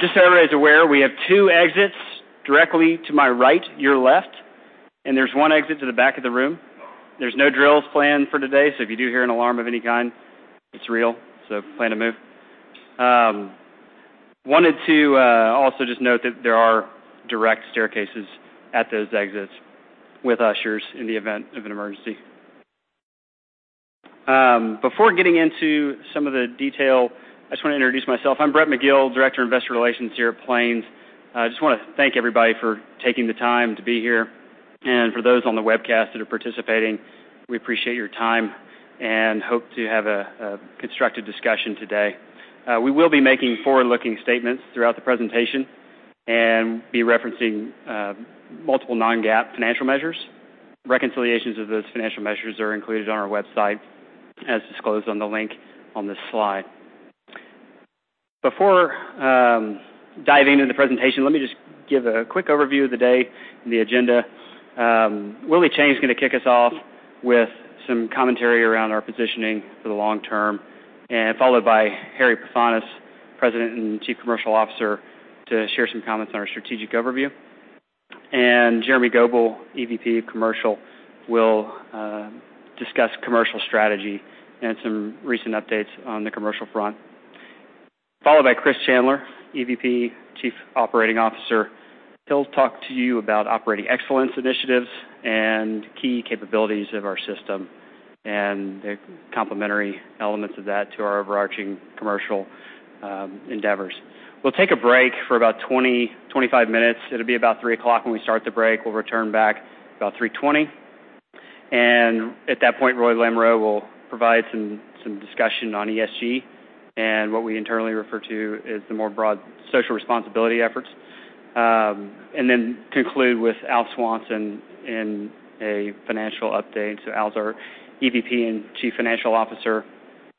Just so everybody's aware, we have two exits directly to my right, your left, and there's one exit to the back of the room. There's no drills planned for today, so if you do hear an alarm of any kind, it's real. Plan to move. I wanted to also just note that there are direct staircases at those exits with ushers in the event of an emergency. Before getting into some of the detail, I just want to introduce myself. I'm Brett Magill, Director of Investor Relations here at Plains. I just want to thank everybody for taking the time to be here. For those on the webcast that are participating, we appreciate your time and hope to have a constructive discussion today. We will be making forward-looking statements throughout the presentation and be referencing multiple non-GAAP financial measures. Reconciliations of those financial measures are included on our website, as disclosed on the link on this slide. Before diving into the presentation, let me just give a quick overview of the day and the agenda. Willie Chiang is going to kick us off with some commentary around our positioning for the long term, and followed by Harry Pefanis, President and Chief Commercial Officer, to share some comments on our strategic overview. Jeremy Goebel, EVP of Commercial, will discuss commercial strategy and some recent updates on the commercial front. Followed by Chris Chandler, EVP Chief Operating Officer. He'll talk to you about operating excellence initiatives and key capabilities of our system and the complementary elements of that to our overarching commercial endeavors. We'll take a break for about 20, 25 minutes. It'll be about 3:00 P.M. when we start the break. We'll return back about 3:20 P.M. At that point, Roy Lamoreaux will provide some discussion on ESG and what we internally refer to as the more broad social responsibility efforts. Then conclude with Al Swanson in a financial update. Al's our EVP and Chief Financial Officer.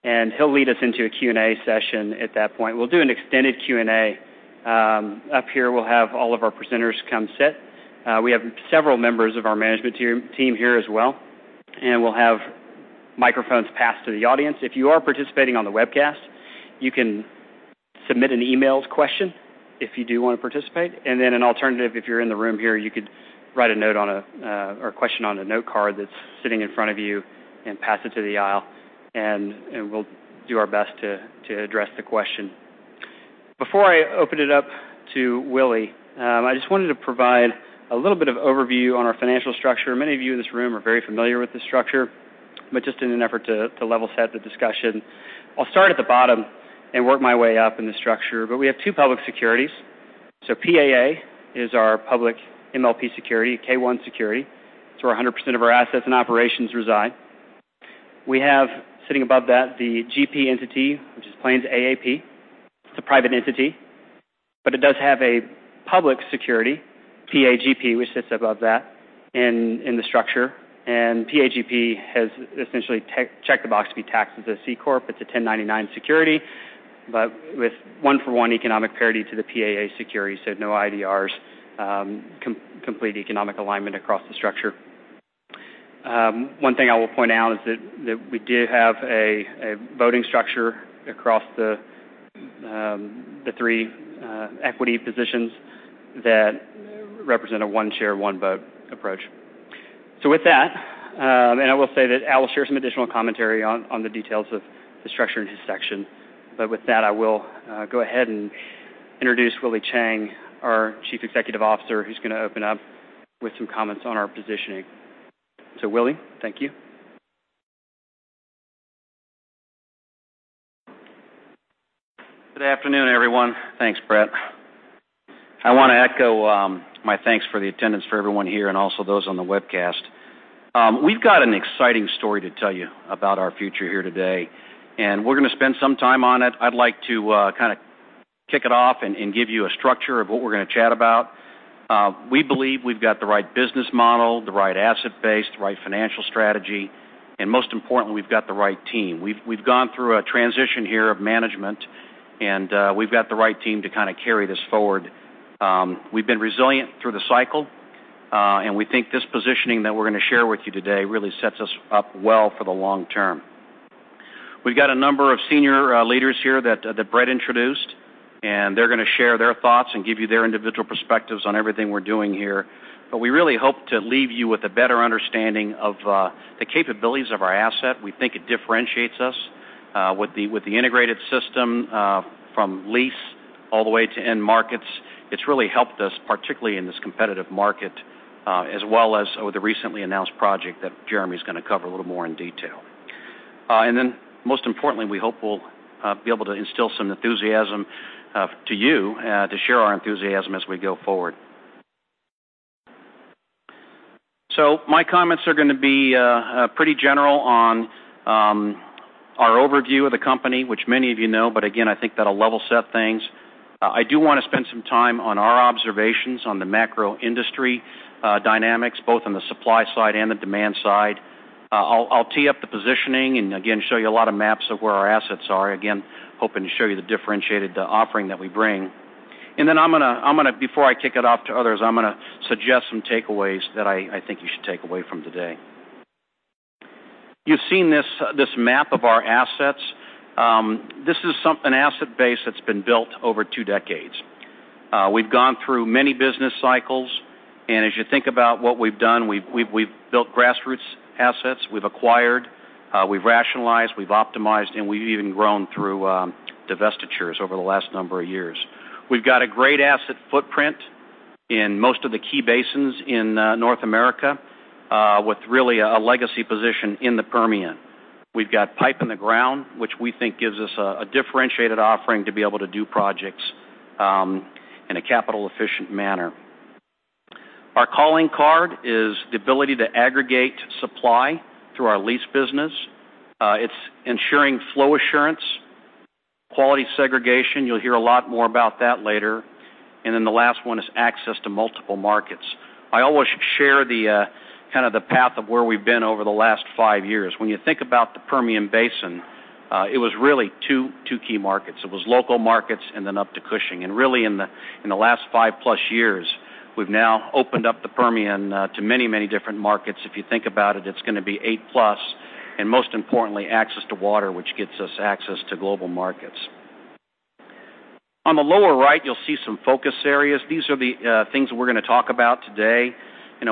He'll lead us into a Q&A session at that point. We'll do an extended Q&A. Up here, we'll have all of our presenters come sit. We have several members of our management team here as well, and we'll have microphones passed to the audience. If you are participating on the webcast, you can submit an email question if you do want to participate. Then an alternative, if you're in the room here, you could write a question on a note card that's sitting in front of you and pass it to the aisle, and we'll do our best to address the question. Before I open it up to Willie, I just wanted to provide a little bit of overview on our financial structure. Many of you in this room are very familiar with this structure, but just in an effort to level set the discussion, I'll start at the bottom and work my way up in the structure. We have two public securities. PAA is our public MLP security, K-1 security. It's where 100% of our assets and operations reside. We have, sitting above that, the GP entity, which is Plains AAP. It's a private entity, but it does have a public security, PAGP, which sits above that in the structure. PAGP has essentially checked the box to be taxed as a C corp. It's a 1099 security, but with one-for-one economic parity to the PAA security, so no IDRs, complete economic alignment across the structure. One thing I will point out is that we do have a voting structure across the three equity positions that represent a one share, one vote approach. With that, and I will say that Al will share some additional commentary on the details of the structure in his section. With that, I will go ahead and introduce Willie Chiang, our Chief Executive Officer, who's going to open up with some comments on our positioning. Willie, thank you. Good afternoon, everyone. Thanks, Brett. I want to echo my thanks for the attendance for everyone here and also those on the webcast. We've got an exciting story to tell you about our future here today, and we're going to spend some time on it. I'd like to kind of kick it off and give you a structure of what we're going to chat about. We believe we've got the right business model, the right asset base, the right financial strategy, and most importantly, we've got the right team. We've gone through a transition here of management, and we've got the right team to kind of carry this forward. We've been resilient through the cycle, and we think this positioning that we're going to share with you today really sets us up well for the long term. We've got a number of senior leaders here that Brett introduced, and they're going to share their thoughts and give you their individual perspectives on everything we're doing here. We really hope to leave you with a better understanding of the capabilities of our asset. We think it differentiates us with the integrated system from lease all the way to end markets. It's really helped us, particularly in this competitive market, as well as with the recently announced project that Jeremy's going to cover a little more in detail. Then most importantly, we hope we'll be able to instill some enthusiasm to you to share our enthusiasm as we go forward. My comments are going to be pretty general on our overview of the company, which many of you know, but again, I think that'll level set things. I do want to spend some time on our observations on the macro industry dynamics, both on the supply side and the demand side. I'll tee up the positioning. Again, show you a lot of maps of where our assets are. Again, hoping to show you the differentiated offering that we bring. Then before I kick it off to others, I'm going to suggest some takeaways that I think you should take away from today. You've seen this map of our assets. This is an asset base that's been built over 2 decades. We've gone through many business cycles, and as you think about what we've done, we've built grassroots assets, we've acquired, we've rationalized, we've optimized, and we've even grown through divestitures over the last number of years. We've got a great asset footprint in most of the key basins in North America, with really a legacy position in the Permian. We've got pipe in the ground, which we think gives us a differentiated offering to be able to do projects in a capital-efficient manner. Our calling card is the ability to aggregate supply through our lease business. It's ensuring flow assurance, quality segregation, you'll hear a lot more about that later, the last one is access to multiple markets. I always share the path of where we've been over the last five years. When you think about the Permian Basin, it was really two key markets. It was local markets and then up to Cushing. Really in the last five-plus years, we've now opened up the Permian to many different markets. If you think about it's going to be eight-plus, and most importantly, access to water, which gets us access to global markets. On the lower right, you'll see some focus areas. These are the things we're going to talk about today.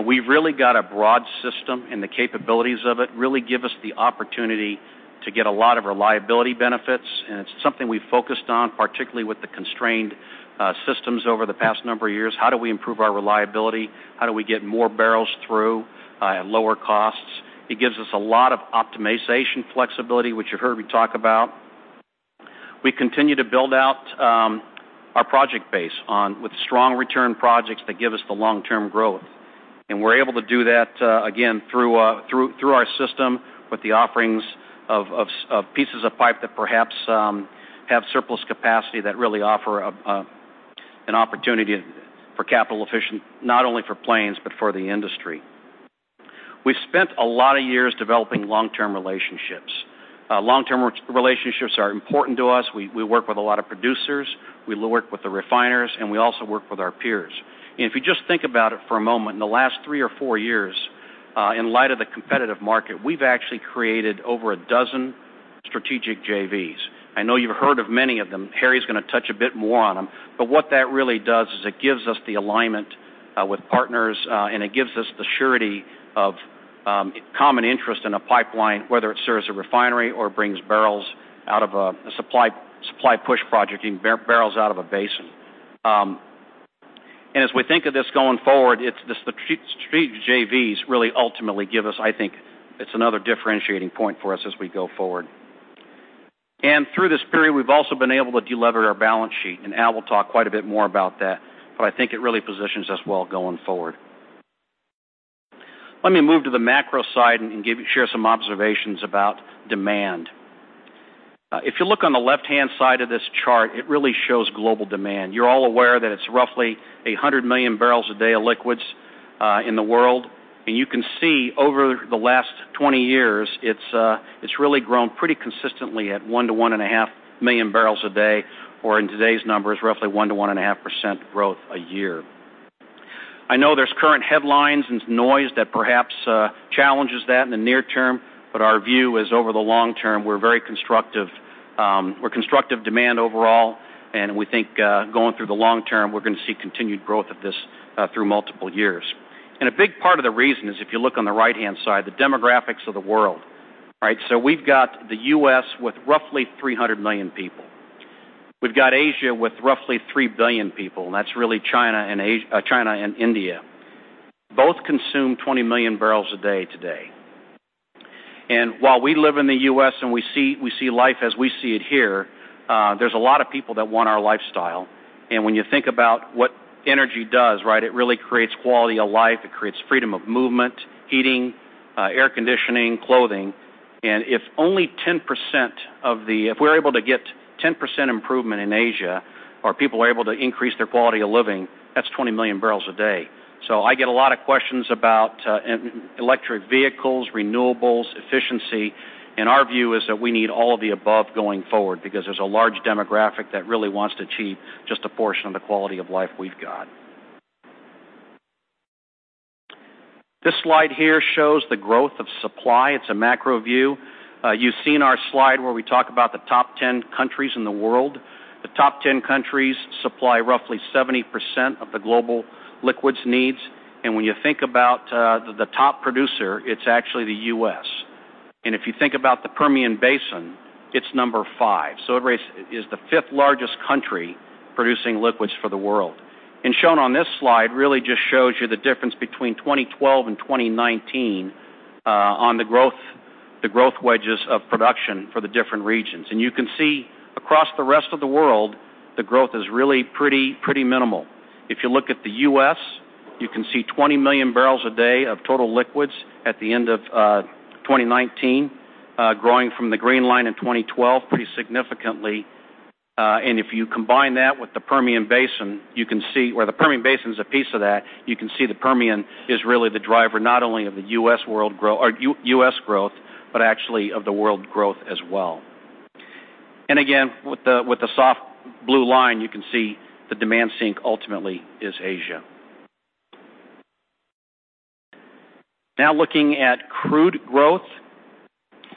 We've really got a broad system, and the capabilities of it really give us the opportunity to get a lot of reliability benefits, and it's something we've focused on, particularly with the constrained systems over the past number of years. How do we improve our reliability? How do we get more barrels through at lower costs? It gives us a lot of optimization flexibility, which you heard me talk about. We continue to build out our project base with strong return projects that give us the long-term growth. We're able to do that, again, through our system with the offerings of pieces of pipe that perhaps have surplus capacity that really offer an opportunity for capital efficient, not only for Plains, but for the industry. We've spent a lot of years developing long-term relationships. Long-term relationships are important to us. We work with a lot of producers, we work with the refiners, and we also work with our peers. If you just think about it for a moment, in the last three or four years, in light of the competitive market, we've actually created over a dozen strategic JVs. I know you've heard of many of them. Harry's going to touch a bit more on them. What that really does is it gives us the alignment with partners, and it gives us the surety of common interest in a pipeline, whether it serves a refinery or brings barrels out of a supply push project, getting barrels out of a basin. As we think of this going forward, the strategic JVs really ultimately give us, I think, it's another differentiating point for us as we go forward. Through this period, we've also been able to de-lever our balance sheet, Al will talk quite a bit more about that, but I think it really positions us well going forward. Let me move to the macro side and share some observations about demand. If you look on the left-hand side of this chart, it really shows global demand. You're all aware that it's roughly 100 million barrels a day of liquids in the world. You can see over the last 20 years, it's really grown pretty consistently at 1-1.5 million barrels a day, or in today's numbers, roughly 1%-1.5% growth a year. Our view is over the long term, we're very constructive. We're constructive demand overall, and we think going through the long term, we're going to see continued growth of this through multiple years. A big part of the reason is if you look on the right-hand side, the demographics of the world. We've got the U.S. with roughly 300 million people. We've got Asia with roughly 3 billion people, and that's really China and India. Both consume 20 million barrels a day today. While we live in the U.S. and we see life as we see it here, there's a lot of people that want our lifestyle. When you think about what energy does, it really creates quality of life. It creates freedom of movement, heating, air conditioning, clothing. If we're able to get 10% improvement in Asia, or people are able to increase their quality of living, that's 20 million barrels a day. I get a lot of questions about electric vehicles, renewables, efficiency, and our view is that we need all of the above going forward because there's a large demographic that really wants to achieve just a portion of the quality of life we've got. This slide here shows the growth of supply. It's a macro view. You've seen our slide where we talk about the top 10 countries in the world. The top 10 countries supply roughly 70% of the global liquids needs. When you think about the top producer, it's actually the U.S. If you think about the Permian Basin, it's number 5. It is the fifth-largest country producing liquids for the world. Shown on this slide really just shows you the difference between 2012 and 2019 on the growth wedges of production for the different regions. You can see across the rest of the world, the growth is really pretty minimal. If you look at the U.S., you can see 20 million barrels a day of total liquids at the end of 2019, growing from the green line in 2012 pretty significantly. If you combine that with the Permian Basin, you can see where the Permian Basin is a piece of that. You can see the Permian is really the driver not only of the U.S. growth, but actually of the world growth as well. Again, with the soft blue line, you can see the demand sink ultimately is Asia. Now looking at crude growth.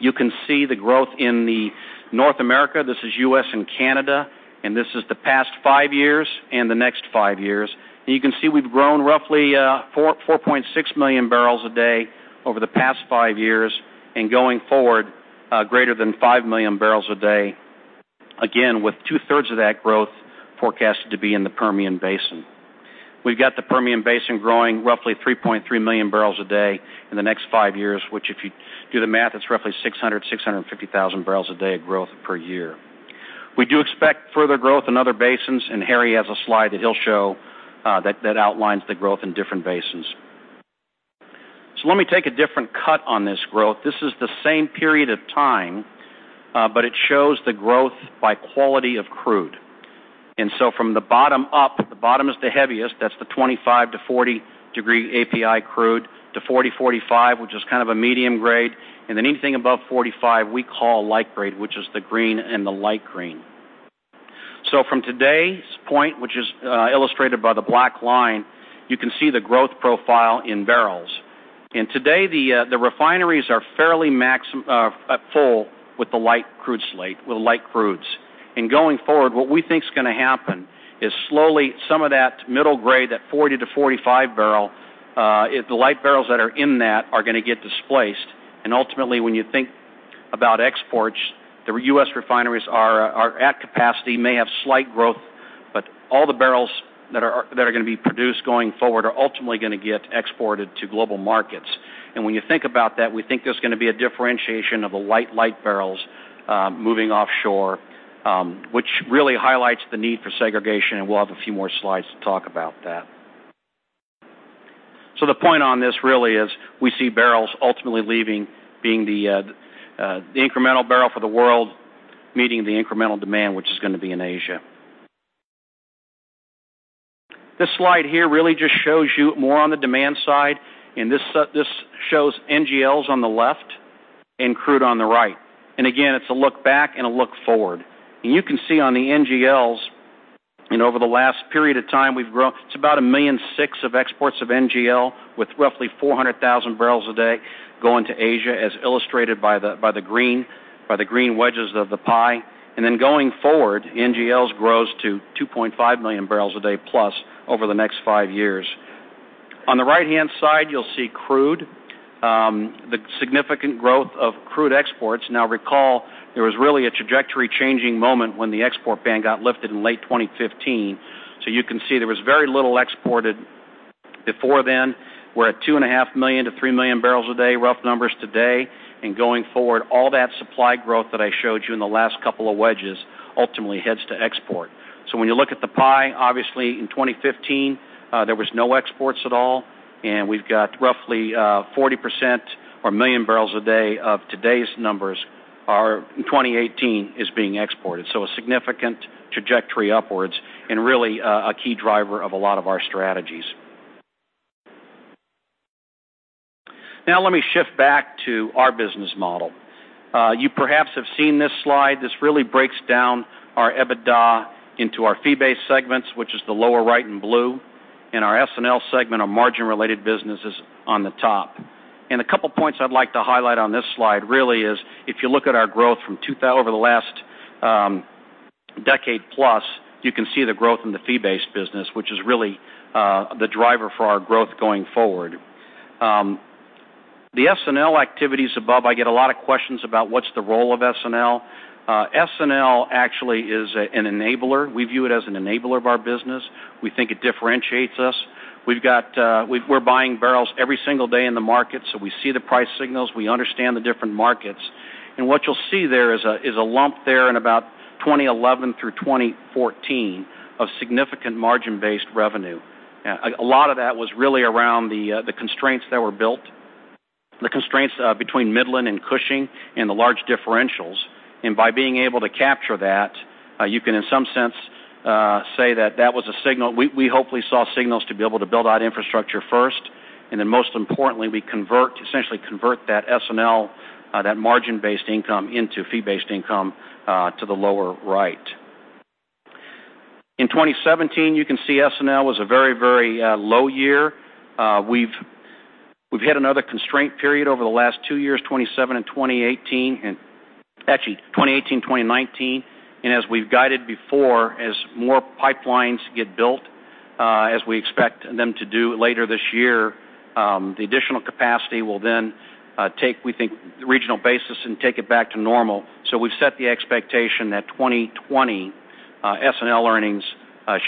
You can see the growth in the North America. This is U.S. and Canada, and this is the past five years and the next five years. You can see we've grown roughly 4.6 million barrels a day over the past five years and going forward, greater than 5 million barrels a day. Again, with two-thirds of that growth forecasted to be in the Permian Basin. We've got the Permian Basin growing roughly 3.3 million barrels a day in the next five years, which, if you do the math, is roughly 600,000-650,000 barrels a day of growth per year. We do expect further growth in other basins, Harry has a slide that he'll show that outlines the growth in different basins. Let me take a different cut on this growth. This is the same period of time, but it shows the growth by quality of crude. From the bottom up, the bottom is the heaviest, that's the 25-40 degree API crude, to 40-45, which is kind of a medium grade. Then anything above 45, we call light grade, which is the green and the light green. From today's point, which is illustrated by the black line, you can see the growth profile in barrels. Today, the refineries are fairly full with the light crude slate, with light crudes. Going forward, what we think is going to happen is slowly some of that middle grade, that 40-45 barrel, the light barrels that are in that are going to get displaced. Ultimately, when you think about exports, the U.S. refineries are at capacity, may have slight growth, but all the barrels that are going to be produced going forward are ultimately going to get exported to global markets. When you think about that, we think there's going to be a differentiation of the light barrels moving offshore, which really highlights the need for segregation, and we'll have a few more slides to talk about that. The point on this really is we see barrels ultimately leaving, being the incremental barrel for the world, meeting the incremental demand, which is going to be in Asia. This slide here really just shows you more on the demand side, this shows NGLs on the left and crude on the right. Again, it's a look back and a look forward. You can see on the NGLs, and over the last period of time we've grown, it's about 1.6 million of exports of NGL, with roughly 400,000 barrels a day going to Asia, as illustrated by the green wedges of the pie. Then going forward, NGLs grows to 2.5 million barrels a day plus over the next five years. On the right-hand side, you'll see crude, the significant growth of crude exports. Now recall, there was really a trajectory-changing moment when the export ban got lifted in late 2015. You can see there was very little exported before then. We're at 2.5 million-3 million barrels a day, rough numbers today. Going forward, all that supply growth that I showed you in the last couple of wedges ultimately heads to export. When you look at the pie, obviously in 2015, there was no exports at all, and we've got roughly 40% or 1 million barrels a day of today's numbers are, in 2018, is being exported. A significant trajectory upwards and really a key driver of a lot of our strategies. Now let me shift back to our business model. You perhaps have seen this slide. This really breaks down our EBITDA into our fee-based segments, which is the lower right in blue, and our S&L segment, our margin-related businesses on the top. A couple of points I'd like to highlight on this slide really is if you look at our growth over the last decade plus, you can see the growth in the fee-based business, which is really the driver for our growth going forward. The S&L activities above, I get a lot of questions about what's the role of S&L. S&L actually is an enabler. We view it as an enabler of our business. We think it differentiates us. We're buying barrels every single day in the market, so we see the price signals. We understand the different markets. What you'll see there is a lump there in about 2011 through 2014 of significant margin-based revenue. A lot of that was really around the constraints that were built, the constraints between Midland and Cushing and the large differentials. By being able to capture that, you can in some sense say that that was a signal. We hopefully saw signals to be able to build out infrastructure first, then most importantly, we essentially convert that S&L, that margin-based income into fee-based income to the lower right. In 2017, you can see S&L was a very low year. We've had another constraint period over the last two years, 2018 and 2019. As we've guided before, as more pipelines get built, as we expect them to do later this year, the additional capacity will then take, we think, regional basis and take it back to normal. We've set the expectation that 2020 S&L earnings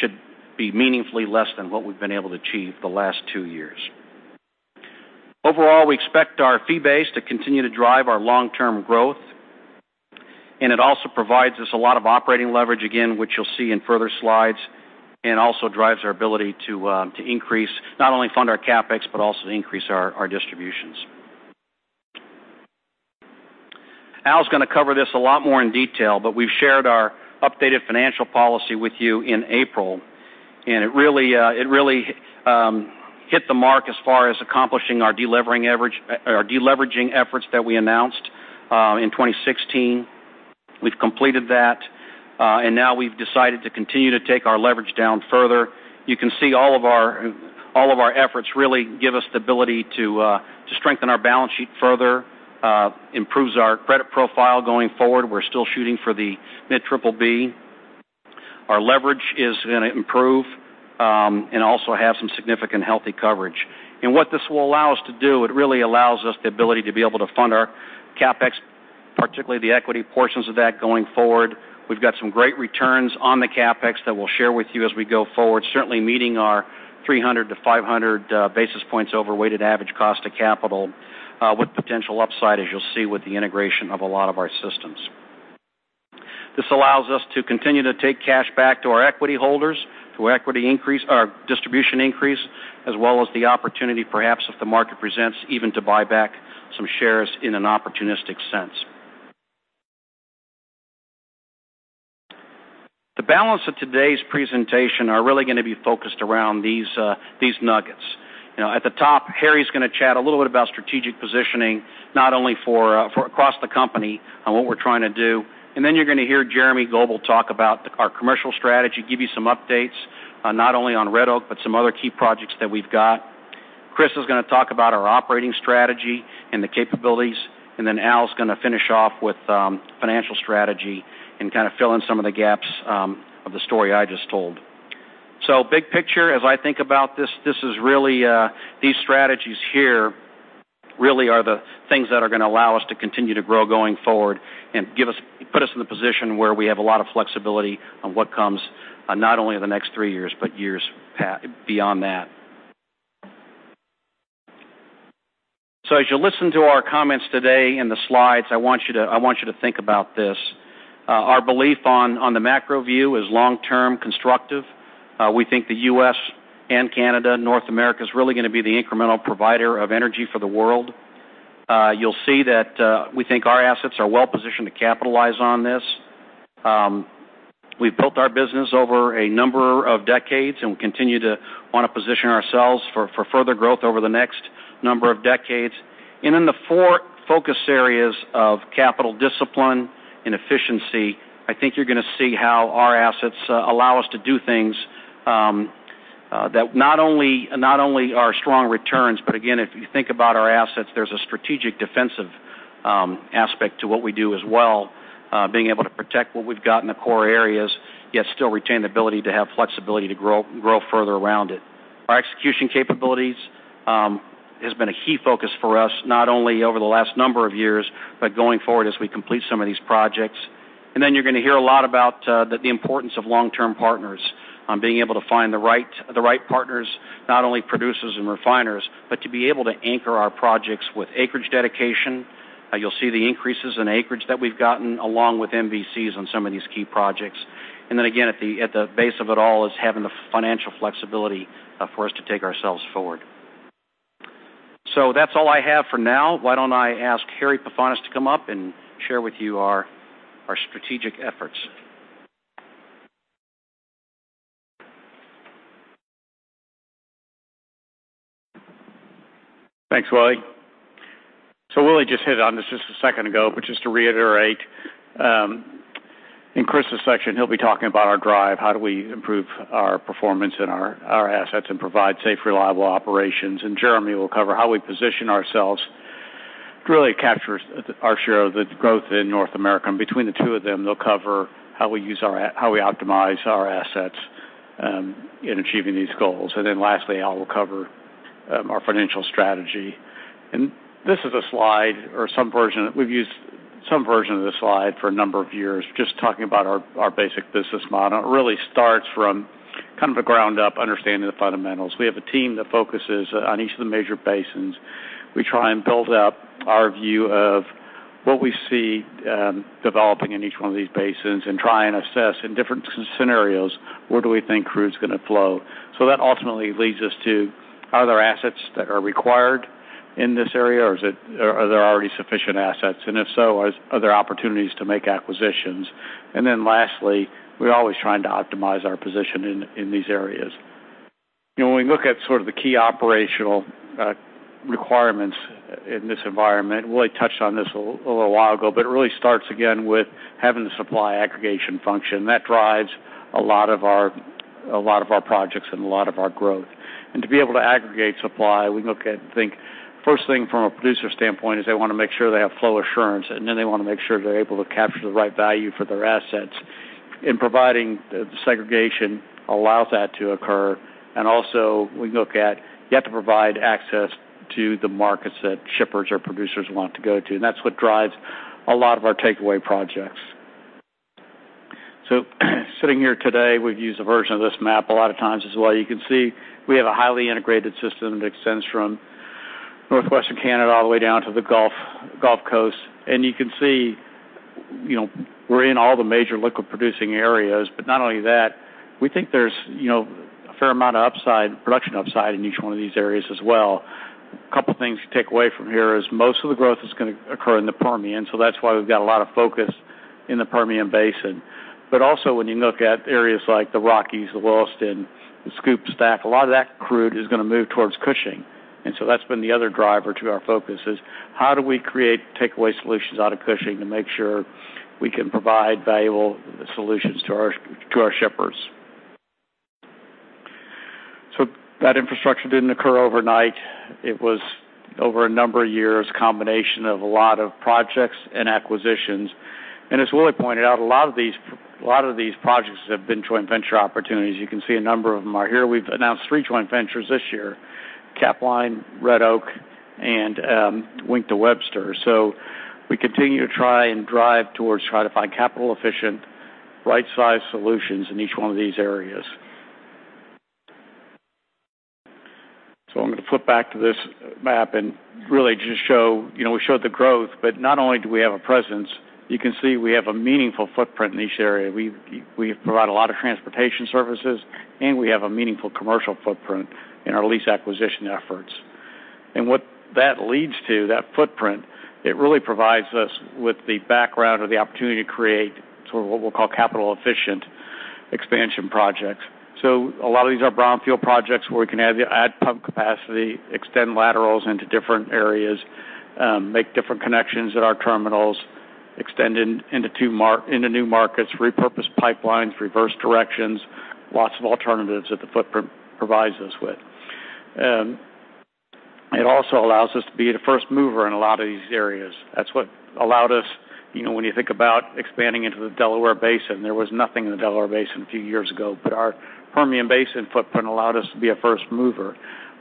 should be meaningfully less than what we've been able to achieve the last two years. Overall, we expect our fee base to continue to drive our long-term growth, it also provides us a lot of operating leverage, again, which you'll see in further slides, also drives our ability to not only fund our CapEx, but also to increase our distributions. Al's going to cover this a lot more in detail, but we've shared our updated financial policy with you in April, it really hit the mark as far as accomplishing our de-leveraging efforts that we announced in 2016. We've completed that, now we've decided to continue to take our leverage down further. You can see all of our efforts really give us the ability to strengthen our balance sheet further, improves our credit profile going forward. We're still shooting for the mid-BBB. Our leverage is going to improve, also have some significant healthy coverage. What this will allow us to do, it really allows us the ability to be able to fund our CapEx, particularly the equity portions of that going forward. We've got some great returns on the CapEx that we'll share with you as we go forward. Certainly meeting our 300 to 500 basis points over weighted average cost of capital with potential upside, as you'll see with the integration of a lot of our systems. This allows us to continue to take cash back to our equity holders through our distribution increase, as well as the opportunity, perhaps, if the market presents, even to buy back some shares in an opportunistic sense. The balance of today's presentation are really going to be focused around these nuggets. At the top, Harry's going to chat a little bit about strategic positioning, not only for across the company on what we're trying to do. Then you're going to hear Jeremy Goebel talk about our commercial strategy, give you some updates, not only on Red Oak, but some other key projects that we've got. Chris is going to talk about our operating strategy and the capabilities. Then Al's going to finish off with financial strategy and kind of fill in some of the gaps of the story I just told. Big picture, as I think about this, these strategies here really are the things that are going to allow us to continue to grow going forward and put us in the position where we have a lot of flexibility on what comes, not only in the next three years, but years beyond that. As you listen to our comments today and the slides, I want you to think about this. Our belief on the macro view is long-term constructive. We think the U.S. and Canada, North America, is really going to be the incremental provider of energy for the world. You'll see that we think our assets are well-positioned to capitalize on this. We've built our business over a number of decades, and we continue to want to position ourselves for further growth over the next number of decades. In the four focus areas of capital discipline and efficiency, I think you're going to see how our assets allow us to do things that not only are strong returns, but again, if you think about our assets, there's a strategic defensive aspect to what we do as well. Being able to protect what we've got in the core areas, yet still retain the ability to have flexibility to grow further around it. Our execution capabilities has been a key focus for us, not only over the last number of years, but going forward as we complete some of these projects. You're going to hear a lot about the importance of long-term partners, on being able to find the right partners, not only producers and refiners, but to be able to anchor our projects with acreage dedication. You'll see the increases in acreage that we've gotten along with MVCs on some of these key projects. Again, at the base of it all is having the financial flexibility for us to take ourselves forward. That's all I have for now. Why don't I ask Harry Pefanis to come up and share with you our strategic efforts. Thanks, Willie. Willie just hit on this just a second ago, but just to reiterate, in Chris's section, he'll be talking about our drive, how do we improve our performance and our assets and provide safe, reliable operations. Jeremy will cover how we position ourselves to really capture our share of the growth in North America. Between the two of them, they'll cover how we optimize our assets in achieving these goals. Lastly, Al will cover our financial strategy. This is a slide, or we've used some version of this slide for a number of years, just talking about our basic business model. It really starts from kind of a ground-up understanding of the fundamentals. We have a team that focuses on each of the major basins. We try and build out our view of what we see developing in each one of these basins and try and assess in different scenarios, where do we think crude's going to flow. That ultimately leads us to are there assets that are required in this area or are there already sufficient assets? If so, are there opportunities to make acquisitions? Lastly, we're always trying to optimize our position in these areas. When we look at sort of the key operational requirements in this environment, Willie touched on this a little while ago, but it really starts again with having the supply aggregation function. That drives a lot of our projects and a lot of our growth. To be able to aggregate supply, we look at, think first thing from a producer standpoint is they want to make sure they have flow assurance, and then they want to make sure they're able to capture the right value for their assets, and providing the segregation allows that to occur. We look at you have to provide access to the markets that shippers or producers want to go to, and that's what drives a lot of our takeaway projects. Sitting here today, we've used a version of this map a lot of times as well. You can see we have a highly integrated system that extends from northwestern Canada all the way down to the Gulf Coast. You can see we're in all the major liquid-producing areas, but not only that, we think there's a fair amount of production upside in each one of these areas as well. A couple things to take away from here is most of the growth is going to occur in the Permian, so that's why we've got a lot of focus in the Permian Basin. When you look at areas like the Rockies, the Williston, the SCOOP/Stack, a lot of that crude is going to move towards Cushing. That's been the other driver to our focus is how do we create takeaway solutions out of Cushing to make sure we can provide valuable solutions to our shippers? That infrastructure didn't occur overnight. It was over a number of years, combination of a lot of projects and acquisitions. As Willie pointed out, a lot of these projects have been joint venture opportunities. You can see a number of them are here. We've announced three joint ventures this year, Capline, Red Oak, and Wink to Webster. We continue to try and drive towards trying to find capital-efficient, right-sized solutions in each one of these areas. I'm going to flip back to this map and really just show we showed the growth, but not only do we have a presence, you can see we have a meaningful footprint in each area. We provide a lot of transportation services, and we have a meaningful commercial footprint in our lease acquisition efforts. What that leads to, that footprint, it really provides us with the background or the opportunity to create what we'll call capital-efficient expansion projects. A lot of these are brownfield projects where we can add pump capacity, extend laterals into different areas, make different connections at our terminals, extend into new markets, repurpose pipelines, reverse directions, lots of alternatives that the footprint provides us with. It also allows us to be the first mover in a lot of these areas. That's what allowed us when you think about expanding into the Delaware Basin, there was nothing in the Delaware Basin a few years ago, but our Permian Basin footprint allowed us to be a first mover.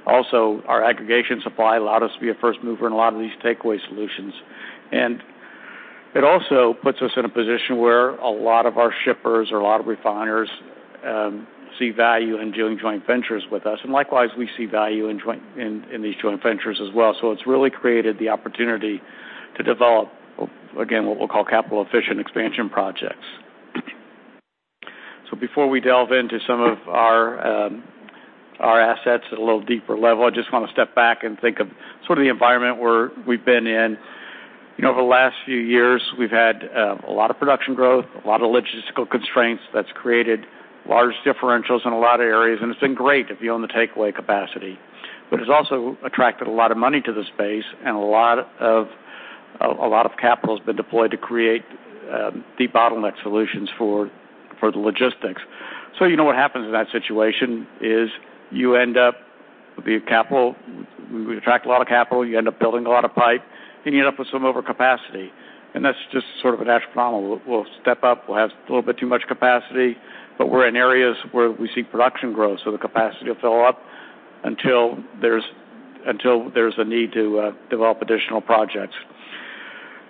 Also, our aggregation supply allowed us to be a first mover in a lot of these takeaway solutions. It also puts us in a position where a lot of our shippers or a lot of refiners see value in doing joint ventures with us. Likewise, we see value in these joint ventures as well. It's really created the opportunity to develop, again, what we'll call capital-efficient expansion projects. Before we delve into some of our assets at a little deeper level, I just want to step back and think of the environment where we've been in. Over the last few years, we've had a lot of production growth, a lot of logistical constraints that's created large differentials in a lot of areas, and it's been great to be on the takeaway capacity. It's also attracted a lot of money to the space and a lot of capital has been deployed to create de-bottleneck solutions for the logistics. You know what happens in that situation is you end up with the capital. We attract a lot of capital, you end up building a lot of pipe, and you end up with some overcapacity. That's just sort of a natural phenomenon. We'll step up, we'll have a little bit too much capacity, but we're in areas where we see production growth, so the capacity will fill up until there's a need to develop additional projects.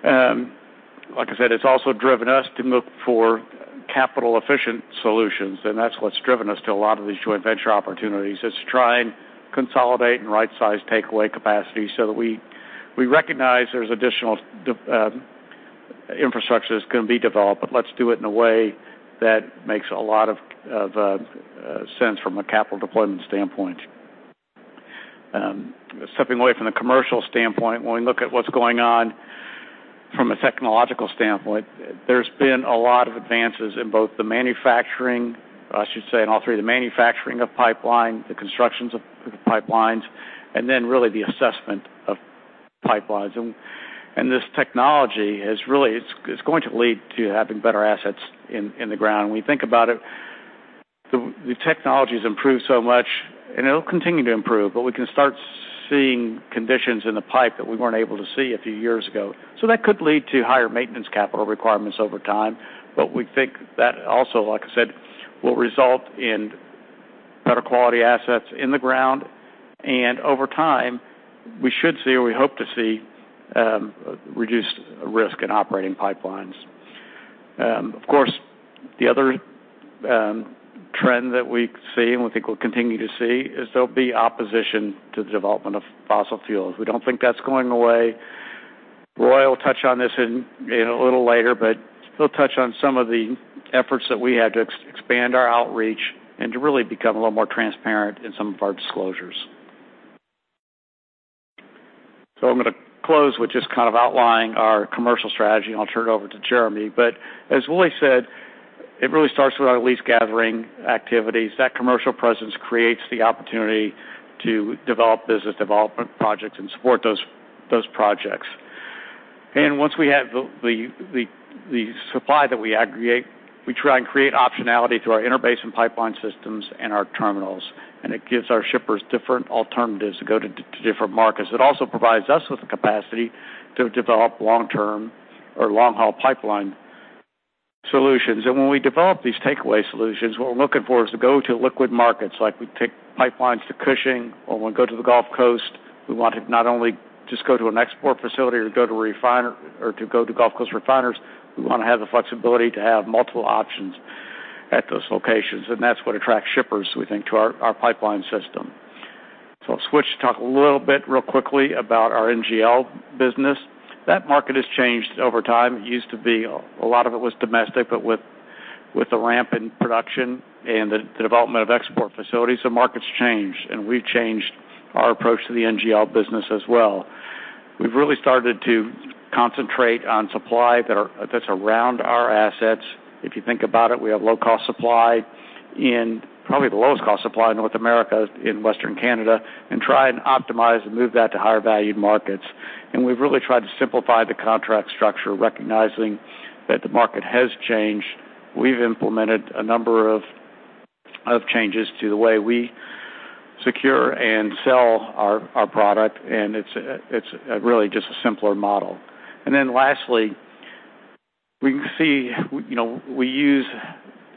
Like I said, it's also driven us to look for capital-efficient solutions, and that's what's driven us to a lot of these joint venture opportunities, is to try and consolidate and right-size takeaway capacity so that we recognize there's additional infrastructure that's going to be developed, but let's do it in a way that makes a lot of sense from a capital deployment standpoint. Stepping away from the commercial standpoint, when we look at what's going on from a technological standpoint, there's been a lot of advances in both the manufacturing, I should say, in all three, the manufacturing of pipeline, the constructions of pipelines, and then really the assessment of pipelines. This technology is going to lead to having better assets in the ground. We think about it, the technology's improved so much, and it'll continue to improve, but we can start seeing conditions in the pipe that we weren't able to see a few years ago. That could lead to higher maintenance capital requirements over time. We think that also, like I said, will result in better quality assets in the ground, and over time, we should see or we hope to see reduced risk in operating pipelines. Of course, the other trend that we see and we think we'll continue to see is there'll be opposition to the development of fossil fuels. We don't think that's going away. Roy will touch on this a little later, but he'll touch on some of the efforts that we had to expand our outreach and to really become a little more transparent in some of our disclosures. I'm going to close with just kind of outlining our commercial strategy, and I'll turn it over to Jeremy. As Willie said, it really starts with our lease gathering activities. That commercial presence creates the opportunity to develop business development projects and support those projects. Once we have the supply that we aggregate, we try and create optionality through our interbasin pipeline systems and our terminals, and it gives our shippers different alternatives to go to different markets. It also provides us with the capacity to develop long-term or long-haul pipeline solutions. When we develop these takeaway solutions, what we're looking for is to go to liquid markets. We take pipelines to Cushing or we go to the Gulf Coast. We want to not only just go to an export facility or to go to Gulf Coast refiners, we want to have the flexibility to have multiple options at those locations, and that's what attracts shippers, we think, to our pipeline system. I'll switch to talk a little bit real quickly about our NGL business. That market has changed over time. It used to be a lot of it was domestic, but with the ramp in production and the development of export facilities, the market's changed, and we've changed our approach to the NGL business as well. We've really started to concentrate on supply that's around our assets. If you think about it, we have low-cost supply, and probably the lowest cost supply in North America, in Western Canada, and try and optimize and move that to higher value markets. We've really tried to simplify the contract structure, recognizing that the market has changed. We've implemented a number of changes to the way we secure and sell our product, and it's really just a simpler model. Lastly, we use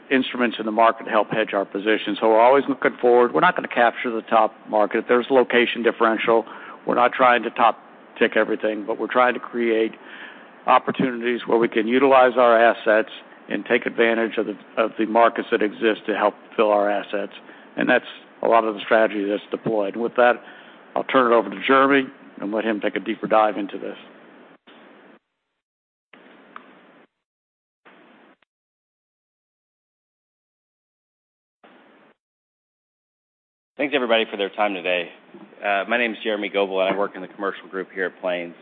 instruments in the market to help hedge our position. We're always looking forward. We're not going to capture the top market. There's location differential. We're not trying to top tick everything, but we're trying to create opportunities where we can utilize our assets and take advantage of the markets that exist to help fill our assets, and that's a lot of the strategy that's deployed. With that, I'll turn it over to Jeremy and let him take a deeper dive into this. Thanks everybody for their time today. My name is Jeremy Goebel, and I work in the commercial group here at Plains.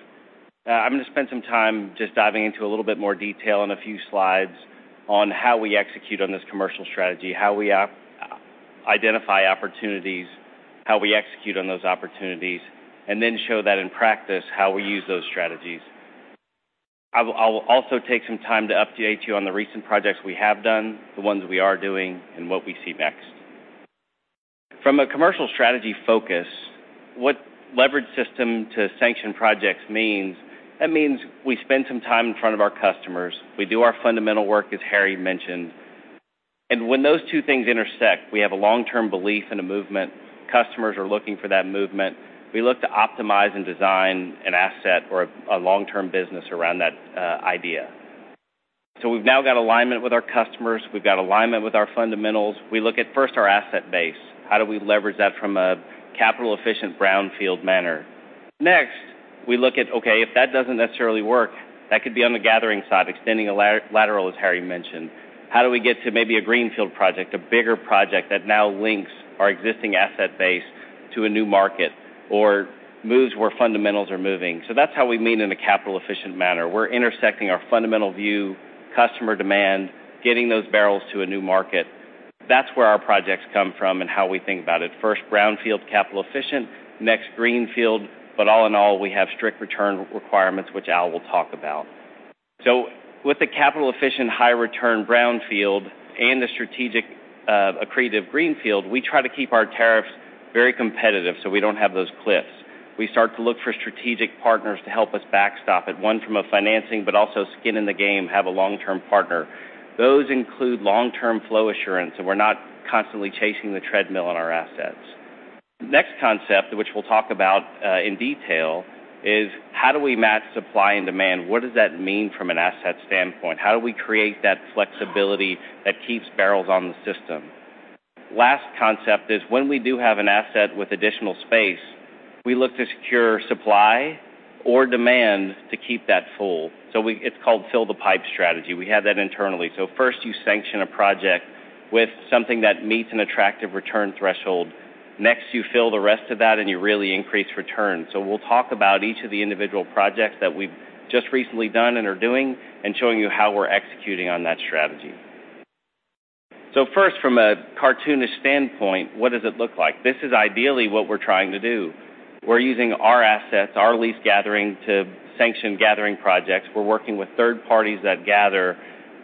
I'm going to spend some time just diving into a little bit more detail on a few slides on how we execute on this commercial strategy, how we identify opportunities, how we execute on those opportunities, and then show that in practice, how we use those strategies. I will also take some time to update you on the recent projects we have done, the ones we are doing, and what we see next. From a commercial strategy focus, what leverage system to sanction projects means, that means we spend some time in front of our customers. We do our fundamental work, as Harry mentioned. When those two things intersect, we have a long-term belief in a movement. Customers are looking for that movement. We look to optimize and design an asset or a long-term business around that idea. We've now got alignment with our customers. We've got alignment with our fundamentals. We look at first our asset base. How do we leverage that from a capital-efficient brownfield manner? Next, we look at, okay, if that doesn't necessarily work, that could be on the gathering side, extending a lateral, as Harry mentioned. How do we get to maybe a greenfield project, a bigger project that now links our existing asset base to a new market or moves where fundamentals are moving? That's how we mean in a capital-efficient manner. We're intersecting our fundamental view, customer demand, getting those barrels to a new market. That's where our projects come from and how we think about it. First, brownfield capital efficient, next greenfield. All in all, we have strict return requirements, which Al will talk about. With the capital efficient high return brownfield and the strategic accretive greenfield, we try to keep our tariffs very competitive so we don't have those cliffs. We start to look for strategic partners to help us backstop it, one from a financing, but also skin in the game, have a long-term partner. Those include long-term flow assurance, so we're not constantly chasing the treadmill on our assets. Next concept, which we'll talk about in detail, is how do we match supply and demand? What does that mean from an asset standpoint? How do we create that flexibility that keeps barrels on the system? Last concept is when we do have an asset with additional space, we look to secure supply or demand to keep that full. It's called fill the pipe strategy. We have that internally. First, you sanction a project with something that meets an attractive return threshold. Next, you fill the rest of that and you really increase return. We'll talk about each of the individual projects that we've just recently done and are doing and showing you how we're executing on that strategy. First, from a cartoonish standpoint, what does it look like? This is ideally what we're trying to do. We're using our assets, our lease gathering to sanction gathering projects. We're working with third parties that gather.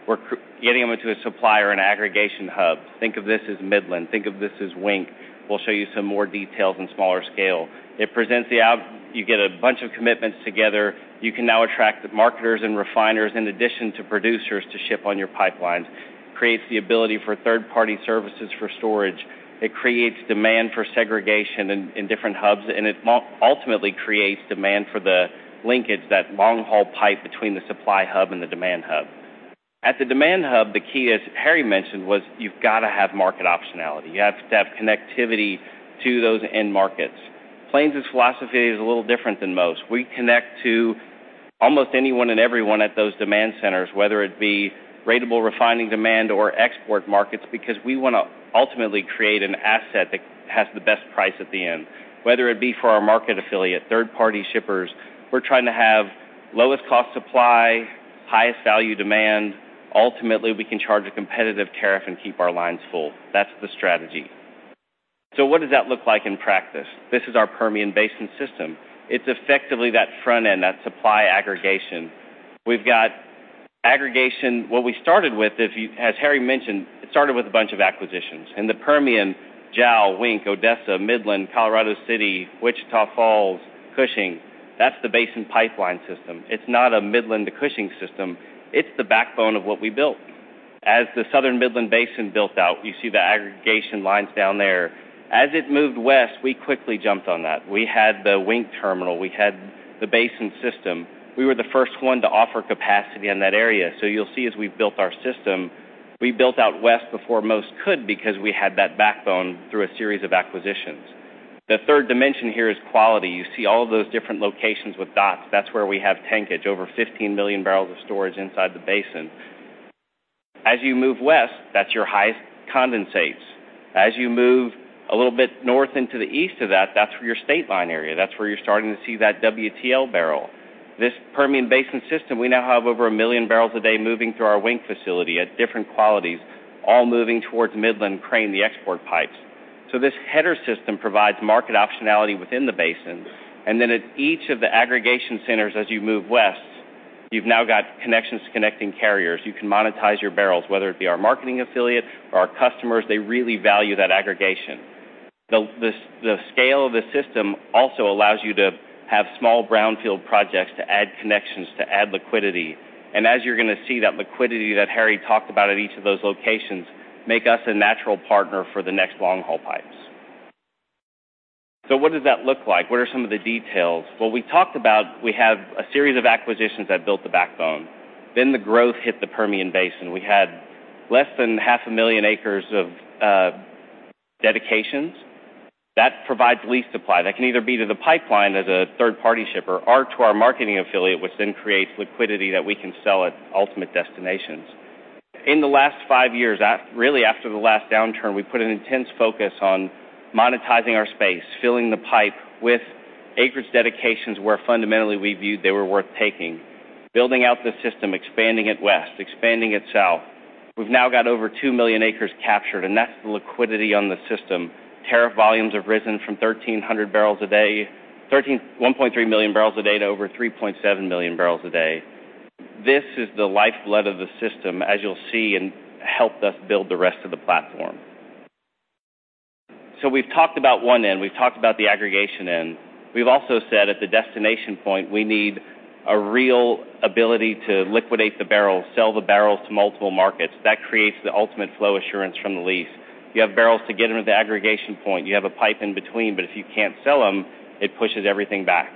We're getting them into a supplier and aggregation hub. Think of this as Midland. Think of this as Wink. We'll show you some more details in smaller scale. You get a bunch of commitments together. You can now attract the marketers and refiners in addition to producers to ship on your pipelines. It creates the ability for third-party services for storage. It creates demand for segregation in different hubs, and it ultimately creates demand for the linkage, that long-haul pipe between the supply hub and the demand hub. At the demand hub, the key, as Harry mentioned, was you've got to have market optionality. You have to have connectivity to those end markets. Plains' philosophy is a little different than most. We connect to almost anyone and everyone at those demand centers, whether it be ratable refining demand or export markets, because we want to ultimately create an asset that has the best price at the end. Whether it be for our market affiliate, third-party shippers, we're trying to have lowest cost supply, highest value demand. Ultimately, we can charge a competitive tariff and keep our lines full. That's the strategy. What does that look like in practice? This is our Permian Basin system. It's effectively that front end, that supply aggregation. We've got aggregation. What we started with, as Harry mentioned, it started with a bunch of acquisitions. In the Permian, JAL, Wink, Odessa, Midland, Colorado City, Wichita Falls, Cushing, that's the Basin Pipeline system. It's not a Midland to Cushing system. It's the backbone of what we built. As the southern Midland Basin built out, you see the aggregation lines down there. As it moved west, we quickly jumped on that. We had the Wink terminal. We had the Basin system. We were the first one to offer capacity in that area. You'll see as we've built our system, we built out west before most could because we had that backbone through a series of acquisitions. The third dimension here is quality. You see all of those different locations with dots. That's where we have tankage, over 15 million barrels of storage inside the Basin. As you move west, that's your highest condensates. As you move a little bit north into the east of that's your state line area. That's where you're starting to see that WTL barrel. This Permian Basin system, we now have over 1 million barrels a day moving through our Wink facility at different qualities, all moving towards Midland, Crane, the export pipes. This header system provides market optionality within the Basin, and then at each of the aggregation centers as you move west, you've now got connections to connecting carriers. You can monetize your barrels, whether it be our marketing affiliate or our customers. They really value that aggregation. The scale of the system also allows you to have small brownfield projects to add connections, to add liquidity. As you're going to see, that liquidity that Harry talked about at each of those locations make us a natural partner for the next long-haul pipes. What does that look like? What are some of the details? We talked about we have a series of acquisitions that built the backbone. The growth hit the Permian Basin. We had less than half a million acres of dedications. That provides lease supply. That can either be to the pipeline as a third-party shipper or to our marketing affiliate, which then creates liquidity that we can sell at ultimate destinations. In the last five years, really after the last downturn, we put an intense focus on monetizing our space, filling the pipe with acreage dedications where fundamentally we viewed they were worth taking. Building out the system, expanding it west, expanding it south. We've now got over 2 million acres captured, and that's the liquidity on the system. Tariff volumes have risen from 1,300 barrels a day, 1.3 million barrels a day to over 3.7 million barrels a day. This is the lifeblood of the system, as you'll see, and helped us build the rest of the platform. We've talked about one end. We've talked about the aggregation end. We've also said at the destination point, we need a real ability to liquidate the barrels, sell the barrels to multiple markets. That creates the ultimate flow assurance from the lease. You have barrels to get into the aggregation point. You have a pipe in between, but if you can't sell them, it pushes everything back.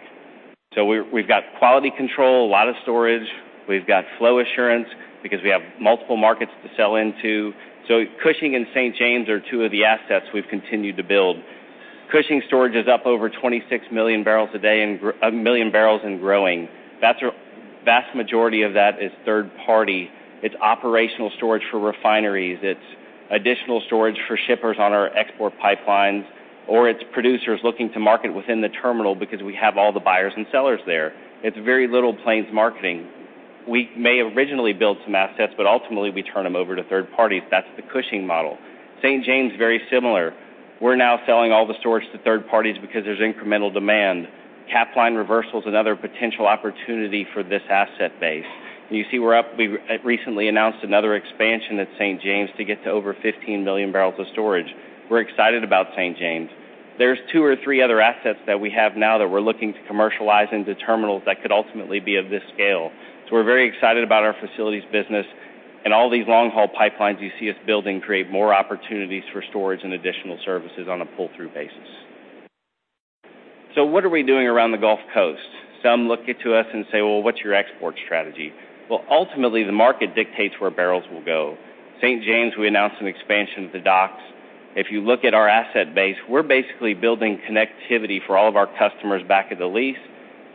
We've got quality control, a lot of storage. We've got flow assurance because we have multiple markets to sell into. Cushing and St. James are two of the assets we've continued to build. Cushing storage is up over 26 million barrels and growing. Vast majority of that is third-party. It's operational storage for refineries. It's additional storage for shippers on our export pipelines, or it's producers looking to market within the terminal because we have all the buyers and sellers there. It's very little Plains marketing. We may originally build some assets, but ultimately, we turn them over to third parties. That's the Cushing model. St. James, very similar. We're now selling all the storage to third parties because there's incremental demand. Capline reversal is another potential opportunity for this asset base. You see we're up. We recently announced another expansion at St. James to get to over 15 million barrels of storage. We're excited about St. James. There's two or three other assets that we have now that we're looking to commercialize into terminals that could ultimately be of this scale. We're very excited about our facilities business and all these long-haul pipelines you see us building create more opportunities for storage and additional services on a pull-through basis. What are we doing around the Gulf Coast? Some look to us and say, "What's your export strategy?" Ultimately, the market dictates where barrels will go. St. James, we announced an expansion of the docks. If you look at our asset base, we're basically building connectivity for all of our customers back at the lease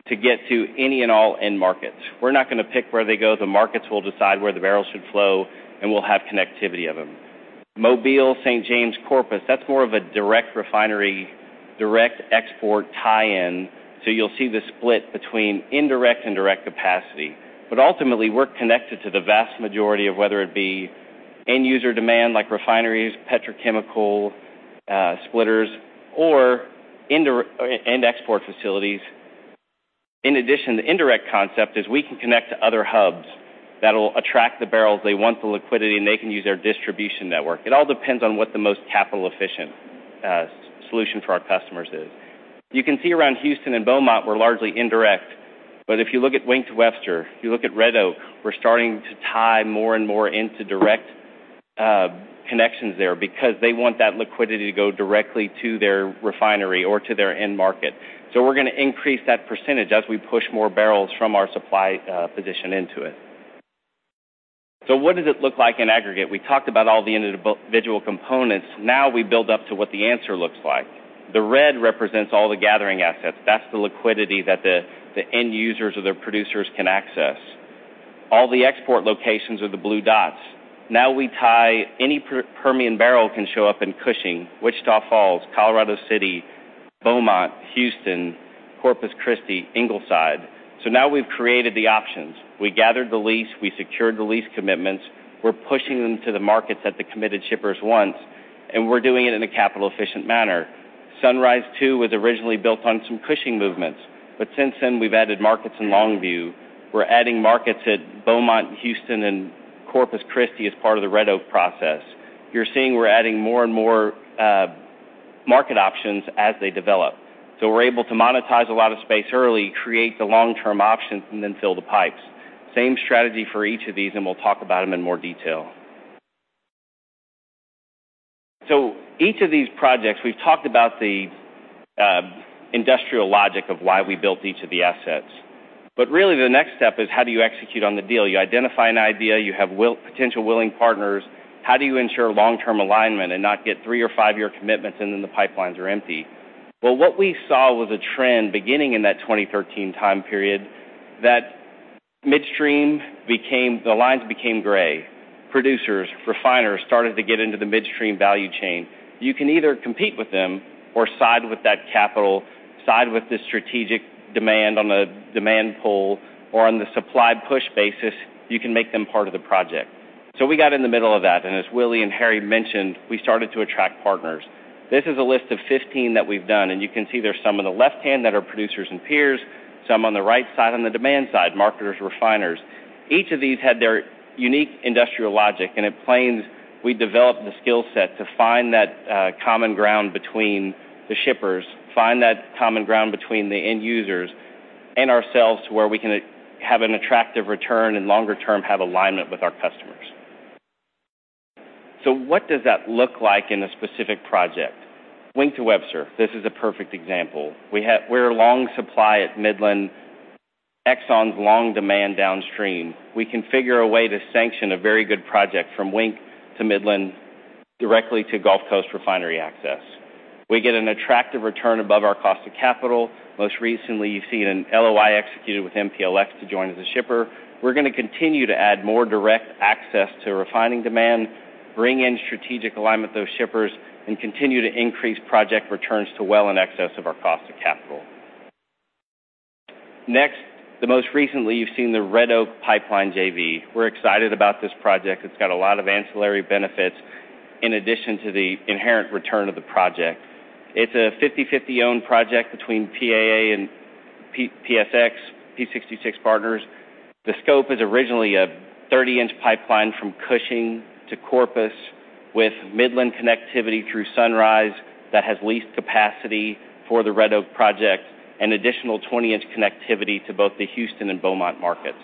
to get to any and all end markets. We're not going to pick where they go. The markets will decide where the barrels should flow, and we'll have connectivity of them. Mobile, St. James, Corpus, that's more of a direct refinery, direct export tie-in. You'll see the split between indirect and direct capacity. Ultimately, we're connected to the vast majority of whether it be end-user demand like refineries, petrochemical, splitters or end export facilities. In addition, the indirect concept is we can connect to other hubs that'll attract the barrels. They want the liquidity, and they can use their distribution network. It all depends on what the most capital-efficient solution for our customers is. You can see around Houston and Beaumont, we're largely indirect. If you look at Wink to Webster, if you look at Red Oak, we're starting to tie more and more into direct connections there because they want that liquidity to go directly to their refinery or to their end market. We're going to increase that percentage as we push more barrels from our supply position into it. What does it look like in aggregate? We talked about all the individual components. Now we build up to what the answer looks like. The red represents all the gathering assets. That's the liquidity that the end users or the producers can access. All the export locations are the blue dots. Now we tie any Permian barrel can show up in Cushing, Wichita Falls, Colorado City, Beaumont, Houston, Corpus Christi, Ingleside. Now we've created the options. We gathered the lease. We secured the lease commitments. We're pushing them to the markets that the committed shippers want, and we're doing it in a capital-efficient manner. Sunrise 2 was originally built on some Cushing movements, but since then, we've added markets in Longview. We're adding markets at Beaumont and Houston and Corpus Christi as part of the Red Oak process. You're seeing we're adding more and more market options as they develop. We're able to monetize a lot of space early, create the long-term options, and then fill the pipes. Same strategy for each of these, and we'll talk about them in more detail. Each of these projects, we've talked about the industrial logic of why we built each of the assets. Really the next step is how do you execute on the deal? You identify an idea. You have potential willing partners. How do you ensure long-term alignment and not get three or five-year commitments, and then the pipelines are empty? Well, what we saw was a trend beginning in that 2013 time period that midstream became the lines became gray. Producers, refiners started to get into the midstream value chain. You can either compete with them or side with that capital, side with the strategic demand on the demand pull, or on the supply push basis, you can make them part of the project. We got in the middle of that, and as Willie and Harry mentioned, we started to attract partners. This is a list of 15 that we've done, and you can see there's some on the left-hand that are producers and peers, some on the right side, on the demand side, marketers, refiners. Each of these had their unique industrial logic, and at Plains, we developed the skill set to find that common ground between the shippers, find that common ground between the end users and ourselves to where we can have an attractive return and longer term have alignment with our customers. What does that look like in a specific project? Wink to Webster. This is a perfect example. We're a long supply at Midland, Exxon's long demand downstream. We can figure a way to sanction a very good project from Wink to Midland directly to Gulf Coast refinery access. We get an attractive return above our cost of capital. Most recently, you've seen an LOI executed with MPLX to join as a shipper. We're going to continue to add more direct access to refining demand, bring in strategic alignment to those shippers, and continue to increase project returns to well in excess of our cost of capital. Next, most recently you've seen the Red Oak Pipeline JV. We're excited about this project. It's got a lot of ancillary benefits in addition to the inherent return of the project. It's a 50/50 owned project between PAA and PSX, Phillips 66 Partners. The scope is originally a 30-inch pipeline from Cushing to Corpus with Midland connectivity through Sunrise that has leased capacity for the Red Oak project, an additional 20-inch connectivity to both the Houston and Beaumont markets.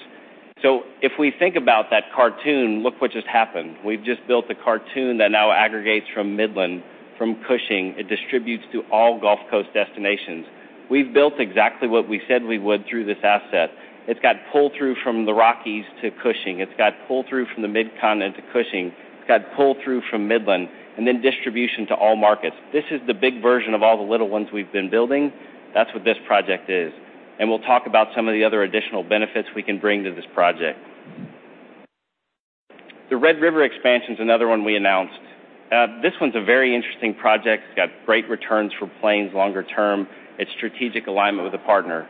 If we think about that cartoon, look what just happened. We've just built a cartoon that now aggregates from Midland, from Cushing. It distributes to all Gulf Coast destinations. We've built exactly what we said we would through this asset. It's got pull-through from the Rockies to Cushing. It's got pull-through from the Mid-Continent to Cushing. It's got pull-through from Midland, and then distribution to all markets. This is the big version of all the little ones we've been building. That's what this project is, and we'll talk about some of the other additional benefits we can bring to this project. The Red River expansion is another one we announced. This one's a very interesting project. It's got great returns for Plains longer term. It's strategic alignment with a partner.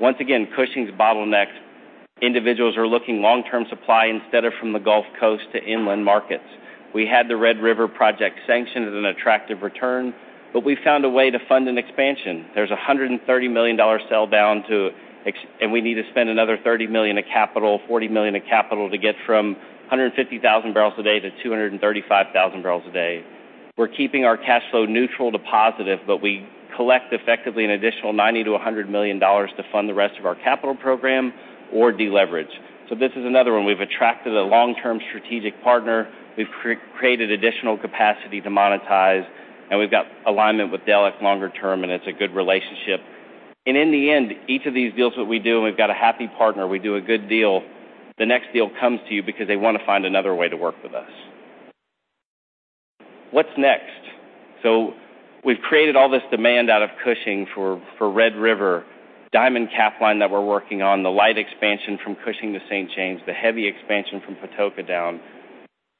Once again, Cushing's bottlenecked. Individuals are looking long-term supply instead of from the Gulf Coast to inland markets. We had the Red River project sanctioned as an attractive return, we found a way to fund an expansion. There's $130 million sell down, we need to spend another $30 million of capital, $40 million of capital to get from 150,000 barrels a day to 235,000 barrels a day. We're keeping our cash flow neutral to positive, we collect effectively an additional $90 million-$100 million to fund the rest of our capital program or deleverage. This is another one. We've attracted a long-term strategic partner. We've created additional capacity to monetize, and we've got alignment with Delek longer term, it's a good relationship. In the end, each of these deals that we do, and we've got a happy partner. We do a good deal. The next deal comes to you because they want to find another way to work with us. What's next? We've created all this demand out of Cushing for Red River, Diamond Capline that we're working on, the light expansion from Cushing to St. James, the heavy expansion from Patoka down,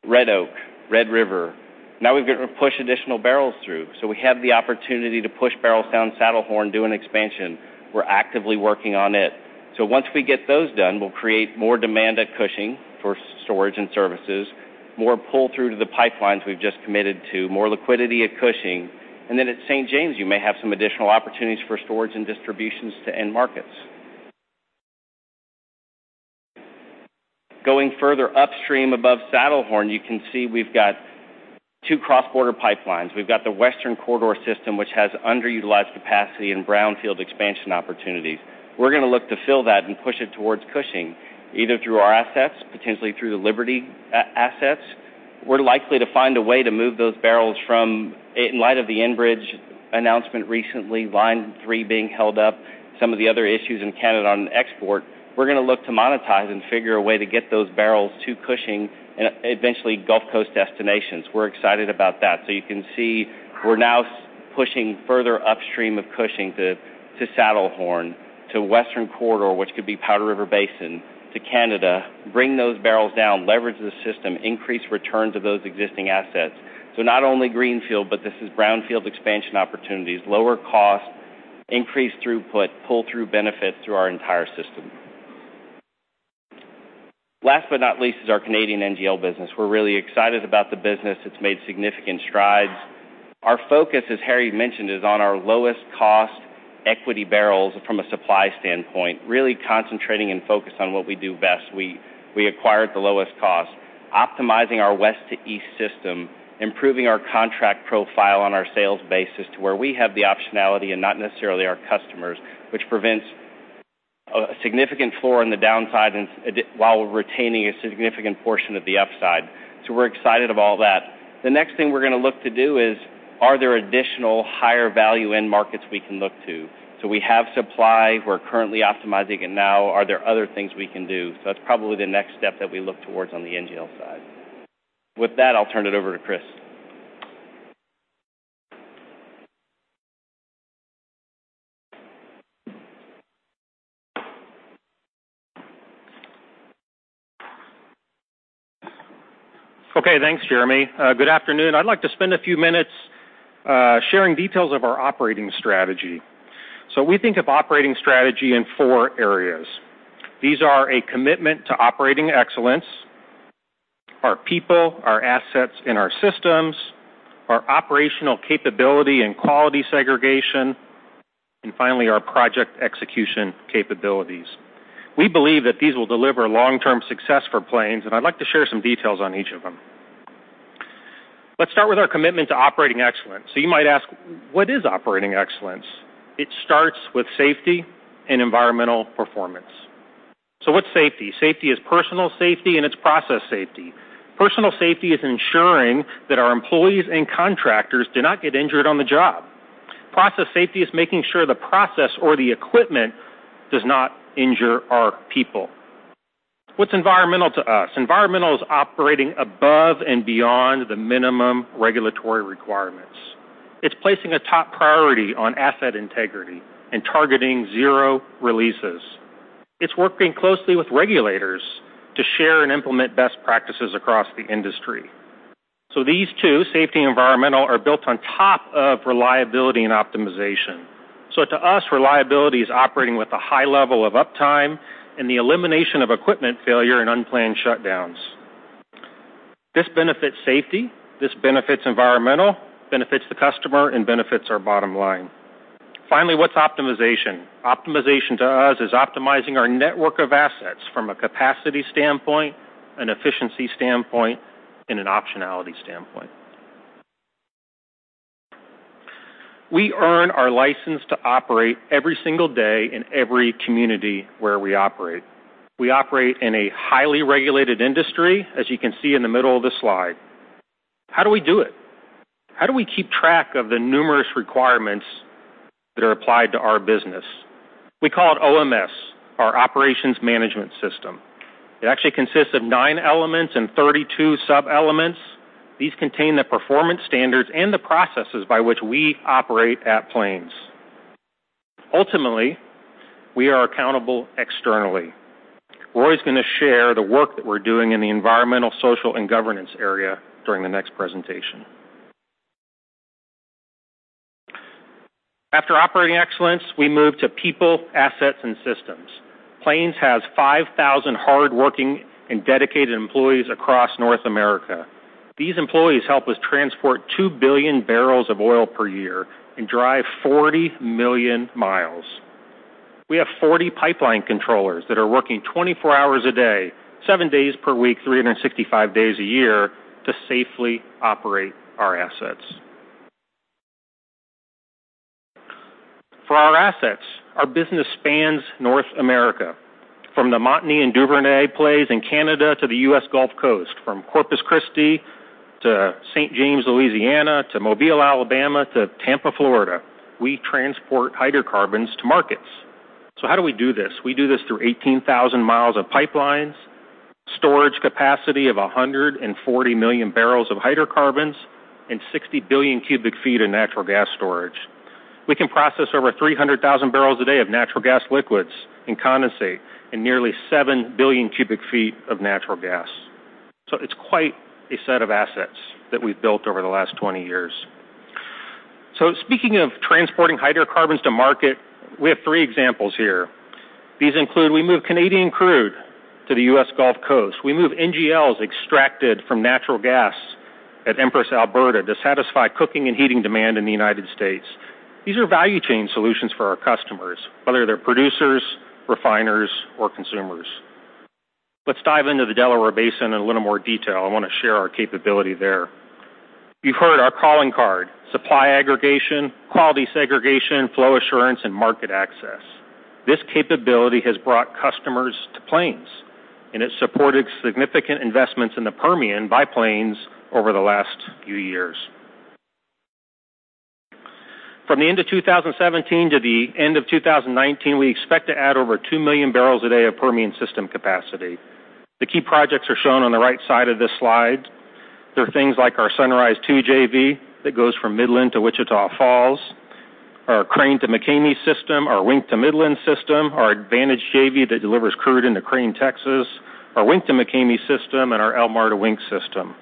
Red Oak, Red River. We've got to push additional barrels through. We have the opportunity to push barrels down Saddlehorn, do an expansion. We're actively working on it. Once we get those done, we'll create more demand at Cushing for storage and services, more pull through to the pipelines we've just committed to, more liquidity at Cushing, and then at St. James, you may have some additional opportunities for storage and distributions to end markets. Going further upstream above Saddlehorn, you can see we've got two cross-border pipelines. We've got the Western Corridor system, which has underutilized capacity and brownfield expansion opportunities. We're going to look to fill that and push it towards Cushing, either through our assets, potentially through the Liberty assets. We're likely to find a way to move those barrels. In light of the Enbridge announcement recently, Line 3 being held up, some of the other issues in Canada on export, we're going to look to monetize and figure a way to get those barrels to Cushing and eventually Gulf Coast destinations. We're excited about that. You can see we're now pushing further upstream of Cushing to Saddlehorn, to Western Corridor, which could be Powder River Basin, to Canada, bring those barrels down, leverage the system, increase returns of those existing assets. Not only greenfield, but this is brownfield expansion opportunities, lower cost, increased throughput, pull-through benefits through our entire system. Last but not least is our Canadian NGL business. We're really excited about the business. It's made significant strides. Our focus, as Harry mentioned, is on our lowest cost equity barrels from a supply standpoint, really concentrating and focused on what we do best. We acquired the lowest cost, optimizing our west to east system, improving our contract profile on our sales basis to where we have the optionality and not necessarily our customers, which prevents a significant floor on the downside while retaining a significant portion of the upside. We're excited of all that. The next thing we're going to look to do is, are there additional higher value end markets we can look to? We have supply. We're currently optimizing it now. Are there other things we can do? That's probably the next step that we look towards on the NGL side. With that, I'll turn it over to Chris. Okay. Thanks, Jeremy. Good afternoon. I'd like to spend a few minutes sharing details of our operating strategy. We think of operating strategy in four areas. These are a commitment to operating excellence, our people, our assets, and our systems, our operational capability and quality segregation, and finally, our project execution capabilities. We believe that these will deliver long-term success for Plains, and I'd like to share some details on each of them. Let's start with our commitment to operating excellence. You might ask, what is operating excellence? It starts with safety and environmental performance. What's safety? Safety is personal safety and it's process safety. Personal safety is ensuring that our employees and contractors do not get injured on the job. Process safety is making sure the process or the equipment does not injure our people. What's environmental to us? Environmental is operating above and beyond the minimum regulatory requirements. It's placing a top priority on asset integrity and targeting zero releases. It's working closely with regulators to share and implement best practices across the industry. These two, safety and environmental, are built on top of reliability and optimization. To us, reliability is operating with a high level of uptime and the elimination of equipment failure and unplanned shutdowns. This benefits safety, this benefits environmental, benefits the customer, and benefits our bottom line. Finally, what's optimization? Optimization to us is optimizing our network of assets from a capacity standpoint, an efficiency standpoint, and an optionality standpoint. We earn our license to operate every single day in every community where we operate. We operate in a highly regulated industry, as you can see in the middle of this slide. How do we do it? How do we keep track of the numerous requirements that are applied to our business? We call it OMS, our Operations Management System. It actually consists of nine elements and 32 sub-elements. These contain the performance standards and the processes by which we operate at Plains. Ultimately, we are accountable externally. Roy's going to share the work that we're doing in the environmental, social, and governance area during the next presentation. After operating excellence, we move to people, assets, and systems. Plains has 5,000 hardworking and dedicated employees across North America. These employees help us transport 2 billion barrels of oil per year and drive 40 million miles. We have 40 pipeline controllers that are working 24 hours a day, seven days per week, 365 days a year to safely operate our assets. For our assets, our business spans North America, from the Montney and Duvernay plays in Canada to the U.S. Gulf Coast. From Corpus Christi to St. James, Louisiana, to Mobile, Alabama, to Tampa, Florida, we transport hydrocarbons to markets. How do we do this? We do this through 18,000 miles of pipelines, storage capacity of 140 million barrels of hydrocarbons, and 60 billion cubic feet of natural gas storage. We can process over 300,000 barrels a day of natural gas liquids and condensate and nearly 7 billion cubic feet of natural gas. It's quite a set of assets that we've built over the last 20 years. Speaking of transporting hydrocarbons to market, we have three examples here. These include we move Canadian crude to the U.S. Gulf Coast. We move NGLs extracted from natural gas at Empress, Alberta, to satisfy cooking and heating demand in the United States. These are value chain solutions for our customers, whether they're producers, refiners, or consumers. Let's dive into the Delaware Basin in a little more detail. I want to share our capability there. You've heard our calling card, supply aggregation, quality segregation, flow assurance, and market access. This capability has brought customers to Plains, and it supported significant investments in the Permian by Plains over the last few years. From the end of 2017 to the end of 2019, we expect to add over 2 million barrels a day of Permian system capacity. The key projects are shown on the right side of this slide. They are things like our Sunrise II JV that goes from Midland to Wichita Falls, our Crane to McCamey system, our Wink to Midland system, our Advantage JV that delivers crude into Crane, Texas, our Wink to McCamey system, and our Alvord to Wink system.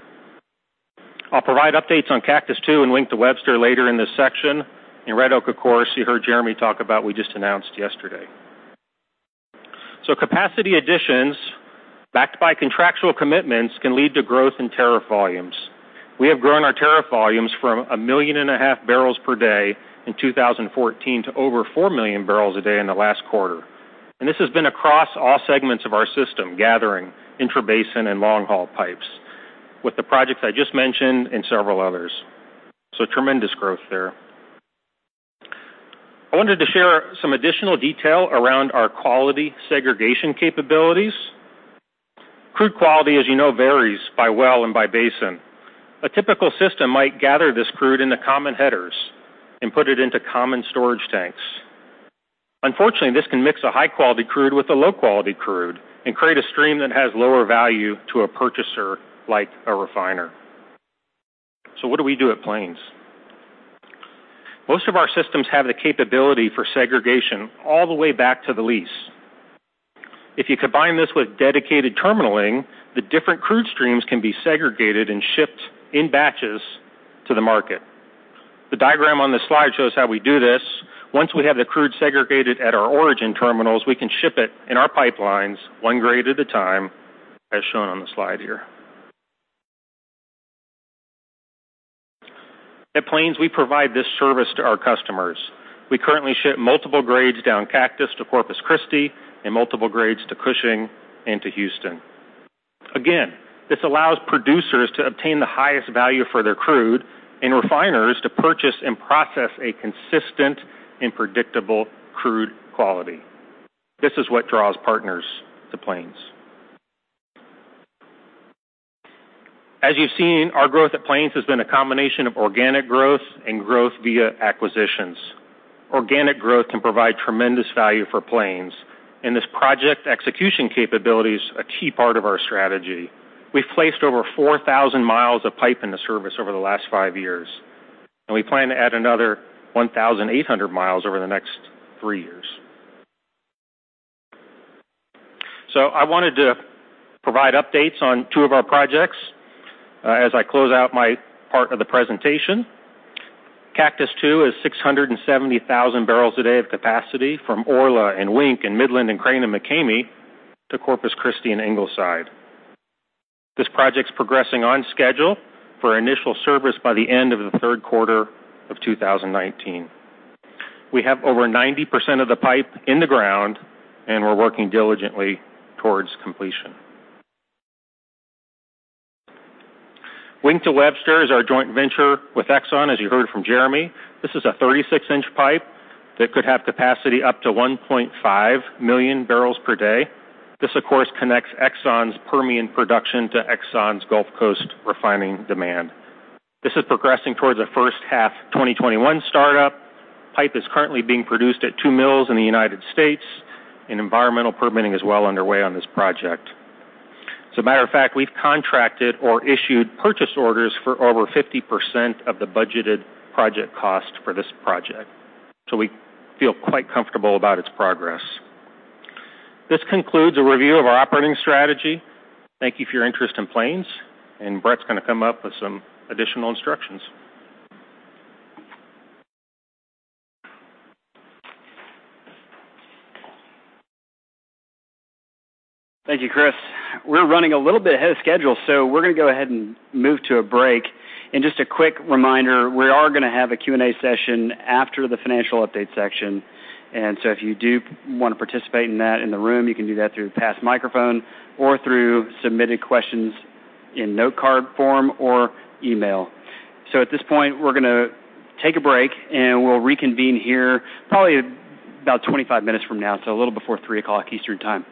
I will provide updates on Cactus II and Wink to Webster later in this section. Red Oak, of course, you heard Jeremy talk about, we just announced yesterday. Capacity additions backed by contractual commitments can lead to growth in tariff volumes. We have grown our tariff volumes from 1.5 million barrels per day in 2014 to over 4 million barrels a day in the last quarter. This has been across all segments of our system, gathering intrabasin and long-haul pipes, with the projects I just mentioned and several others. Tremendous growth there. I wanted to share some additional detail around our quality segregation capabilities. Crude quality, as you know, varies by well and by basin. A typical system might gather this crude into common headers and put it into common storage tanks. Unfortunately, this can mix a high-quality crude with a low-quality crude and create a stream that has lower value to a purchaser, like a refiner. What do we do at Plains? Most of our systems have the capability for segregation all the way back to the lease. If you combine this with dedicated terminalling, the different crude streams can be segregated and shipped in batches to the market. The diagram on this slide shows how we do this. Once we have the crude segregated at our origin terminals, we can ship it in our pipelines 1 grade at a time, as shown on the slide here. At Plains, we provide this service to our customers. We currently ship multiple grades down Cactus to Corpus Christi and multiple grades to Cushing and to Houston. Again, this allows producers to obtain the highest value for their crude and refiners to purchase and process a consistent and predictable crude quality. This is what draws partners to Plains. As you have seen, our growth at Plains has been a combination of organic growth and growth via acquisitions. Organic growth can provide tremendous value for Plains, and this project execution capability is a key part of our strategy. We have placed over 4,000 miles of pipe into service over the last five years, and we plan to add another 1,800 miles over the next three years. I wanted to provide updates on two of our projects as I close out my part of the presentation. Cactus II is 670,000 barrels a day of capacity from Orla and Wink in Midland and Crane and McCamey to Corpus Christi and Ingleside. This project is progressing on schedule for initial service by the end of the third quarter of 2019. We have over 90% of the pipe in the ground, and we are working diligently towards completion. Wink to Webster is our joint venture with Exxon, as you heard from Jeremy. This is a 36-inch pipe that could have capacity up to 1.5 million barrels per day. This, of course, connects Exxon's Permian production to Exxon's Gulf Coast refining demand. This is progressing towards a first-half 2021 startup. Pipe is currently being produced at two mills in the U.S., and environmental permitting is well underway on this project. As a matter of fact, we've contracted or issued purchase orders for over 50% of the budgeted project cost for this project. We feel quite comfortable about its progress. This concludes a review of our operating strategy. Thank you for your interest in Plains. Brett's going to come up with some additional instructions. Thank you, Chris. We're running a little bit ahead of schedule. We're going to go ahead and move to a break. Just a quick reminder, we are going to have a Q&A session after the financial update section. If you do want to participate in that in the room, you can do that through a passed microphone or through submitted questions in note card form or email. At this point, we're going to take a break, and we'll reconvene here probably about 25 minutes from now, a little before 3:00 Eastern Time.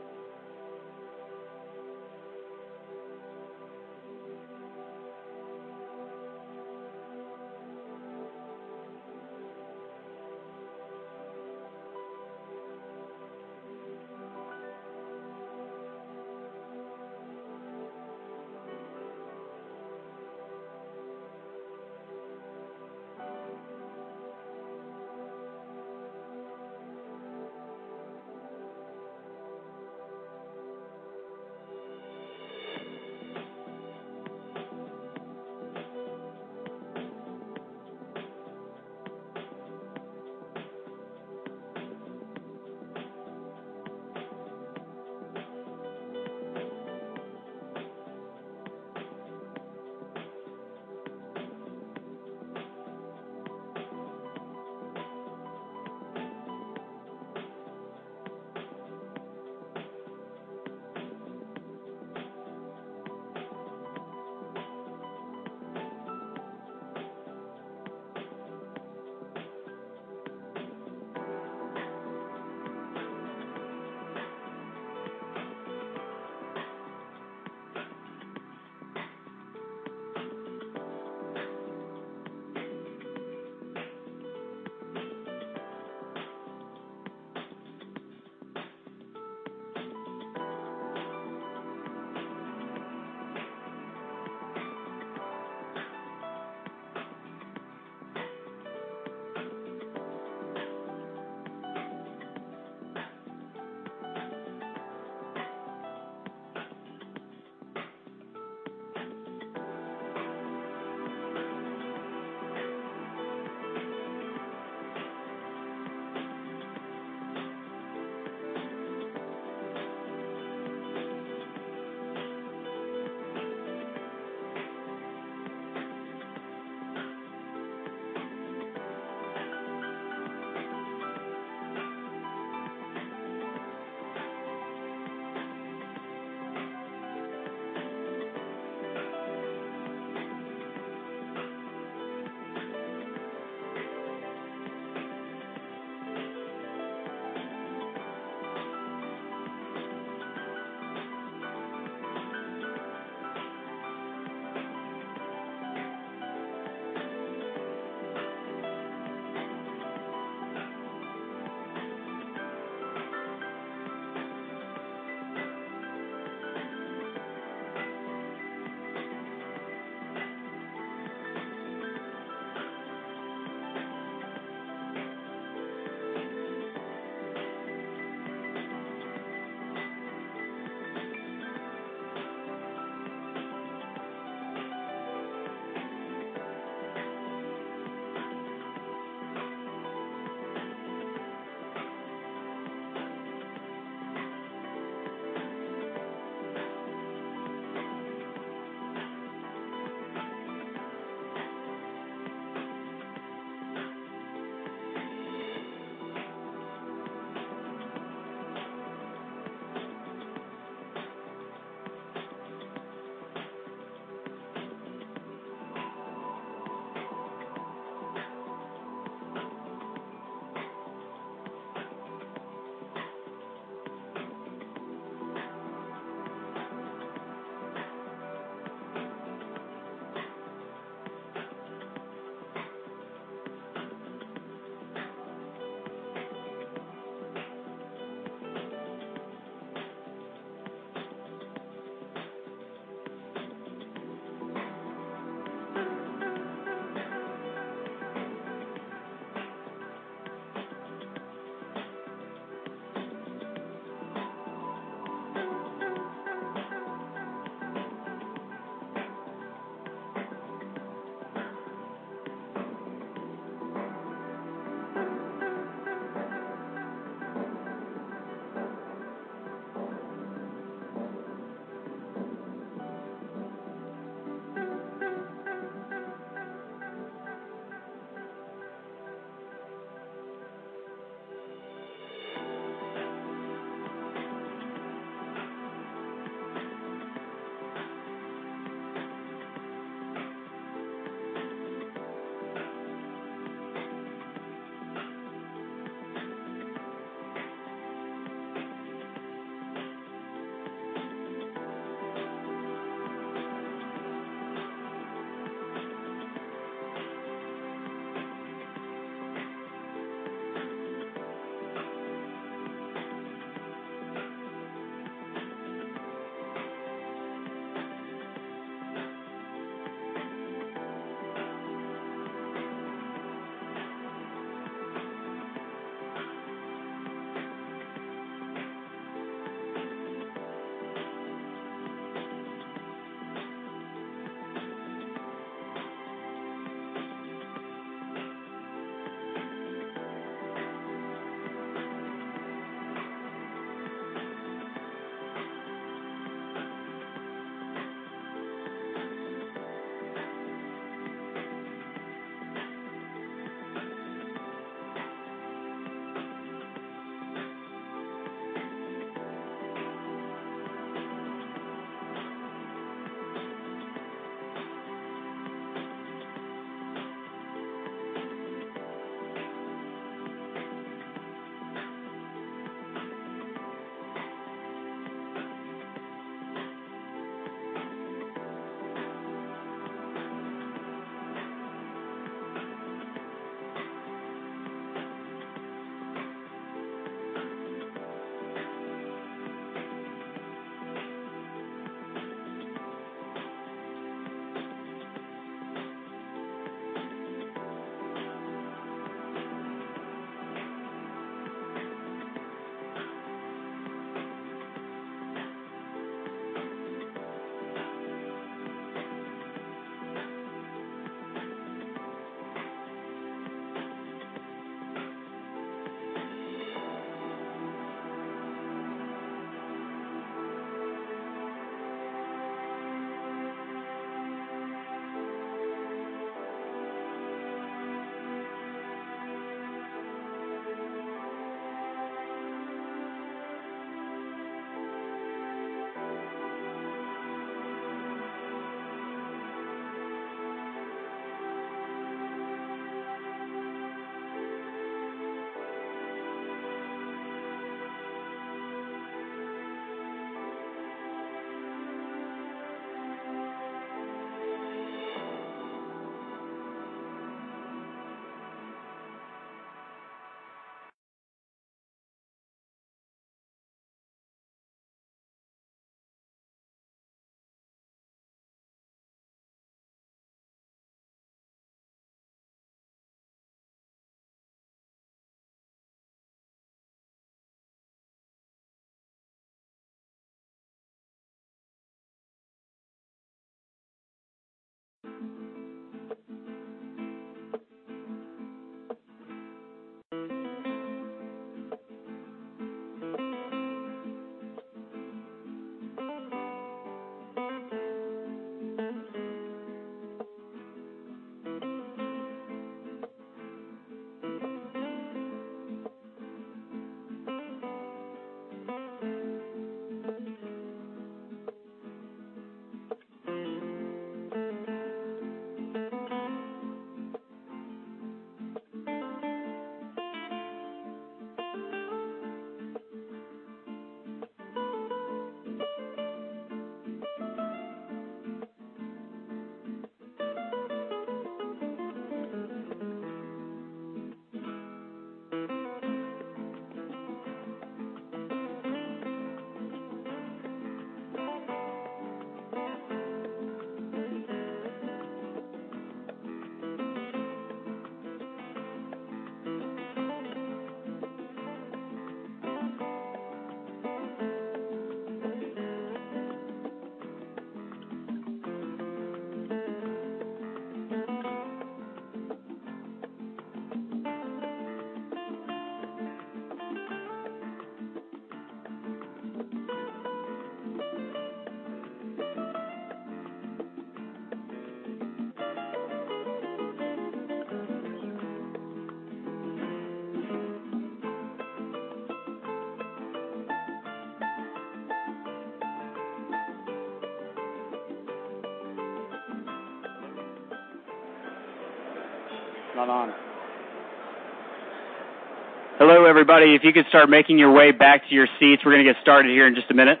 Hello, everybody. If you could start making your way back to your seats, we're going to get started here in just a minute.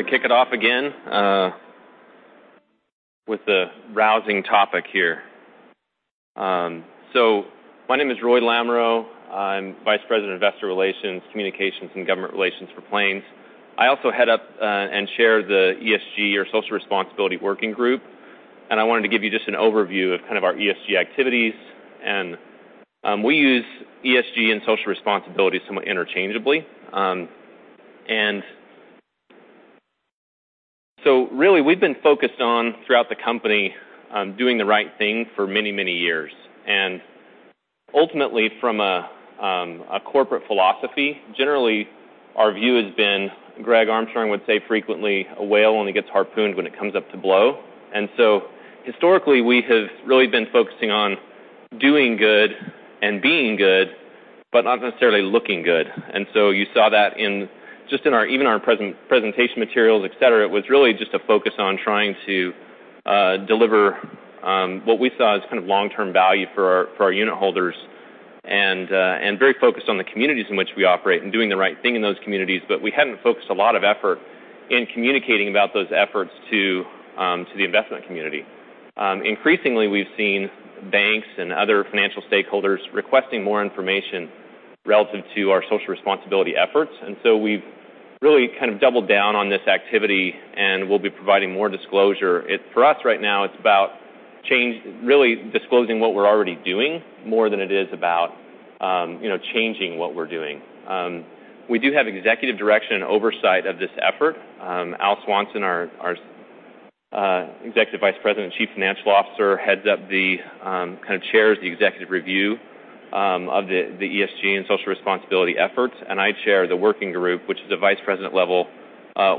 We're going to kick it off again with a rousing topic here. My name is Roy Lamoreaux. I'm Vice President of Investor Relations, Communications, and Government Relations for Plains. I also head up and chair the ESG or social responsibility working group. I wanted to give you just an overview of our ESG activities. We use ESG and social responsibility somewhat interchangeably. Really, we've been focused on, throughout the company, doing the right thing for many, many years. Ultimately, from a corporate philosophy, generally, our view has been, Greg Armstrong would say frequently, a whale only gets harpooned when it comes up to blow. Historically, we have really been focusing on doing good and being good, not necessarily looking good. You saw that in even our presentation materials, et cetera. It was really just a focus on trying to deliver what we saw as long-term value for our unit holders and very focused on the communities in which we operate and doing the right thing in those communities. We hadn't focused a lot of effort in communicating about those efforts to the investment community. Increasingly, we've seen banks and other financial stakeholders requesting more information relative to our social responsibility efforts. We've really doubled down on this activity. We'll be providing more disclosure. For us right now, it's about really disclosing what we're already doing more than it is about changing what we're doing. We do have executive direction and oversight of this effort. Al Swanson, our Executive Vice President and Chief Financial Officer, chairs the executive review of the ESG and social responsibility efforts. I chair the working group, which is a vice president level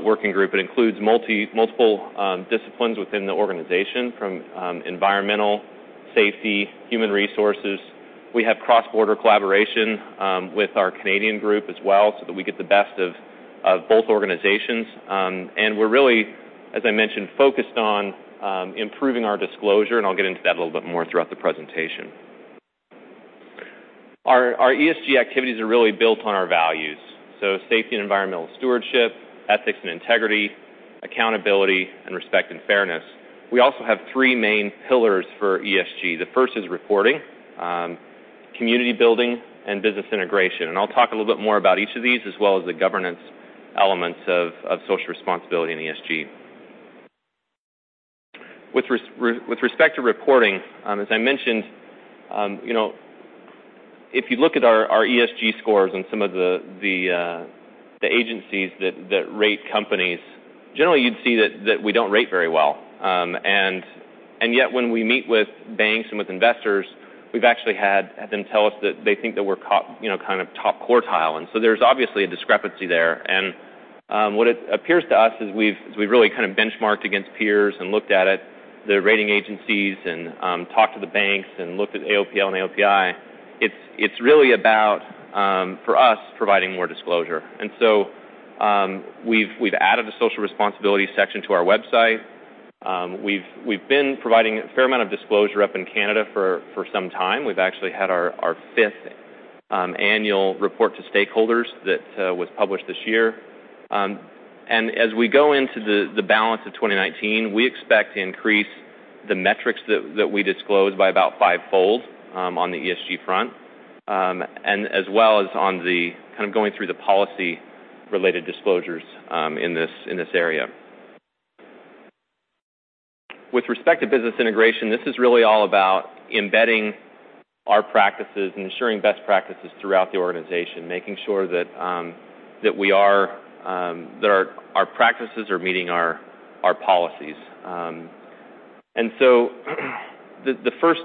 working group. It includes multiple disciplines within the organization, from environmental, safety, human resources. We have cross-border collaboration with our Canadian group as well, so that we get the best of both organizations. We're really, as I mentioned, focused on improving our disclosure, and I'll get into that a little bit more throughout the presentation. Our ESG activities are really built on our values. Safety and environmental stewardship, ethics and integrity, accountability, and respect and fairness. We also have three main pillars for ESG. The first is reporting, community building, and business integration. I'll talk a little bit more about each of these, as well as the governance elements of social responsibility and ESG. With respect to reporting, as I mentioned, if you look at our ESG scores and some of the agencies that rate companies, generally, you'd see that we don't rate very well. Yet when we meet with banks and with investors, we've actually had them tell us that they think that we're top quartile. There's obviously a discrepancy there. What it appears to us as we've really benchmarked against peers and looked at it, the rating agencies, and talked to the banks, and looked at AOPL and AOPI, it's really about, for us, providing more disclosure. We've added a social responsibility section to our website. We've been providing a fair amount of disclosure up in Canada for some time. We've actually had our fifth annual report to stakeholders that was published this year. As we go into the balance of 2019, we expect to increase the metrics that we disclose by about fivefold on the ESG front, as well as going through the policy-related disclosures in this area. With respect to business integration, this is really all about embedding our practices and ensuring best practices throughout the organization, making sure that our practices are meeting our policies. The first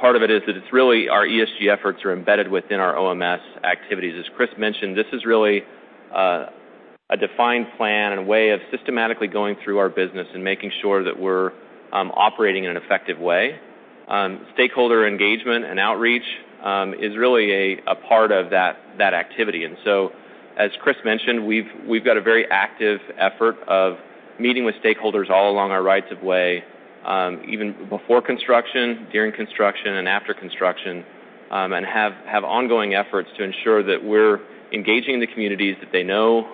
part of it is that it's really our ESG efforts are embedded within our OMS activities. As Chris mentioned, this is really a defined plan and way of systematically going through our business and making sure that we're operating in an effective way. Stakeholder engagement and outreach is really a part of that activity. As Chris mentioned, we've got a very active effort of meeting with stakeholders all along our rights of way, even before construction, during construction, and after construction, and have ongoing efforts to ensure that we're engaging the communities, that they know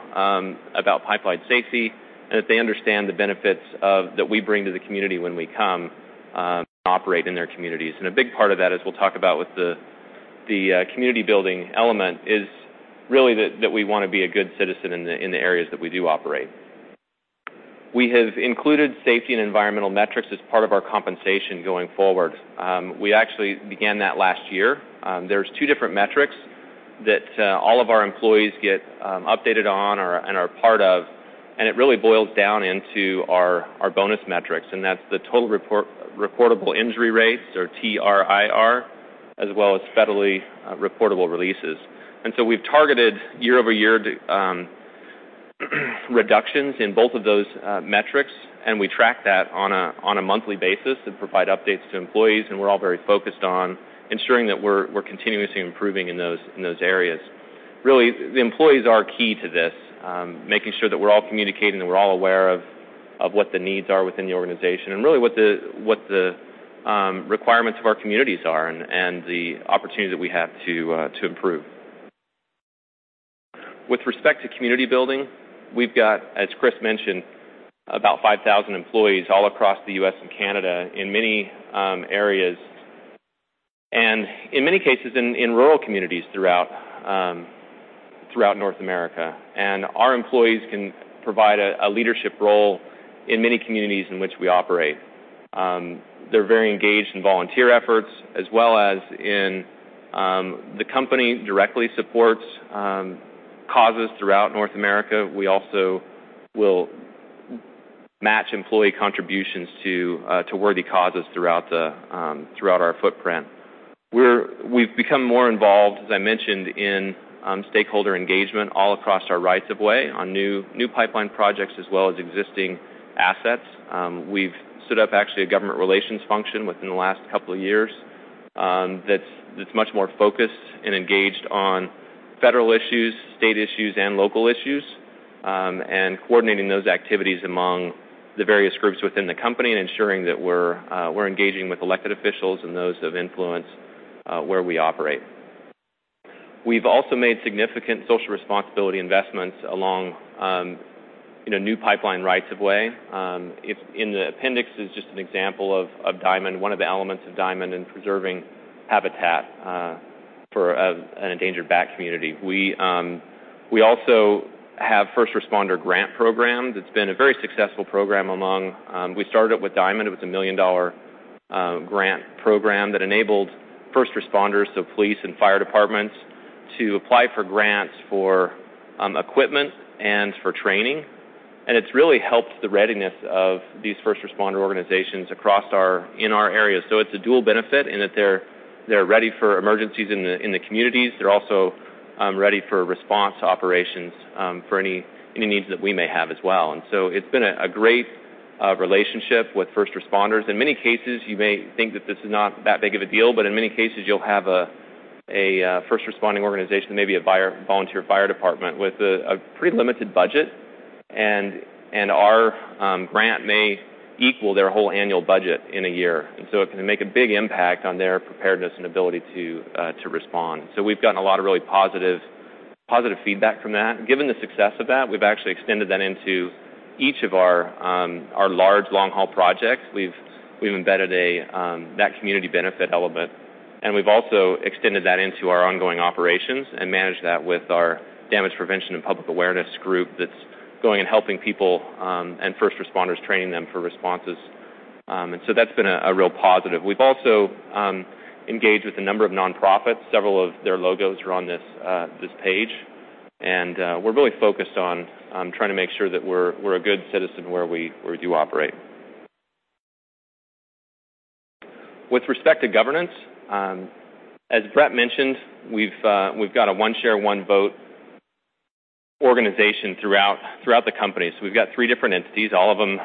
about pipeline safety, and that they understand the benefits that we bring to the community when we come and operate in their communities. A big part of that, as we'll talk about with the community-building element, is really that we want to be a good citizen in the areas that we do operate. We have included safety and environmental metrics as part of our compensation going forward. We actually began that last year. There's two different metrics that all of our employees get updated on or are part of, it really boils down into our bonus metrics, and that's the total reportable injury rates, or TRIR, as well as federally reportable releases. We've targeted year-over-year reductions in both of those metrics. We track that on a monthly basis and provide updates to employees. We're all very focused on ensuring that we're continuously improving in those areas. Really, the employees are key to this, making sure that we're all communicating and we're all aware of what the needs are within the organization, and really what the requirements of our communities are and the opportunities that we have to improve. With respect to community building, we've got, as Chris mentioned, about 5,000 employees all across the U.S. and Canada in many areas, and in many cases, in rural communities throughout North America. Our employees can provide a leadership role in many communities in which we operate. They're very engaged in volunteer efforts, as well as the company directly supports causes throughout North America. We also will match employee contributions to worthy causes throughout our footprint. We've become more involved, as I mentioned, in stakeholder engagement all across our rights of way on new pipeline projects as well as existing assets. We've stood up actually a government relations function within the last couple of years that's much more focused and engaged on federal issues, state issues, and local issues, and coordinating those activities among the various groups within the company and ensuring that we're engaging with elected officials and those of influence where we operate. We've also made significant social responsibility investments along new pipeline rights of way. In the appendix is just an example of Diamond, one of the elements of Diamond in preserving habitat for an endangered bat community. We also have first responder grant programs. It's been a very successful program. We started it with Diamond. It was a million-dollar grant program that enabled first responders, so police and fire departments, to apply for grants for equipment and for training. It's really helped the readiness of these first responder organizations in our areas. It's a dual benefit in that they're ready for emergencies in the communities. They're also ready for response operations for any needs that we may have as well. It's been a great relationship with first responders. In many cases, you may think that this is not that big of a deal, but in many cases you'll have a first responding organization, maybe a volunteer fire department with a pretty limited budget, and our grant may equal their whole annual budget in a year. It can make a big impact on their preparedness and ability to respond. We've gotten a lot of really positive feedback from that. Given the success of that, we've actually extended that into each of our large long-haul projects. We've embedded that community benefit element, we've also extended that into our ongoing operations and managed that with our damage prevention and public awareness group that's going and helping people and first responders, training them for responses. That's been a real positive. We've also engaged with a number of nonprofits. Several of their logos are on this page. We're really focused on trying to make sure that we're a good citizen where we do operate. With respect to governance, as Brett mentioned, we've got a one share one vote organization throughout the company. We've got three different entities, all of them.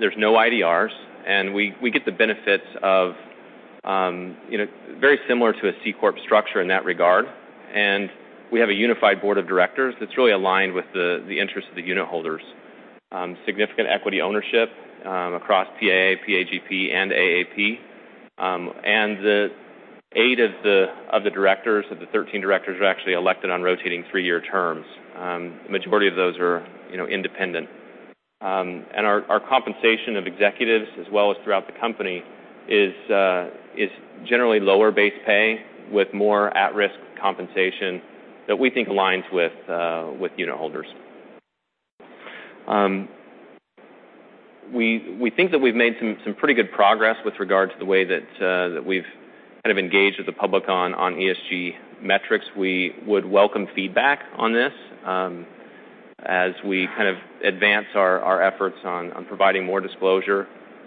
There's no IDRs, and we get the benefits very similar to a C corp structure in that regard. We have a unified board of directors that's really aligned with the interests of the unitholders. Significant equity ownership across PAA, PAGP, and PAA. The eight of the directors, of the 13 directors, are actually elected on rotating three-year terms. The majority of those are independent. Our compensation of executives, as well as throughout the company, is generally lower base pay with more at-risk compensation that we think aligns with unitholders. We think that we've made some pretty good progress with regard to the way that we've kind of engaged with the public on ESG metrics. We would welcome feedback on this as we kind of advance our efforts on providing more disclosure.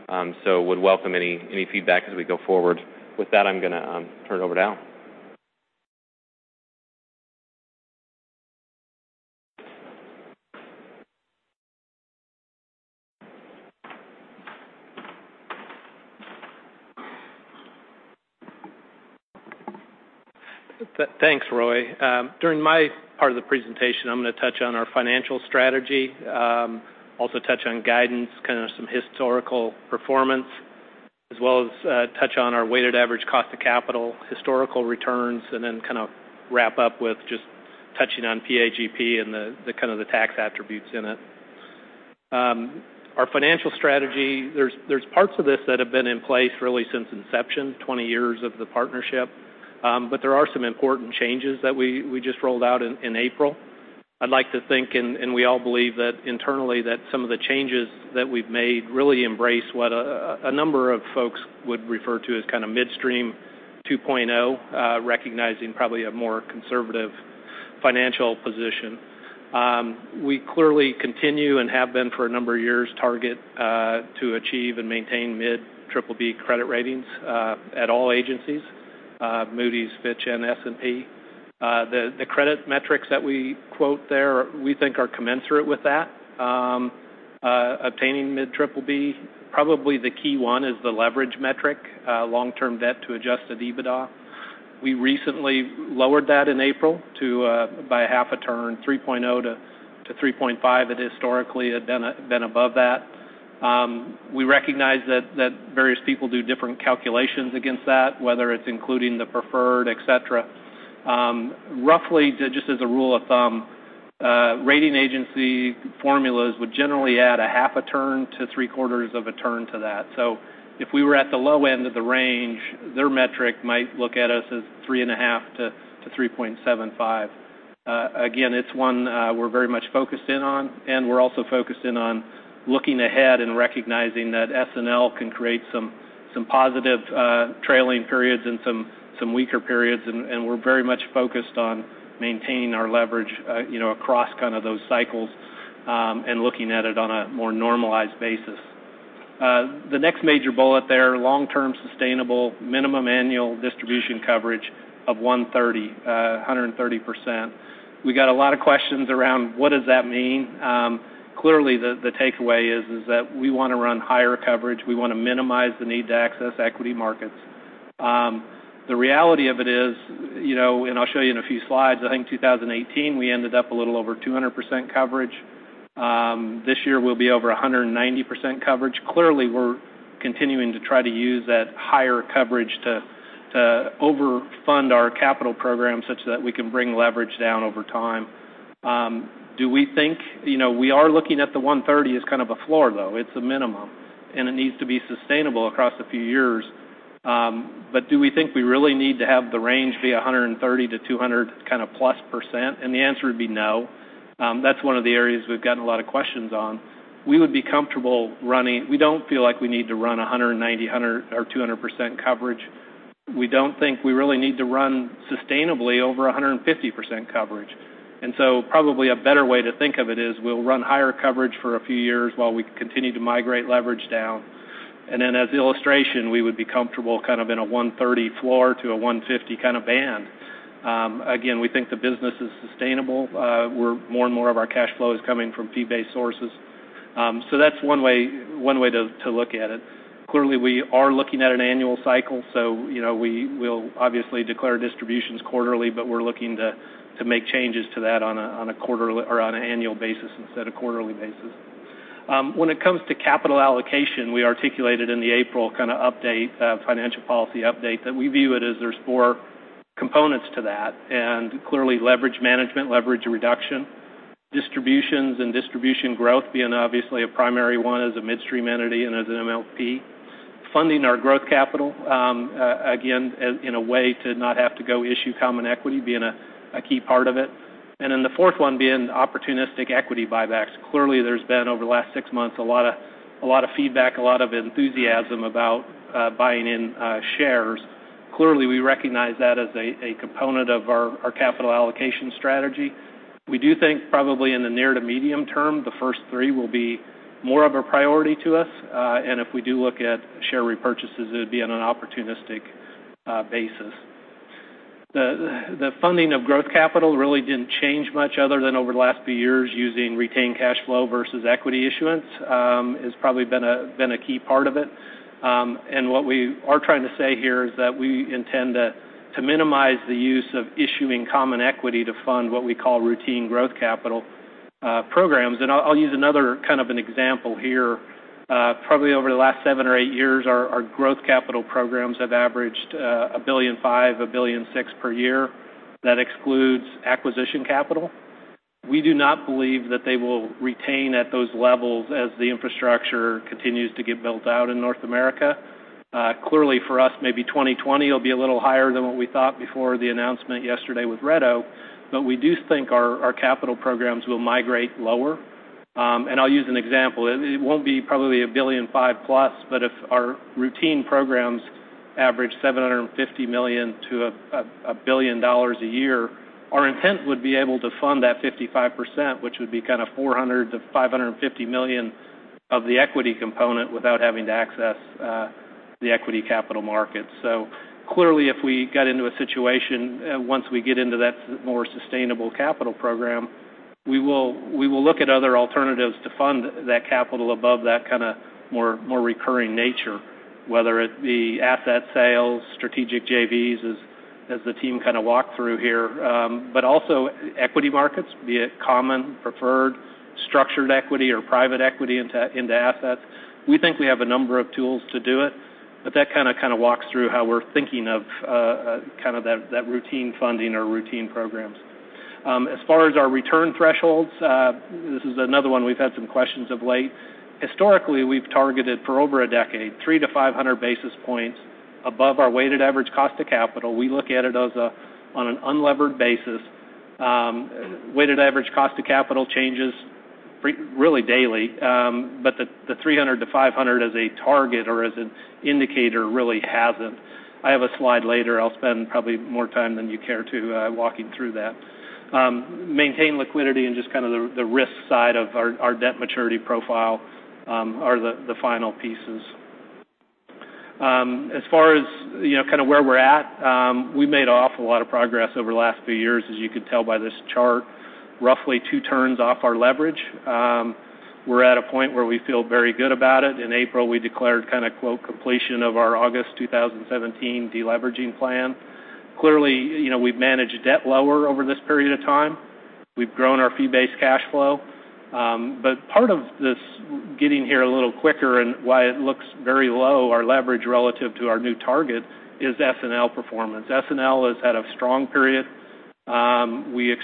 Would welcome any feedback as we go forward. With that, I'm going to turn it over to Al. Thanks, Roy. During my part of the presentation, I'm going to touch on our financial strategy, also touch on guidance, kind of some historical performance, as well as touch on our weighted average cost of capital, historical returns, and then kind of wrap up with just touching on PAGP and the kind of the tax attributes in it. Our financial strategy, there's parts of this that have been in place really since inception, 20 years of the partnership. There are some important changes that we just rolled out in April. I'd like to think, and we all believe that internally, that some of the changes that we've made really embrace what a number of folks would refer to as kind of midstream 2.0, recognizing probably a more conservative financial position. We clearly continue and have been for a number of years, target to achieve and maintain mid-BBB credit ratings at all agencies, Moody's, Fitch, and S&P. The credit metrics that we quote there we think are commensurate with that. Obtaining mid-BBB, probably the key one is the leverage metric, long-term debt to adjusted EBITDA. We recently lowered that in April by a half a turn, 3.0-3.5. It historically had been above that. We recognize that various people do different calculations against that, whether it's including the preferred, et cetera. Roughly, just as a rule of thumb, rating agency formulas would generally add a half a turn to three-quarters of a turn to that. If we were at the low end of the range, their metric might look at us as 3.5-3.75. It's one we're very much focused in on, and we're also focused in on looking ahead and recognizing that S&L can create some positive trailing periods and some weaker periods. We're very much focused on maintaining our leverage across kind of those cycles, and looking at it on a more normalized basis. The next major bullet there, long-term sustainable minimum annual distribution coverage of 130%, 130%. We got a lot of questions around what does that mean? Clearly, the takeaway is that we want to run higher coverage. We want to minimize the need to access equity markets. The reality of it is, and I'll show you in a few slides, I think 2018, we ended up a little over 200% coverage. This year we'll be over 190% coverage. Clearly, we're continuing to try to use that higher coverage to over-fund our capital program such that we can bring leverage down over time. We are looking at the 130 as kind of a floor, though. It's a minimum, and it needs to be sustainable across a few years. Do we think we really need to have the range be 130 to 200 kind of plus percent? The answer would be no. That's one of the areas we've gotten a lot of questions on. We would be comfortable. We don't feel like we need to run 190 or 200% coverage. We don't think we really need to run sustainably over 150% coverage. Probably a better way to think of it is we'll run higher coverage for a few years while we continue to migrate leverage down. As illustration, we would be comfortable kind of in a 130 floor to a 150 kind of band. Again, we think the business is sustainable. More and more of our cash flow is coming from fee-based sources. That's one way to look at it. Clearly, we are looking at an annual cycle, so we will obviously declare distributions quarterly, but we're looking to make changes to that on an annual basis instead of quarterly basis. When it comes to capital allocation, we articulated in the April kind of financial policy update that we view it as there's four components to that. Clearly leverage management, leverage reduction, distributions, and distribution growth being obviously a primary one as a midstream entity and as an MLP. Funding our growth capital, again, in a way to not have to go issue common equity being a key part of it. The fourth one being opportunistic equity buybacks. Clearly, there's been, over the last six months, a lot of feedback, a lot of enthusiasm about buying in shares. Clearly, we recognize that as a component of our capital allocation strategy. We do think probably in the near to medium term, the first three will be more of a priority to us. If we do look at share repurchases, it would be on an opportunistic basis. The funding of growth capital really didn't change much other than over the last few years using retained cash flow versus equity issuance. It's probably been a key part of it. What we are trying to say here is that we intend to minimize the use of issuing common equity to fund what we call routine growth capital programs. I'll use another kind of an example here. Probably over the last seven or eight years, our growth capital programs have averaged $1.5 billion, $1.6 billion per year. That excludes acquisition capital. We do not believe that they will retain at those levels as the infrastructure continues to get built out in North America. Clearly, for us, maybe 2020 will be a little higher than what we thought before the announcement yesterday with Red Oak, but we do think our capital programs will migrate lower. I'll use an example. It won't be probably $1.5 billion plus, but if our routine programs average $750 million to $1 billion a year, our intent would be able to fund that 55%, which would be kind of $400 million to $550 million of the equity component without having to access the equity capital markets. Clearly, if we got into a situation, once we get into that more sustainable capital program, we will look at other alternatives to fund that capital above that kind of more recurring nature, whether it be asset sales, strategic JVs, as the team kind of walked through here. Also equity markets, be it common, preferred, structured equity or private equity into assets. We think we have a number of tools to do it, but that kind of walks through how we're thinking of that routine funding or routine programs. As far as our return thresholds, this is another one we've had some questions of late. Historically, we've targeted for over a decade, 300 to 500 basis points above our weighted average cost of capital. We look at it on an unlevered basis. Weighted average cost of capital changes really daily. The 300 to 500 as a target or as an indicator really hasn't. I have a slide later. I'll spend probably more time than you care to walking through that. Maintain liquidity and just kind of the risk side of our debt maturity profile are the final pieces. As far as where we're at, we've made an awful lot of progress over the last few years, as you can tell by this chart. Roughly 2 turns off our leverage. We're at a point where we feel very good about it. In April, we declared kind of quote, completion of our August 2017 de-leveraging plan. Clearly, we've managed debt lower over this period of time. We've grown our fee-based cash flow. Part of this getting here a little quicker and why it looks very low, our leverage relative to our new target is S&L performance. S&L has had a strong period. We've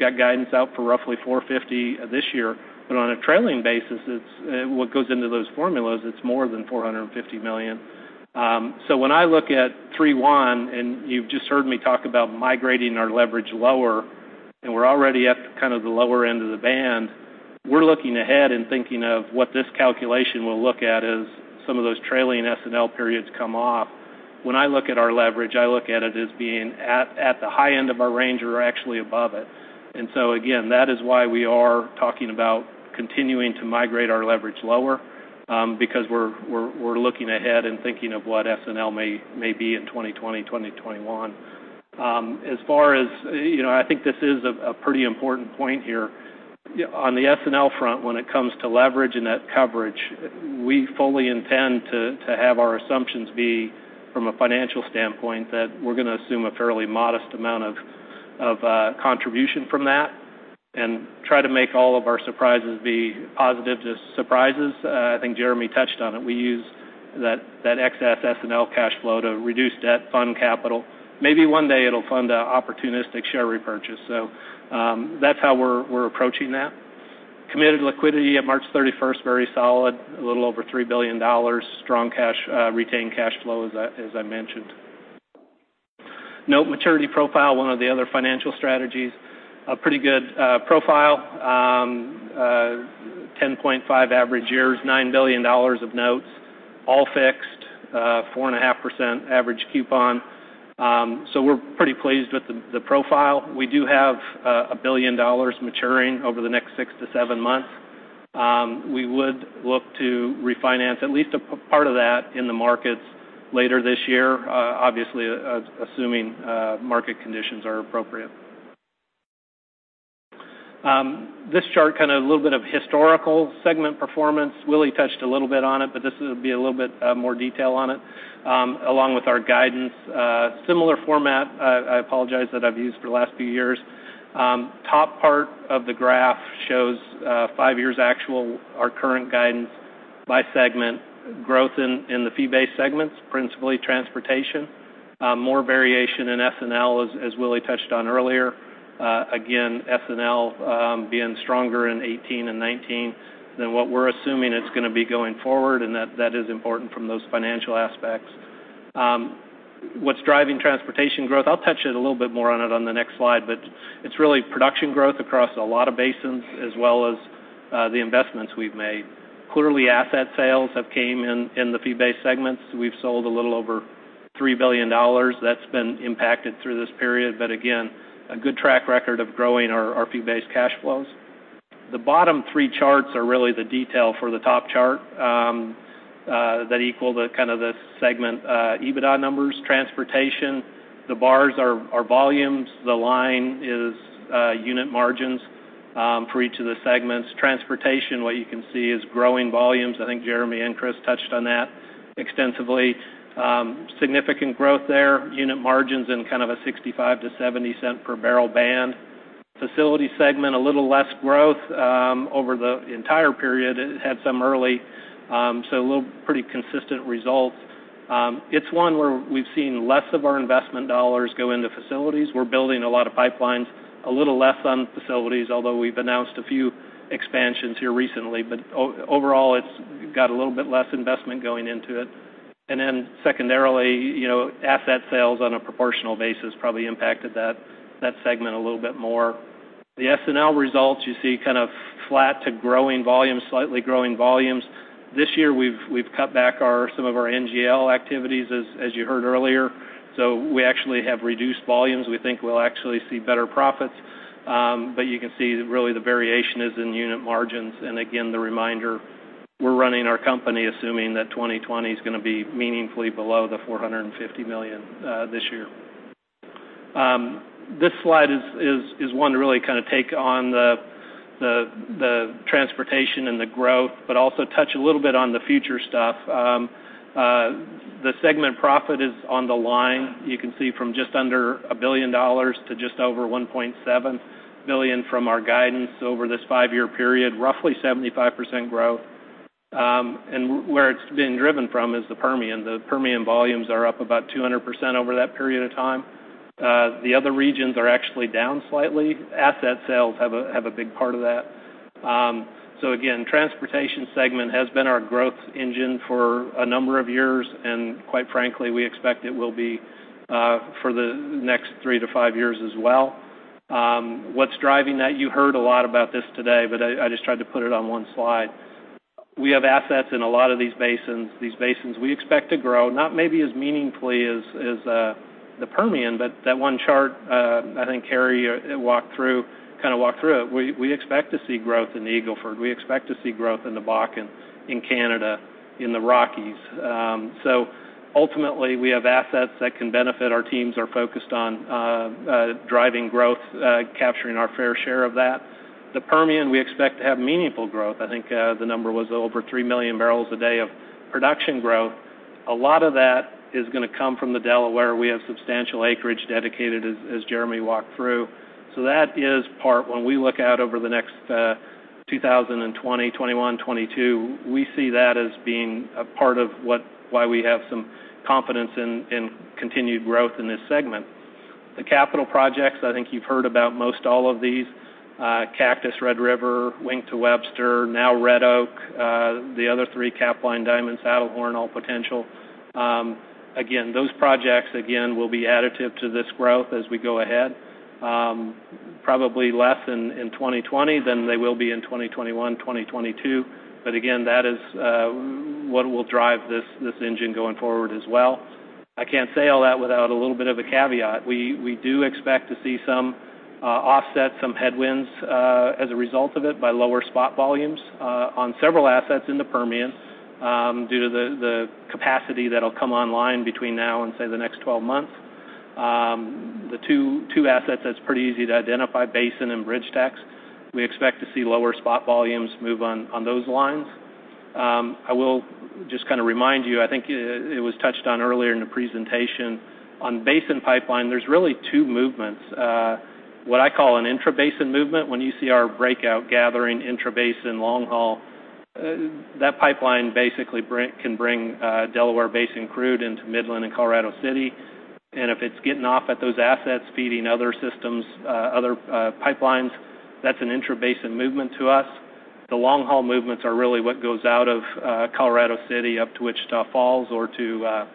got guidance out for roughly $450 million this year, but on a trailing basis, what goes into those formulas, it's more than $450 million. When I look at 3.1, and you've just heard me talk about migrating our leverage lower, and we're already at kind of the lower end of the band. We're looking ahead and thinking of what this calculation will look at as some of those trailing S&L periods come off. When I look at our leverage, I look at it as being at the high end of our range or actually above it. Again, that is why we are talking about continuing to migrate our leverage lower because we're looking ahead and thinking of what S&L may be in 2020, 2021. I think this is a pretty important point here. On the S&L front, when it comes to leverage and that coverage, we fully intend to have our assumptions be from a financial standpoint that we're going to assume a fairly modest amount of contribution from that and try to make all of our surprises be positive surprises. I think Jeremy touched on it. We use that excess S&L cash flow to reduce debt, fund capital. Maybe one day it'll fund an opportunistic share repurchase. That's how we're approaching that. Committed liquidity at March 31st, very solid. A little over $3 billion. Strong retained cash flow, as I mentioned. Note maturity profile, one of the other financial strategies. A pretty good profile. 10.5 average years, $9 billion of notes, all fixed, 4.5% average coupon. We're pretty pleased with the profile. We do have $1 billion maturing over the next six to seven months. We would look to refinance at least a part of that in the markets later this year. Obviously, assuming market conditions are appropriate. This chart, kind of a little bit of historical segment performance. Willie touched a little bit on it, but this will be a little bit more detail on it, along with our guidance. Similar format, I apologize, that I've used for the last few years. Top part of the graph shows 5 years actual, our current guidance by segment. Growth in the fee-based segments, principally transportation. More variation in S&L, as Willie touched on earlier. Again, S&L being stronger in 2018 and 2019 than what we're assuming it's going to be going forward, and that is important from those financial aspects. What's driving transportation growth? I'll touch a little bit more on it on the next slide, but it's really production growth across a lot of basins, as well as the investments we've made. Clearly, asset sales have come in the fee-based segments. We've sold a little over $3 billion. That's been impacted through this period. Again, a good track record of growing our fee-based cash flows. The bottom three charts are really the detail for the top chart that equal the segment EBITDA numbers. Transportation, the bars are volumes. The line is unit margins for each of the segments. Transportation, what you can see is growing volumes. I think Jeremy and Chris touched on that extensively. Significant growth there. Unit margins in kind of a $0.65-$0.70 per barrel band. Facility segment, a little less growth over the entire period. It had some early, so a little pretty consistent results. It's one where we've seen less of our investment dollars go into facilities. We're building a lot of pipelines, a little less on facilities, although we've announced a few expansions here recently. Overall, it's got a little bit less investment going into it. Then secondarily, asset sales on a proportional basis probably impacted that segment a little bit more. The S&L results you see kind of flat to growing volumes, slightly growing volumes. This year, we've cut back some of our NGL activities, as you heard earlier. We actually have reduced volumes. We think we'll actually see better profits. You can see really the variation is in unit margins. Again, the reminder, we're running our company assuming that 2020 is going to be meaningfully below the $450 million this year. This slide is one to really take on the transportation and the growth, touch a little bit on the future stuff. The segment profit is on the line. You can see from just under $1 billion to just over $1.7 billion from our guidance over this five-year period, roughly 75% growth. Where it's been driven from is the Permian. The Permian volumes are up about 200% over that period of time. The other regions are actually down slightly. Asset sales have a big part of that. Transportation segment has been our growth engine for a number of years, and quite frankly, we expect it will be for the next three to five years as well. What's driving that? You heard a lot about this today, I just tried to put it on one slide. We have assets in a lot of these basins. These basins we expect to grow, not maybe as meaningfully as the Permian, that one chart I think Harry walked through. We expect to see growth in the Eagle Ford. We expect to see growth in the Bakken, in Canada, in the Rockies. We have assets that can benefit. Our teams are focused on driving growth, capturing our fair share of that. The Permian, we expect to have meaningful growth. I think the number was over three million barrels a day of production growth. A lot of that is going to come from the Delaware. We have substantial acreage dedicated, as Jeremy walked through. That is part when we look out over the next 2020, 2021, 2022, we see that as being a part of why we have some confidence in continued growth in this segment. The capital projects, I think you've heard about most all of these. Cactus Red River, Wink to Webster, now Red Oak, the other three Capline, Diamond, Saddlehorn, all potential. Those projects, again, will be additive to this growth as we go ahead. Probably less in 2020 than they will be in 2021, 2022. That is what will drive this engine going forward as well. I can't say all that without a little bit of a caveat. We do expect to see some offset, some headwinds as a result of it by lower spot volumes on several assets in the Permian due to the capacity that'll come online between now and, say, the next 12 months. The two assets that's pretty easy to identify, Basin and BridgeTex. We expect to see lower spot volumes move on those lines. I will just remind you, I think it was touched on earlier in the presentation. On Basin Pipeline, there's really two movements. What I call an intrabasin movement, when you see our breakout gathering intrabasin long-haul, that pipeline basically can bring Delaware Basin crude into Midland and Colorado City. If it's getting off at those assets, feeding other systems, other pipelines, that's an intrabasin movement to us. The long-haul movements are really what goes out of Colorado City up to Wichita Falls or to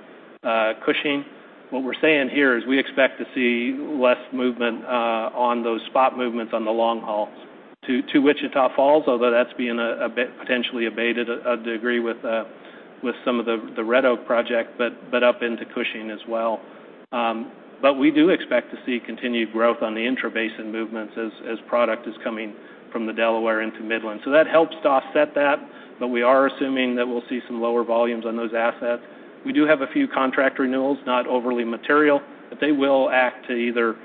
Cushing. What we're saying here is we expect to see less movement on those spot movements on the long hauls to Wichita Falls, although that's being potentially abated a degree with some of the Red Oak project, up into Cushing as well. We do expect to see continued growth on the intrabasin movements as product is coming from the Delaware into Midland. That helps to offset that, but we are assuming that we'll see some lower volumes on those assets. We do have a few contract renewals, not overly material, but they will act to either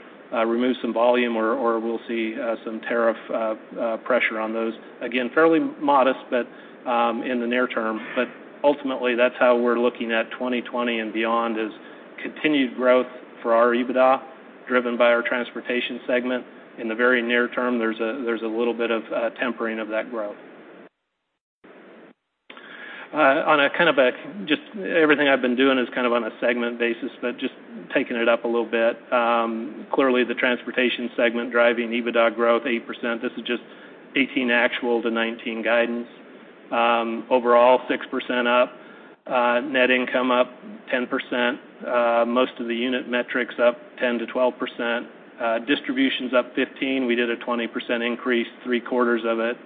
remove some volume or we'll see some tariff pressure on those. Again, fairly modest in the near term. Ultimately, that's how we're looking at 2020 and beyond is continued growth for our EBITDA, driven by our transportation segment. In the very near term, there's a little bit of tempering of that growth. On a just everything I've been doing is kind of on a segment basis, but just taking it up a little bit. Clearly, the transportation segment driving EBITDA growth 80%. This is just 2018 actual to 2019 guidance. Overall, 6% up. Net income up 10%. Most of the unit metrics up 10%-12%. Distributions up 15%. We did a 20% increase. Three-quarters of it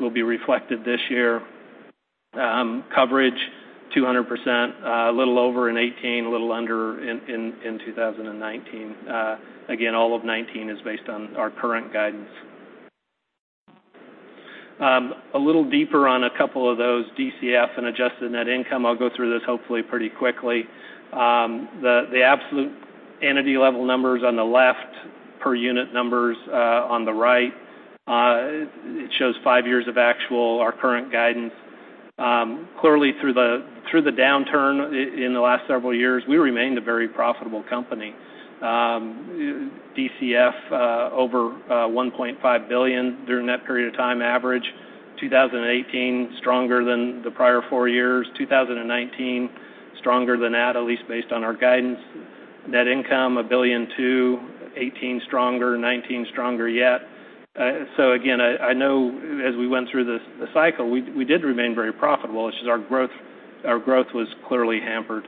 will be reflected this year. Coverage, 200%, a little over in 2018, a little under in 2019. Again, all of 2019 is based on our current guidance. A little deeper on a couple of those DCF and adjusted net income. I'll go through this hopefully pretty quickly. The absolute entity-level numbers on the left, per unit numbers on the right. It shows five years of actual, our current guidance. Clearly through the downturn in the last several years, we remained a very profitable company. DCF over $1.5 billion during that period of time average. 2018, stronger than the prior four years. 2019, stronger than that, at least based on our guidance. Net income, $1.2 billion. 2018 stronger, 2019 stronger yet. Again, I know as we went through the cycle, we did remain very profitable. It's just our growth was clearly hampered.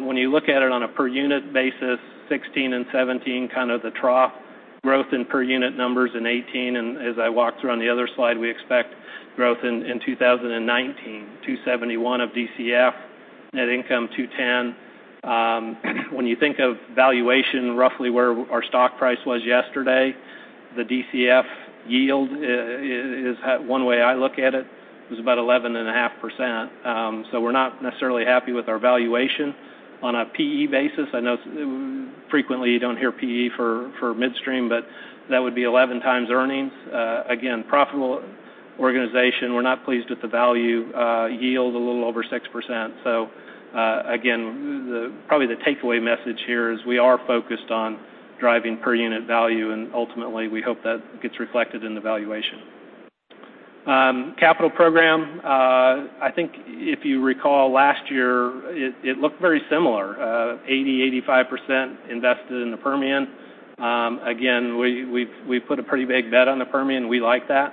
When you look at it on a per unit basis, 2016 and 2017, kind of the trough. Growth in per unit numbers in 2018, and as I walked through on the other slide, we expect growth in 2019. $271 of DCF. Net income $210. When you think of valuation, roughly where our stock price was yesterday, the DCF yield is one way I look at it. It was about 11.5%. We're not necessarily happy with our valuation. On a P/E basis, I know frequently you don't hear P/E for midstream, but that would be 11 times earnings. Again, profitable organization. We're not pleased with the value yield, a little over 6%. Again, probably the takeaway message here is we are focused on driving per unit value, and ultimately we hope that gets reflected in the valuation. Capital program. I think if you recall last year, it looked very similar. 80%-85% invested in the Permian. Again, we've put a pretty big bet on the Permian. We like that.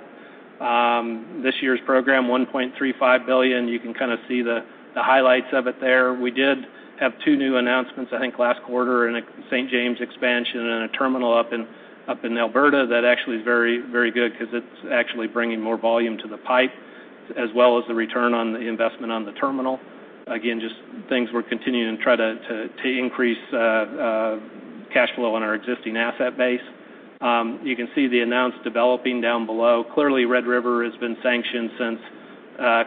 This year's program, $1.35 billion. You can kind of see the highlights of it there. We did have two new announcements, I think last quarter, in a St. James expansion and a terminal up in Alberta that actually is very good because it's actually bringing more volume to the pipe, as well as the return on the investment on the terminal. Just things we're continuing to try to increase cash flow on our existing asset base. You can see the announced developing down below. Red River has been sanctioned since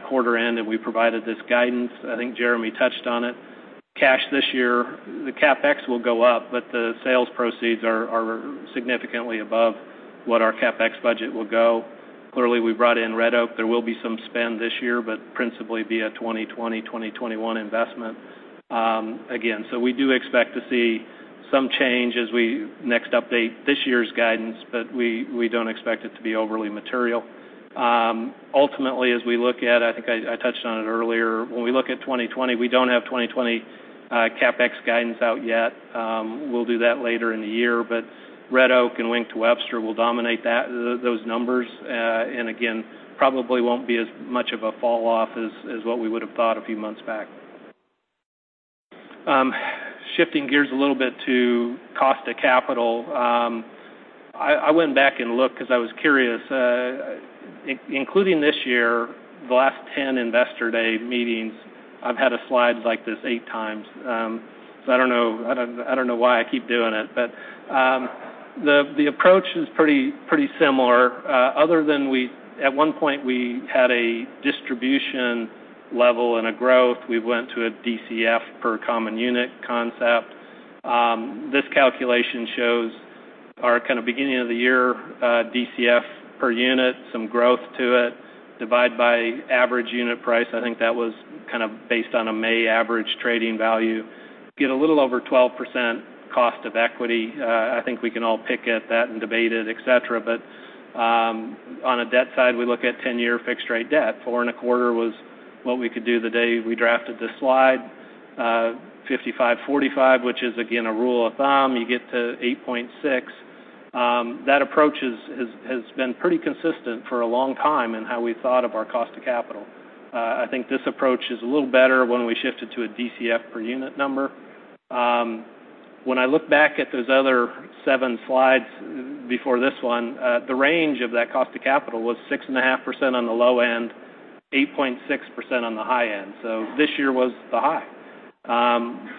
quarter end, and we provided this guidance. I think Jeremy touched on it. Cash this year, the CapEx will go up, but the sales proceeds are significantly above what our CapEx budget will go. We brought in Red Oak. There will be some spend this year, but principally be a 2020, 2021 investment. We do expect to see some change as we next update this year's guidance, but we don't expect it to be overly material. Ultimately, as we look at, I think I touched on it earlier, when we look at 2020, we don't have 2020 CapEx guidance out yet. We'll do that later in the year. Red Oak and Wink to Webster will dominate those numbers. Probably won't be as much of a fall off as what we would have thought a few months back. Shifting gears a little bit to cost of capital. I went back and looked because I was curious. Including this year, the last 10 Investor Day meetings, I've had a slide like this eight times. I don't know why I keep doing it. The approach is pretty similar. Other than at one point we had a distribution level and a growth. We went to a DCF per common unit concept. This calculation shows our kind of beginning of the year DCF per unit, some growth to it, divide by average unit price. I think that was kind of based on a May average trading value. Get a little over 12% cost of equity. I think we can all pick at that and debate it, et cetera. On a debt side, we look at 10-year fixed rate debt. 4.25% was what we could do the day we drafted this slide. 55/45, which is again, a rule of thumb. You get to 8.6%. That approach has been pretty consistent for a long time in how we thought of our cost of capital. I think this approach is a little better when we shifted to a DCF per unit number. When I look back at those other seven slides before this one, the range of that cost of capital was 6.5% on the low end, 8.6% on the high end. This year was the high.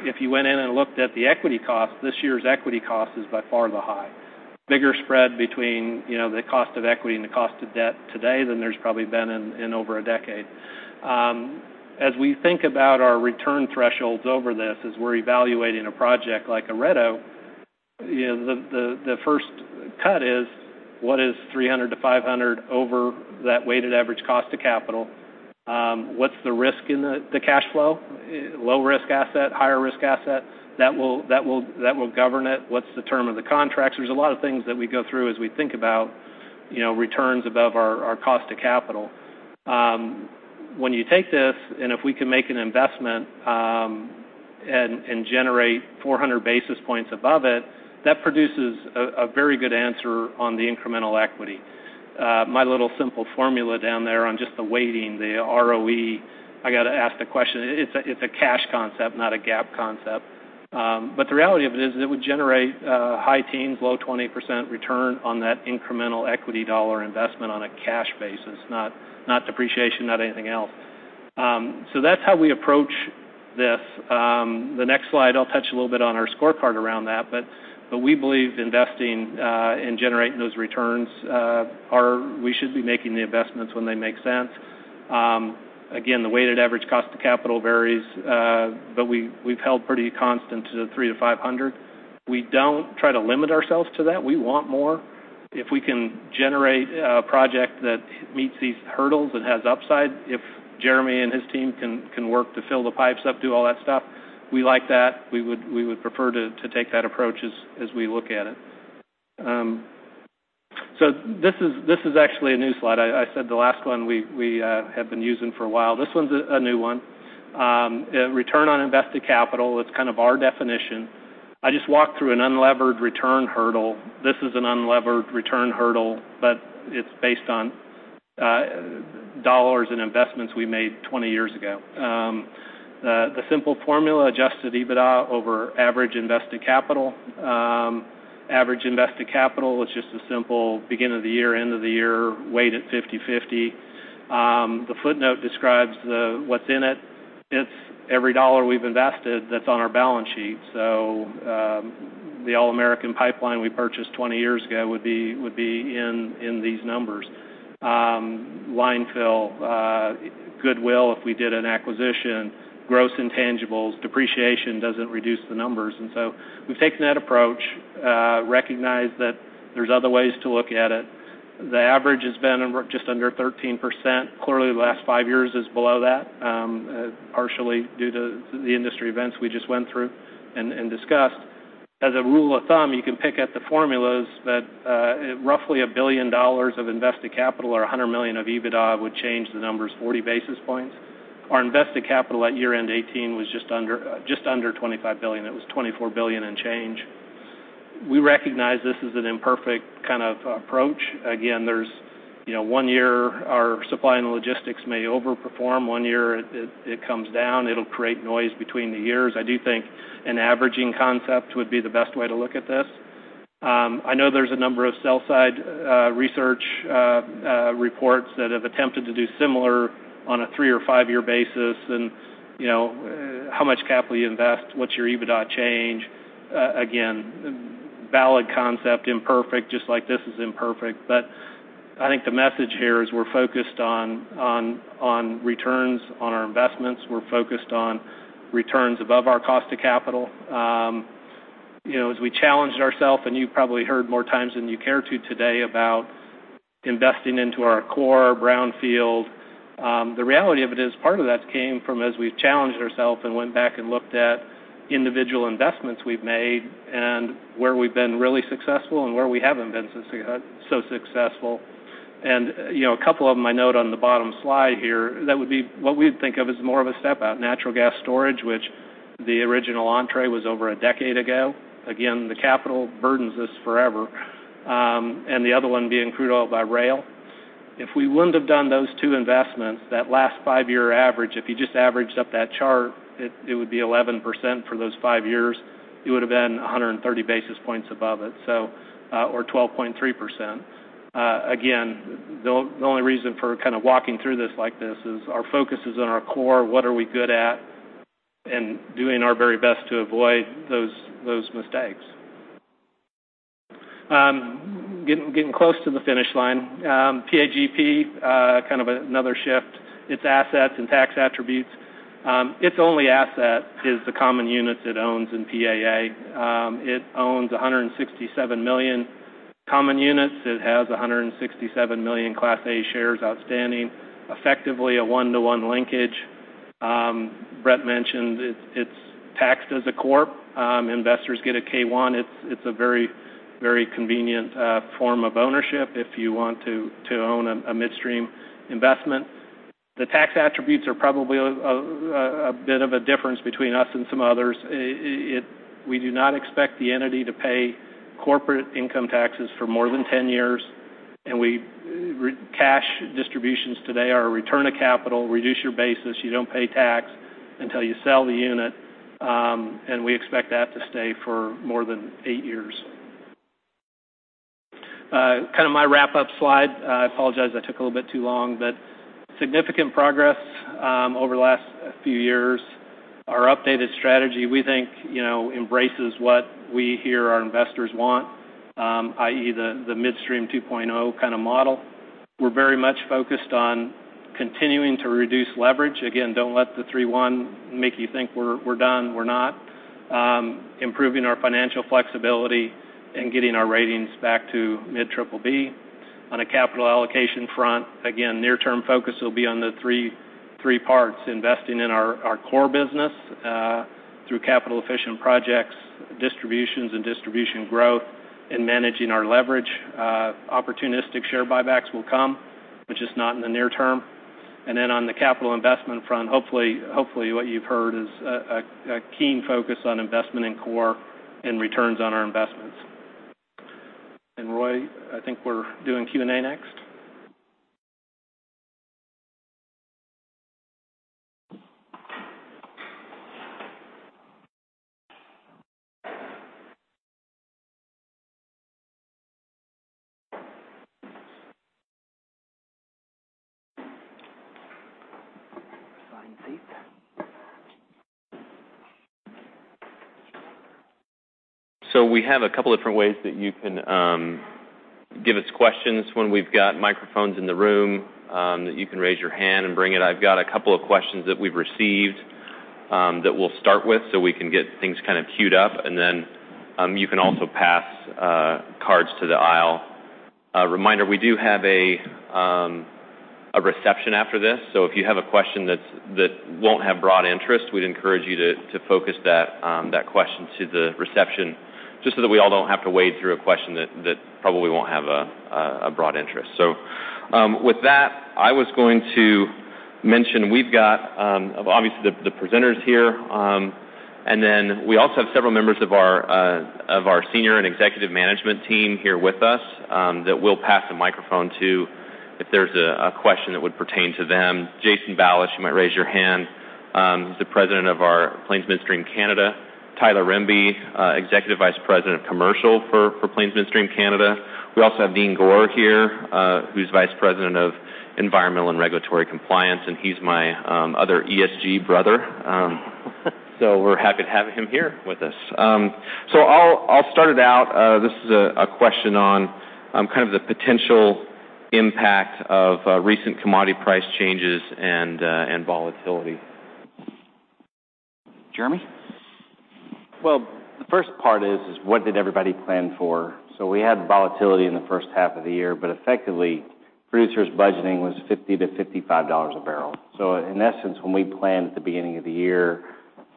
If you went in and looked at the equity cost, this year's equity cost is by far the high. Bigger spread between the cost of equity and the cost of debt today than there's probably been in over a decade. As we think about our return thresholds over this, as we're evaluating a project like a Red Oak, the first cut is what is 300 to 500 over that weighted average cost of capital? What's the risk in the cash flow? Low-risk asset, higher-risk asset? That will govern it. What's the term of the contracts? There's a lot of things that we go through as we think about returns above our cost of capital. When you take this, and if we can make an investment and generate 400 basis points above it, that produces a very good answer on the incremental equity. My little simple formula down there on just the weighting, the ROE, I got to ask the question. It's a cash concept, not a GAAP concept. The reality of it is that it would generate high teens, low 20% return on that incremental equity dollar investment on a cash basis, not depreciation, not anything else. That's how we approach this. The next slide, I'll touch a little bit on our scorecard around that, but we believe investing and generating those returns, we should be making the investments when they make sense. The weighted average cost of capital varies, but we've held pretty constant to the three to 500. We don't try to limit ourselves to that. We want more. If we can generate a project that meets these hurdles and has upside, if Jeremy and his team can work to fill the pipes up, do all that stuff, we like that. We would prefer to take that approach as we look at it. This is actually a new slide. I said the last one we have been using for a while. This one's a new one. Return on invested capital, it's kind of our definition. I just walked through an unlevered return hurdle. This is an unlevered return hurdle, but it's based on dollars in investments we made 20 years ago. The simple formula, adjusted EBITDA over average invested capital. Average invested capital is just a simple beginning of the year, end of the year, weighted 50/50. The footnote describes what's in it. It's every dollar we've invested that's on our balance sheet. The All American Pipeline we purchased 20 years ago would be in these numbers. Line fill, goodwill, if we did an acquisition, gross intangibles, depreciation doesn't reduce the numbers. We've taken that approach, recognize that there's other ways to look at it. The average has been just under 13%. Clearly, the last five years is below that, partially due to the industry events we just went through and discussed. As a rule of thumb, you can pick at the formulas that roughly $1 billion of invested capital or $100 million of EBITDA would change the numbers 40 basis points. Our invested capital at year-end 2018 was just under $25 billion. It was $24 billion and change. We recognize this is an imperfect kind of approach. One year our supply and logistics may overperform. One year it comes down. It'll create noise between the years. I do think an averaging concept would be the best way to look at this. I know there's a number of sell side research reports that have attempted to do similar on a three or five-year basis and how much capital you invest, what's your EBITDA change? Valid concept, imperfect, just like this is imperfect. I think the message here is we're focused on returns on our investments. We're focused on returns above our cost of capital. As we challenged ourself, and you probably heard more times than you care to today about investing into our core brownfield. The reality of it is part of that came from as we challenged ourselves and went back and looked at individual investments we've made and where we've been really successful and where we haven't been so successful. A couple of them I note on the bottom slide here, that would be what we'd think of as more of a step out. Natural gas storage, which the original entree was over a decade ago. Again, the capital burdens us forever. The other one being crude oil by rail. If we wouldn't have done those two investments, that last five-year average, if you just averaged up that chart, it would be 11% for those five years. It would have been 130 basis points above it, or 12.3%. The only reason for kind of walking through this like this is our focus is on our core, what are we good at, and doing our very best to avoid those mistakes. Getting close to the finish line. PAGP, kind of another shift. Its assets and tax attributes. Its only asset is the common units it owns in PAA. It owns 167 million common units. It has 167 million Class A shares outstanding, effectively a one-to-one linkage. Brett mentioned it's taxed as a C corp. Investors get a K-1. It's a very convenient form of ownership if you want to own a midstream investment. The tax attributes are probably a bit of a difference between us and some others. We do not expect the entity to pay corporate income taxes for more than 10 years. Cash distributions today are a return of capital, reduce your basis. You don't pay tax until you sell the unit, and we expect that to stay for more than eight years. Kind of my wrap-up slide. I apologize I took a little bit too long, but significant progress over the last few years. Our updated strategy, we think, embraces what we hear our investors want, i.e. the midstream 2.0 kind of model. We're very much focused on continuing to reduce leverage. Again, don't let the three one make you think we're done. We're not. Improving our financial flexibility and getting our ratings back to mid-BBB. On a capital allocation front, again, near-term focus will be on the three parts: investing in our core business through capital-efficient projects, distributions and distribution growth, and managing our leverage. Opportunistic share buybacks will come Which is not in the near term. On the capital investment front, hopefully what you've heard is a keen focus on investment in core and returns on our investments. Roy, I think we're doing Q&A next. Find a seat. We have a couple different ways that you can give us questions when we've got microphones in the room, that you can raise your hand and bring it. I've got a couple of questions that we've received that we'll start with so we can get things queued up, you can also pass cards to the aisle. A reminder, we do have a reception after this, so if you have a question that won't have broad interest, we'd encourage you to focus that question to the reception, just so that we all don't have to wade through a question that probably won't have a broad interest. With that, I was going to mention we've got, obviously, the presenters here. We also have several members of our senior and executive management team here with us that we'll pass the microphone to if there's a question that would pertain to them. Jason Balish, you might raise your hand, who's the President of our Plains Midstream Canada. Tyler Rimbey, Executive Vice President of Commercial for Plains Midstream Canada. We also have Dean Gore here, who's Vice President of Environmental and Regulatory Compliance, and he's my other ESG brother. We're happy to have him here with us. I'll start it out. This is a question on kind of the potential impact of recent commodity price changes and volatility. Jeremy? Well, the first part is what did everybody plan for? We had volatility in the first half of the year, but effectively, producers budgeting was $50-$55 a barrel. In essence, when we planned at the beginning of the year,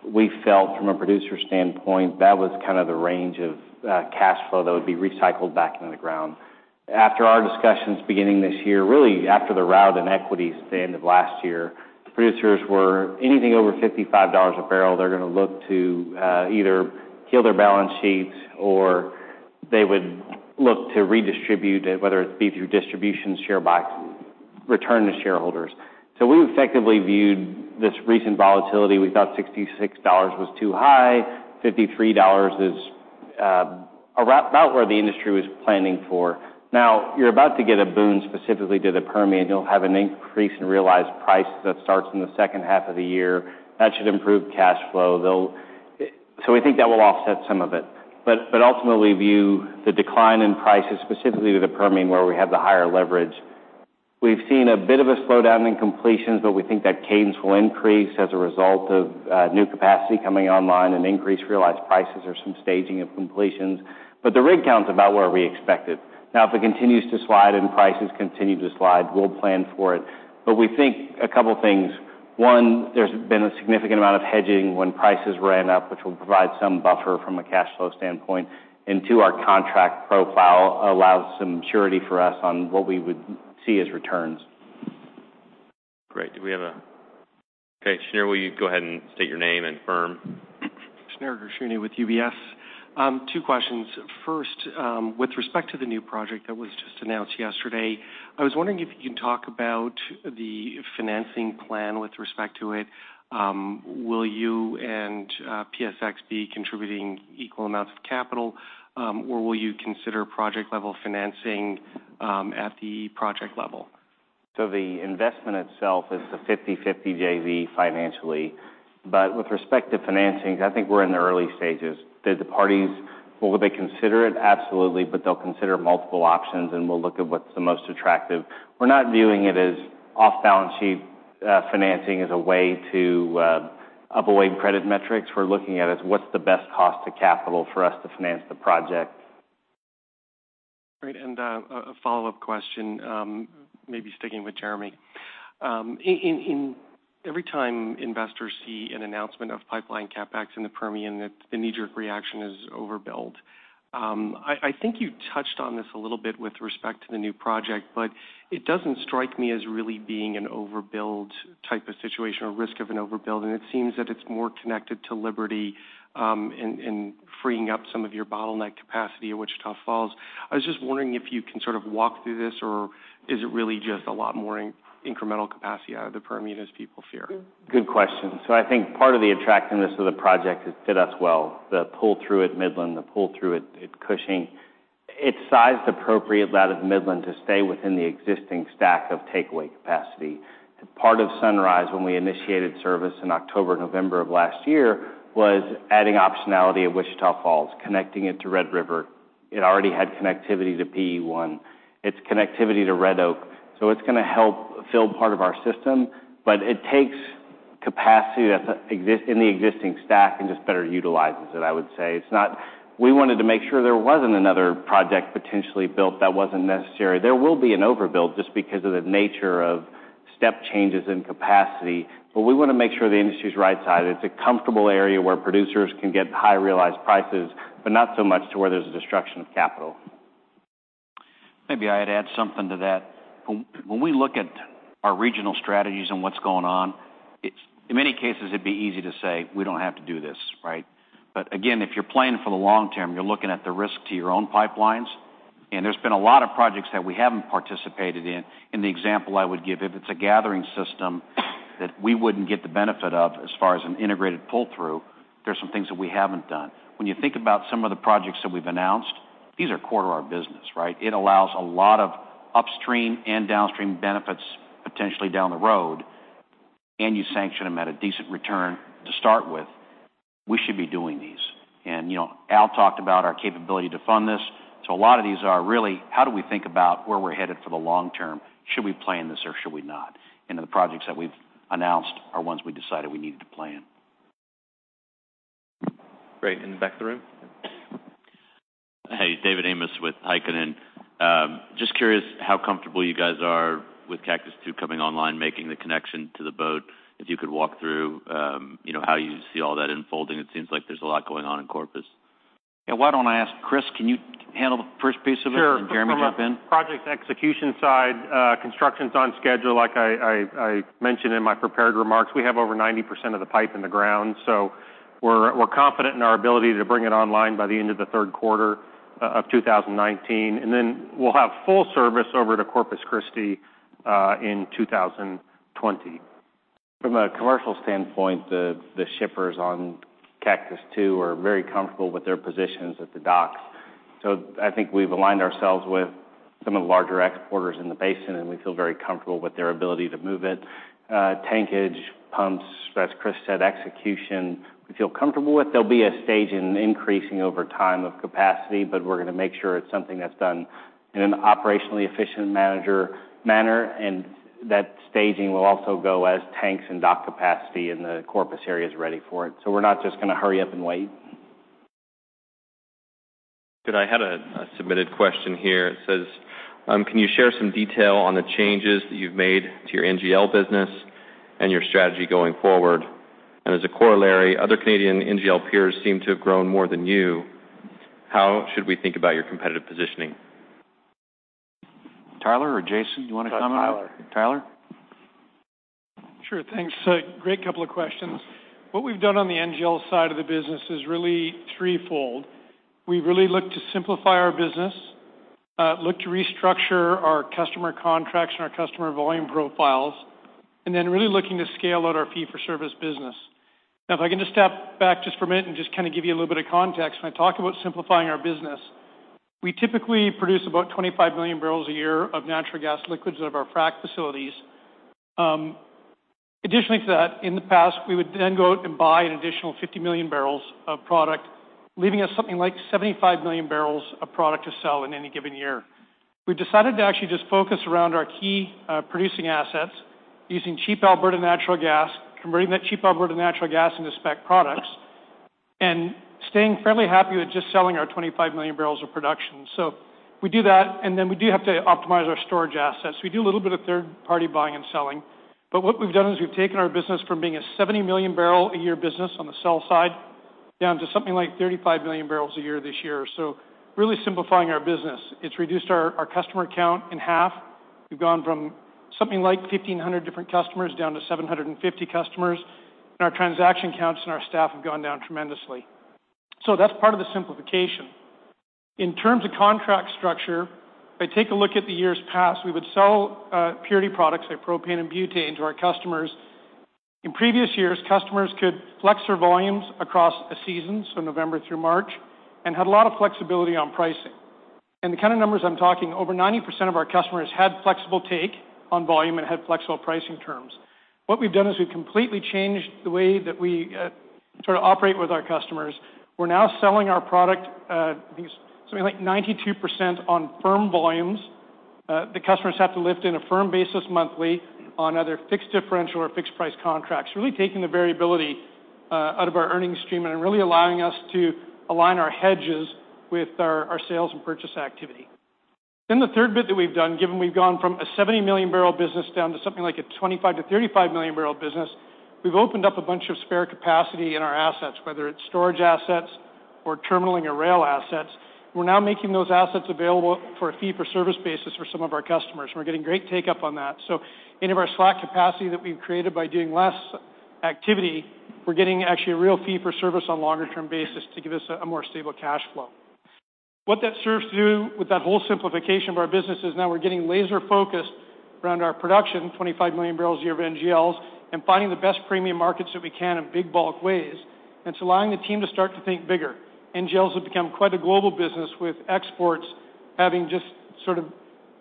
we felt from a producer standpoint, that was kind of the range of cash flow that would be recycled back into the ground. After our discussions beginning this year, really after the rout in equities at the end of last year, the producers were anything over $55 a barrel, they're going to look to either heal their balance sheets or they would look to redistribute it, whether it be through distribution, return to shareholders. We effectively viewed this recent volatility. We thought $66 was too high. $53 is about where the industry was planning for. Now, you're about to get a boon specifically to the Permian. You'll have an increase in realized price that starts in the second half of the year. That should improve cash flow. We think that will offset some of it. Ultimately view the decline in prices, specifically to the Permian, where we have the higher leverage. We've seen a bit of a slowdown in completions, but we think that cadence will increase as a result of new capacity coming online and increased realized prices or some staging of completions. The rig count's about where we expected. Now, if it continues to slide and prices continue to slide, we'll plan for it. We think a couple things. One, there's been a significant amount of hedging when prices ran up, which will provide some buffer from a cash flow standpoint. Two, our contract profile allows some surety for us on what we would see as returns. Great. Do we have? Okay. Shneur, will you go ahead and state your name and firm? Shneur Gershuni with UBS. Two questions. First, with respect to the new project that was just announced yesterday, I was wondering if you can talk about the financing plan with respect to it. Will you and PSX be contributing equal amounts of capital? Will you consider project-level financing at the project level? The investment itself is the 50/50 JV financially. With respect to financings, I think we're in the early stages. Will they consider it? Absolutely, but they'll consider multiple options, and we'll look at what's the most attractive. We're not viewing it as off-balance sheet financing as a way to avoid credit metrics. We're looking at it as what's the best cost to capital for us to finance the project. Great, a follow-up question, maybe sticking with Jeremy. Every time investors see an announcement of pipeline CapEx in the Permian, the knee-jerk reaction is overbuild. I think you touched on this a little bit with respect to the new project, but it doesn't strike me as really being an overbuild type of situation or risk of an overbuild, and it seems that it's more connected to Liberty in freeing up some of your bottleneck capacity at Wichita Falls. I was just wondering if you can sort of walk through this, or is it really just a lot more incremental capacity out of the Permian as people fear? Good question. I think part of the attractiveness of the project has fit us well. The pull through at Midland, the pull through at Cushing. It's sized appropriately out of Midland to stay within the existing stack of takeaway capacity. Part of Sunrise, when we initiated service in October, November of last year, was adding optionality at Wichita Falls, connecting it to Red River. It already had connectivity to PE1. It's connectivity to Red Oak. It's going to help fill part of our system, but it takes capacity in the existing stack and just better utilizes it, I would say. We wanted to make sure there wasn't another project potentially built that wasn't necessary. There will be an overbuild just because of the nature of- Step changes in capacity, but we want to make sure the industry is right-sized. It's a comfortable area where producers can get high realized prices, but not so much to where there's a destruction of capital. Maybe I'd add something to that. When we look at our regional strategies and what's going on, in many cases, it'd be easy to say, we don't have to do this. Again, if you're planning for the long term, you're looking at the risk to your own pipelines. There's been a lot of projects that we haven't participated in, and the example I would give, if it's a gathering system that we wouldn't get the benefit of as far as an integrated pull-through, there's some things that we haven't done. When you think about some of the projects that we've announced, these are core to our business. It allows a lot of upstream and downstream benefits potentially down the road, and you sanction them at a decent return to start with. We should be doing these. Al talked about our capability to fund this. A lot of these are really how do we think about where we're headed for the long term? Should we plan this or should we not? The projects that we've announced are ones we decided we needed to plan. Great. In the back of the room. Hey, David Amoss with Heikkinen. Just curious how comfortable you guys are with Cactus II coming online, making the connection to the boat. If you could walk through how you see all that unfolding. It seems like there's a lot going on in Corpus. Yeah, why don't I ask Chris? Can you handle the first piece of it? Sure Jeremy jump in? From a project execution side, construction's on schedule. Like I mentioned in my prepared remarks, we have over 90% of the pipe in the ground, we're confident in our ability to bring it online by the end of the third quarter of 2019. We'll have full service over to Corpus Christi in 2020. From a commercial standpoint, the shippers on Cactus II are very comfortable with their positions at the docks. I think we've aligned ourselves with some of the larger exporters in the basin, we feel very comfortable with their ability to move it. Tankage, pumps, as Chris said, execution, we feel comfortable with. There'll be a stage in increasing over time of capacity, we're going to make sure it's something that's done in an operationally efficient manner, that staging will also go as tanks and dock capacity in the Corpus area's ready for it. We're not just going to hurry up and wait. Good. I had a submitted question here. It says, "Can you share some detail on the changes that you've made to your NGL business and your strategy going forward? And as a corollary, other Canadian NGL peers seem to have grown more than you. How should we think about your competitive positioning? Tyler or Jason, you want to comment? Go, Tyler. Tyler? Sure. Thanks. Great couple of questions. What we've done on the NGL side of the business is really threefold. We really look to simplify our business, look to restructure our customer contracts and our customer volume profiles, and then really looking to scale out our fee-for-service business. If I can just step back just for a minute and just kind of give you a little bit of context. When I talk about simplifying our business, we typically produce about 25 million barrels a year of Natural Gas Liquids out of our frac facilities. Additionally, to that, in the past, we would then go out and buy an additional 50 million barrels of product, leaving us something like 75 million barrels of product to sell in any given year. We've decided to actually just focus around our key producing assets using cheap Alberta natural gas, converting that cheap Alberta natural gas into spec products, and staying fairly happy with just selling our 25 million barrels of production. We do that, and then we do have to optimize our storage assets. We do a little bit of third-party buying and selling. What we've done is we've taken our business from being a 70 million barrel a year business on the sell side down to something like 35 million barrels a year this year. Really simplifying our business. It's reduced our customer count in half. We've gone from something like 1,500 different customers down to 750 customers. Our transaction counts and our staff have gone down tremendously. That's part of the simplification. In terms of contract structure, if I take a look at the years past, we would sell purity products like propane and butane to our customers. In previous years, customers could flex their volumes across a season, November through March, and had a lot of flexibility on pricing. The kind of numbers I'm talking, over 90% of our customers had flexible take on volume and had flexible pricing terms. What we've done is we've completely changed the way that we sort of operate with our customers. We're now selling our product at something like 92% on firm volumes. The customers have to lift in a firm basis monthly on either fixed differential or fixed price contracts. Really taking the variability out of our earnings stream and really allowing us to align our hedges with our sales and purchase activity. The third bit that we've done, given we've gone from a 70 million barrel business down to something like a 25 million-35 million barrel business, we've opened up a bunch of spare capacity in our assets, whether it's storage assets or terminalling or rail assets. We're now making those assets available for a fee-for-service basis for some of our customers. We're getting great take-up on that. Any of our slack capacity that we've created by doing less activity, we're getting actually a real fee for service on longer-term basis to give us a more stable cash flow. What that serves to do with that whole simplification of our business is now we're getting laser-focused around our production, 25 million barrels a year of NGLs, and finding the best premium markets that we can in big bulk ways. It's allowing the team to start to think bigger. NGLs have become quite a global business, with exports having just sort of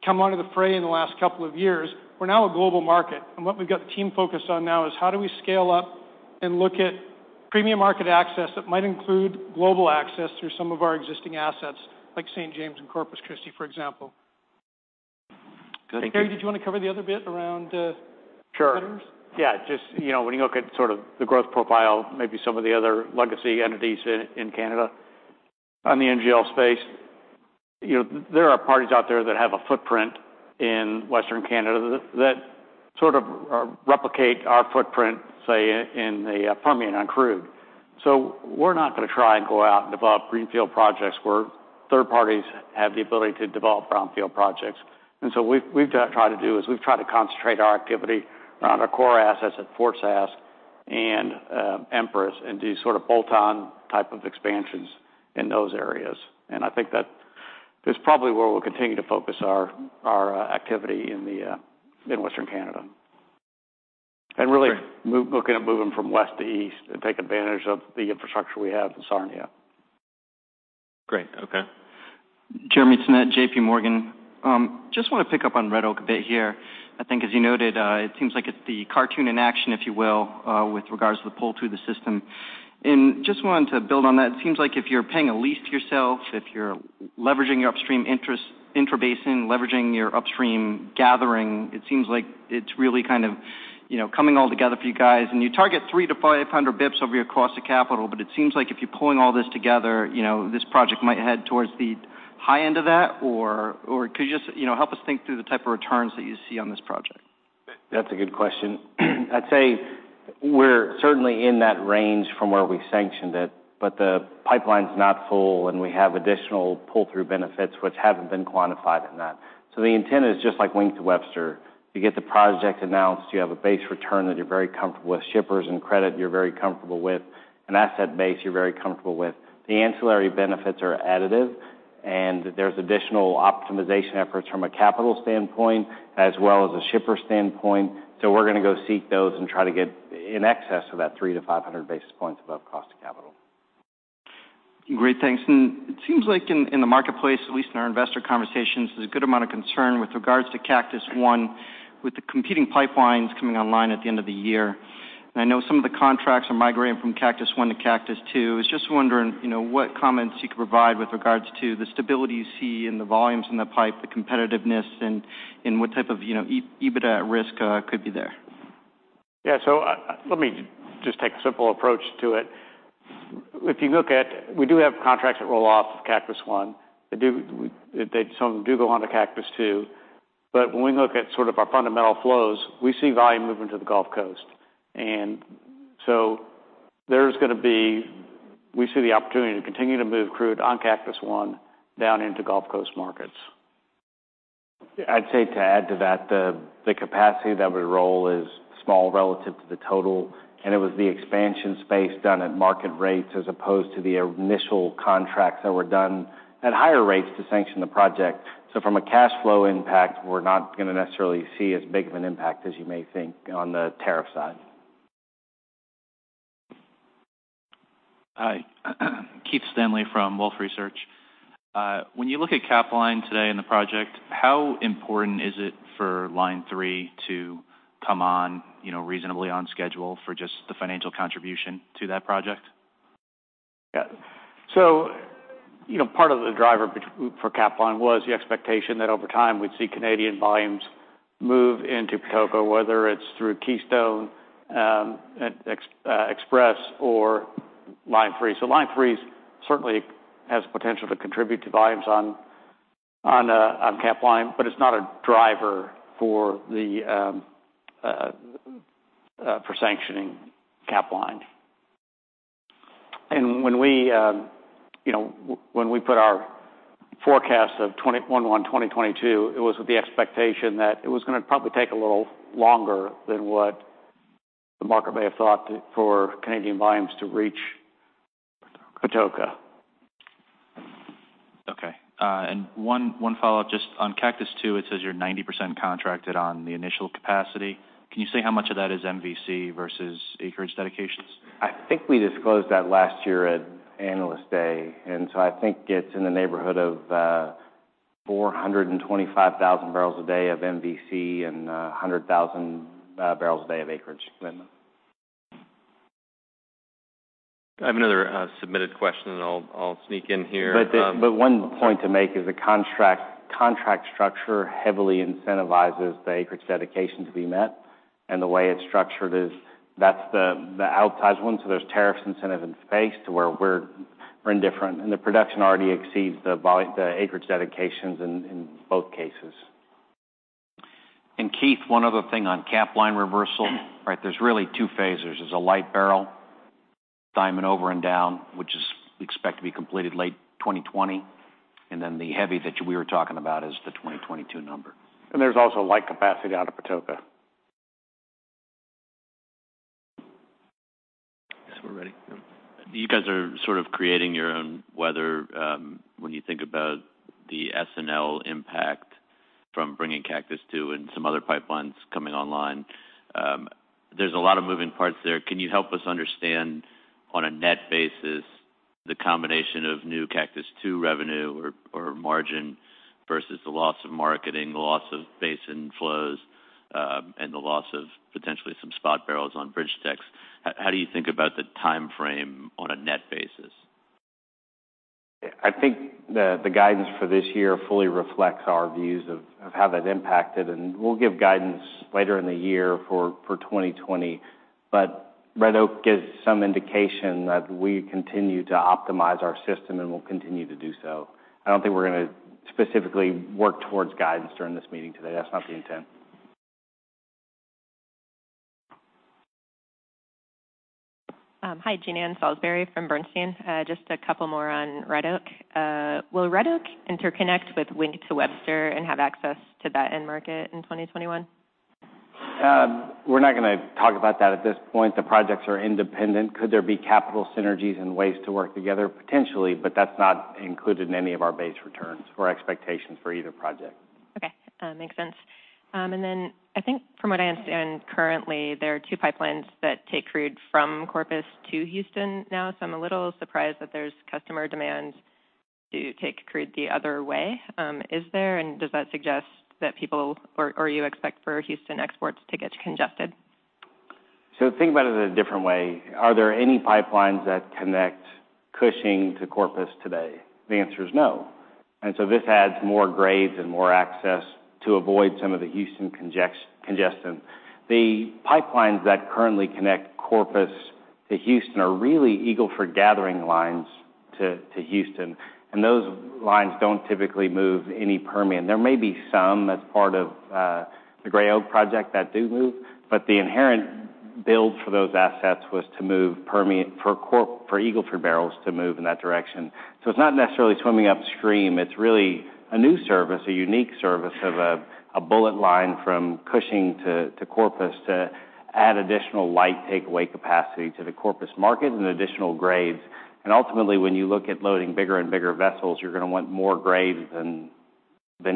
come out of the fray in the last couple of years. We're now a global market, and what we've got the team focused on now is how do we scale up and look at premium market access that might include global access through some of our existing assets like St. James and Corpus Christi, for example. Good. Thank you. Harry, did you want to cover the other bit around? Sure competitors? Yeah. When you look at sort of the growth profile, maybe some of the other legacy entities in Canada on the NGL space. There are parties out there that have a footprint in Western Canada that sort of replicate our footprint, say, in the Permian on crude. We're not going to try and go out and develop greenfield projects where third parties have the ability to develop brownfield projects. What we've tried to do is we've tried to concentrate our activity around our core assets at Fort Saskatchewan and Empress, and do sort of bolt-on type of expansions in those areas. I think that is probably where we'll continue to focus our activity in Western Canada. Really. Great looking at moving from west to east and taking advantage of the infrastructure we have in Sarnia. Great. Okay. Jeremy Tonet, J.P. Morgan. I just want to pick up on Red Oak a bit here. I think as you noted, it seems like it's the cartoon in action, if you will, with regards to the pull through the system. I just wanted to build on that. It seems like if you're paying a lease yourself, if you're leveraging your upstream intrabasin, leveraging your upstream gathering, it seems like it's really kind of coming all together for you guys. You target 3 to 500 basis points over your cost of capital, but it seems like if you're pulling all this together, this project might head towards the high end of that, or could you just help us think through the type of returns that you see on this project? That's a good question. I'd say we're certainly in that range from where we sanctioned it, but the pipeline's not full, and we have additional pull-through benefits which haven't been quantified in that. The intent is just like Wink to Webster. We get the project announced, we have a base return that we're very comfortable with, shippers and credit we're very comfortable with, an asset base we're very comfortable with. The ancillary benefits are additive, and there's additional optimization efforts from a capital standpoint as well as a shipper standpoint. We're going to go seek those and try to get in excess of that 3 to 500 basis points above cost of capital. Great. Thanks. It seems like in the marketplace, at least in our investor conversations, there's a good amount of concern with regards to Cactus I with the competing pipelines coming online at the end of the year. I know some of the contracts are migrating from Cactus I to Cactus II. I was just wondering what comments you could provide with regards to the stability you see in the volumes in the pipe, the competitiveness, and what type of EBITDA risk could be there. Yeah. Let me just take a simple approach to it. We do have contracts that roll off of Cactus I. Some of them do go on to Cactus II. When we look at sort of our fundamental flows, we see volume moving to the Gulf Coast. We see the opportunity to continue to move crude on Cactus I down into Gulf Coast markets. I'd say to add to that, the capacity that would roll is small relative to the total, and it was the expansion space done at market rates as opposed to the initial contracts that were done at higher rates to sanction the project. From a cash flow impact, we're not going to necessarily see as big of an impact as you may think on the tariff side. Hi. Keith Stanley from Wolfe Research. When you look at Capline today and the project, how important is it for Line 3 to come on reasonably on schedule for just the financial contribution to that project? Yeah. Part of the driver for Capline was the expectation that over time, we'd see Canadian volumes move into Patoka, whether it's through Keystone Express or Line 3. Line 3 certainly has potential to contribute to volumes on Capline, but it's not a driver for sanctioning Capline. When we put our forecast of 2021, 2022, it was with the expectation that it was going to probably take a little longer than what the market may have thought for Canadian volumes to reach Patoka. Okay. One follow-up, just on Cactus II, it says you're 90% contracted on the initial capacity. Can you say how much of that is MVC versus acreage dedications? I think we disclosed that last year at Analyst Day, I think it's in the neighborhood of 425,000 barrels a day of MVC and 100,000 barrels a day of acreage. I have another submitted question, I'll sneak in here. One point to make is the contract structure heavily incentivizes the acreage dedication to be met. The way it's structured is that's the outsized one, there's tariffs incentive in space to where we're indifferent. The production already exceeds the acreage dedications in both cases. Keith, one other thing on Capline reversal, right? There's really two phases. There's a light barrel Diamond over and down, which we expect to be completed late 2020, then the heavy that we were talking about is the 2022 number. There's also light capacity out of Patoka. I guess we're ready. You guys are sort of creating your own weather when you think about the SNL impact from bringing Cactus Two and some other pipelines coming online. There's a lot of moving parts there. Can you help us understand, on a net basis, the combination of new Cactus Two revenue or margin versus the loss of marketing, the loss of Basin flows, and the loss of potentially some spot barrels on BridgeTex? How do you think about the timeframe on a net basis? I think the guidance for this year fully reflects our views of how that impacted, and we'll give guidance later in the year for 2020. Red Oak gives some indication that we continue to optimize our system and will continue to do so. I don't think we're going to specifically work towards guidance during this meeting today. That's not the intent. Hi, Jean Ann Salisbury from Bernstein. Just a couple more on Red Oak. Will Red Oak interconnect with Wink to Webster and have access to that end market in 2021? We're not going to talk about that at this point. The projects are independent. Could there be capital synergies and ways to work together? Potentially, but that's not included in any of our base returns or expectations for either project. Okay. Makes sense. I think from what I understand, currently, there are two pipelines that take crude from Corpus to Houston now. I'm a little surprised that there's customer demand to take crude the other way. Does that suggest that people, or you expect for Houston exports to get congested? Think about it in a different way. Are there any pipelines that connect Cushing to Corpus today? The answer is no. This adds more grades and more access to avoid some of the Houston congestion. The pipelines that currently connect Corpus to Houston are really Eagle Ford gathering lines to Houston, and those lines don't typically move any Permian. There may be some that's part of the Gray Oak project that do move, but the inherent build for those assets was to move for Eagle Ford barrels to move in that direction. It's not necessarily swimming upstream. It's really a new service, a unique service of a bullet line from Cushing to Corpus to add additional light takeaway capacity to the Corpus market and additional grades. Ultimately, when you look at loading bigger and bigger vessels, you're going to want more grades than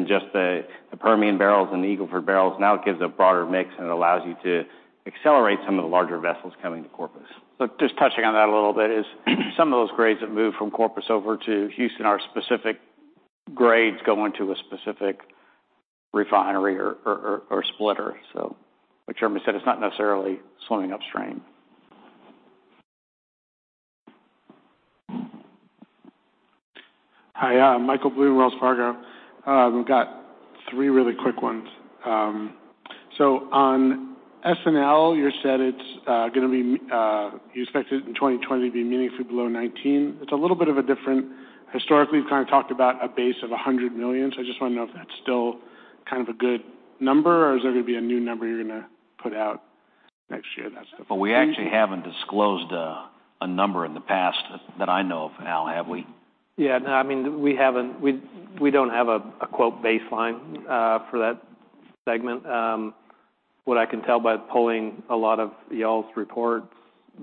just the Permian barrels and the Eagle Ford barrels. Now it gives a broader mix, and it allows you to accelerate some of the larger vessels coming to Corpus. Look, just touching on that a little bit is some of those grades that move from Corpus over to Houston are specific grades going to a specific refinery or splitter. What Jeremy said, it's not necessarily swimming upstream. Hi, Michael Blum, Wells Fargo. We've got three really quick ones. On SNL, you said you expect it in 2020 to be meaningfully below 2019. It's a little bit of a different-- historically, we've kind of talked about a base of $100 million. I just want to know if that's still kind of a good number, or is there going to be a new number you're going to put out next year? We actually haven't disclosed a number in the past that I know of, Al, have we? No, we don't have a quote baseline for that segment. What I can tell by pulling a lot of y'all's reports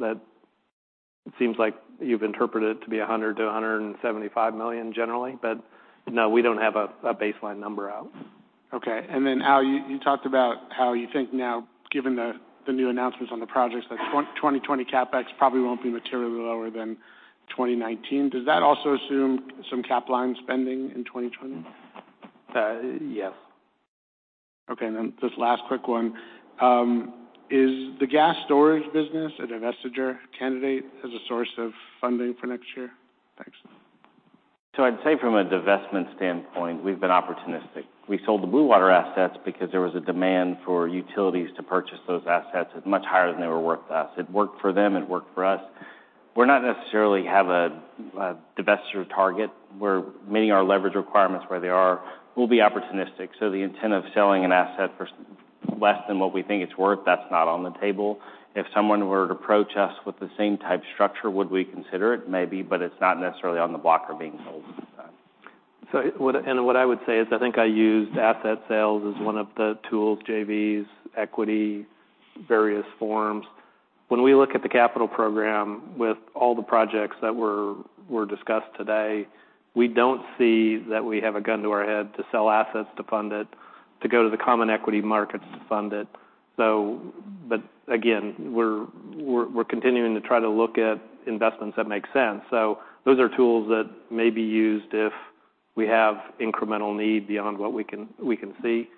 that it seems like you've interpreted it to be $100 million-$175 million generally. No, we don't have a baseline number out. Al, you talked about how you think now, given the new announcements on the projects, that 2020 CapEx probably won't be materially lower than 2019. Does that also assume some Capline spending in 2020? Yes. Just last quick one. Is the gas storage business a divestiture candidate as a source of funding for next year? Thanks. I'd say from a divestment standpoint, we've been opportunistic. We sold the Bluewater assets because there was a demand for utilities to purchase those assets at much higher than they were worth to us. It worked for them. It worked for us. We're not necessarily have a divestiture target. We're meeting our leverage requirements where they are. We'll be opportunistic. The intent of selling an asset for less than what we think it's worth, that's not on the table. If someone were to approach us with the same type structure, would we consider it? Maybe, but it's not necessarily on the block or being sold. What I would say is I think I used asset sales as one of the tools, JVs, equity, various forms. When we look at the capital program with all the projects that were discussed today, we don't see that we have a gun to our head to sell assets to fund it, to go to the common equity markets to fund it. Again, we're continuing to try to look at investments that make sense. Those are tools that may be used if we have incremental need beyond what we can see.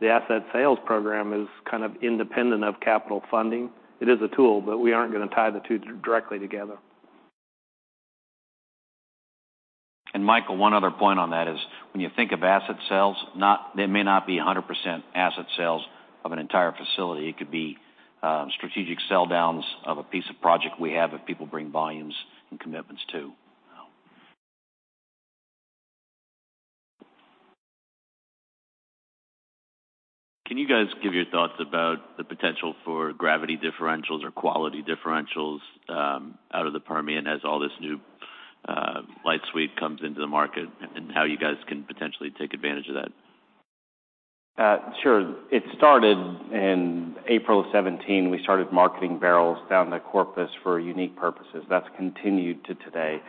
The asset sales program is kind of independent of capital funding. It is a tool, but we aren't going to tie the two directly together. Michael, one other point on that is when you think of asset sales, they may not be 100% asset sales of an entire facility. It could be strategic sell downs of a piece of project we have if people bring volumes and commitments too. Can you guys give your thoughts about the potential for gravity differentials or quality differentials out of the Permian as all this new light sweet comes into the market, and how you guys can potentially take advantage of that? Sure. It started in April of 2017. We started marketing barrels down to Corpus for unique purposes. That's continued to today.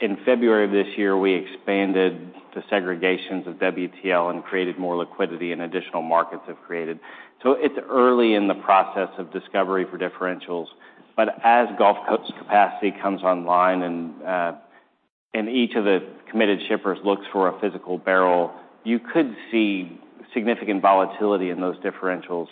In February of this year, we expanded the segregations of WTL and created more liquidity, and additional markets have created. It's early in the process of discovery for differentials. As Gulf Coast capacity comes online and each of the committed shippers looks for a physical barrel, you could see significant volatility in those differentials.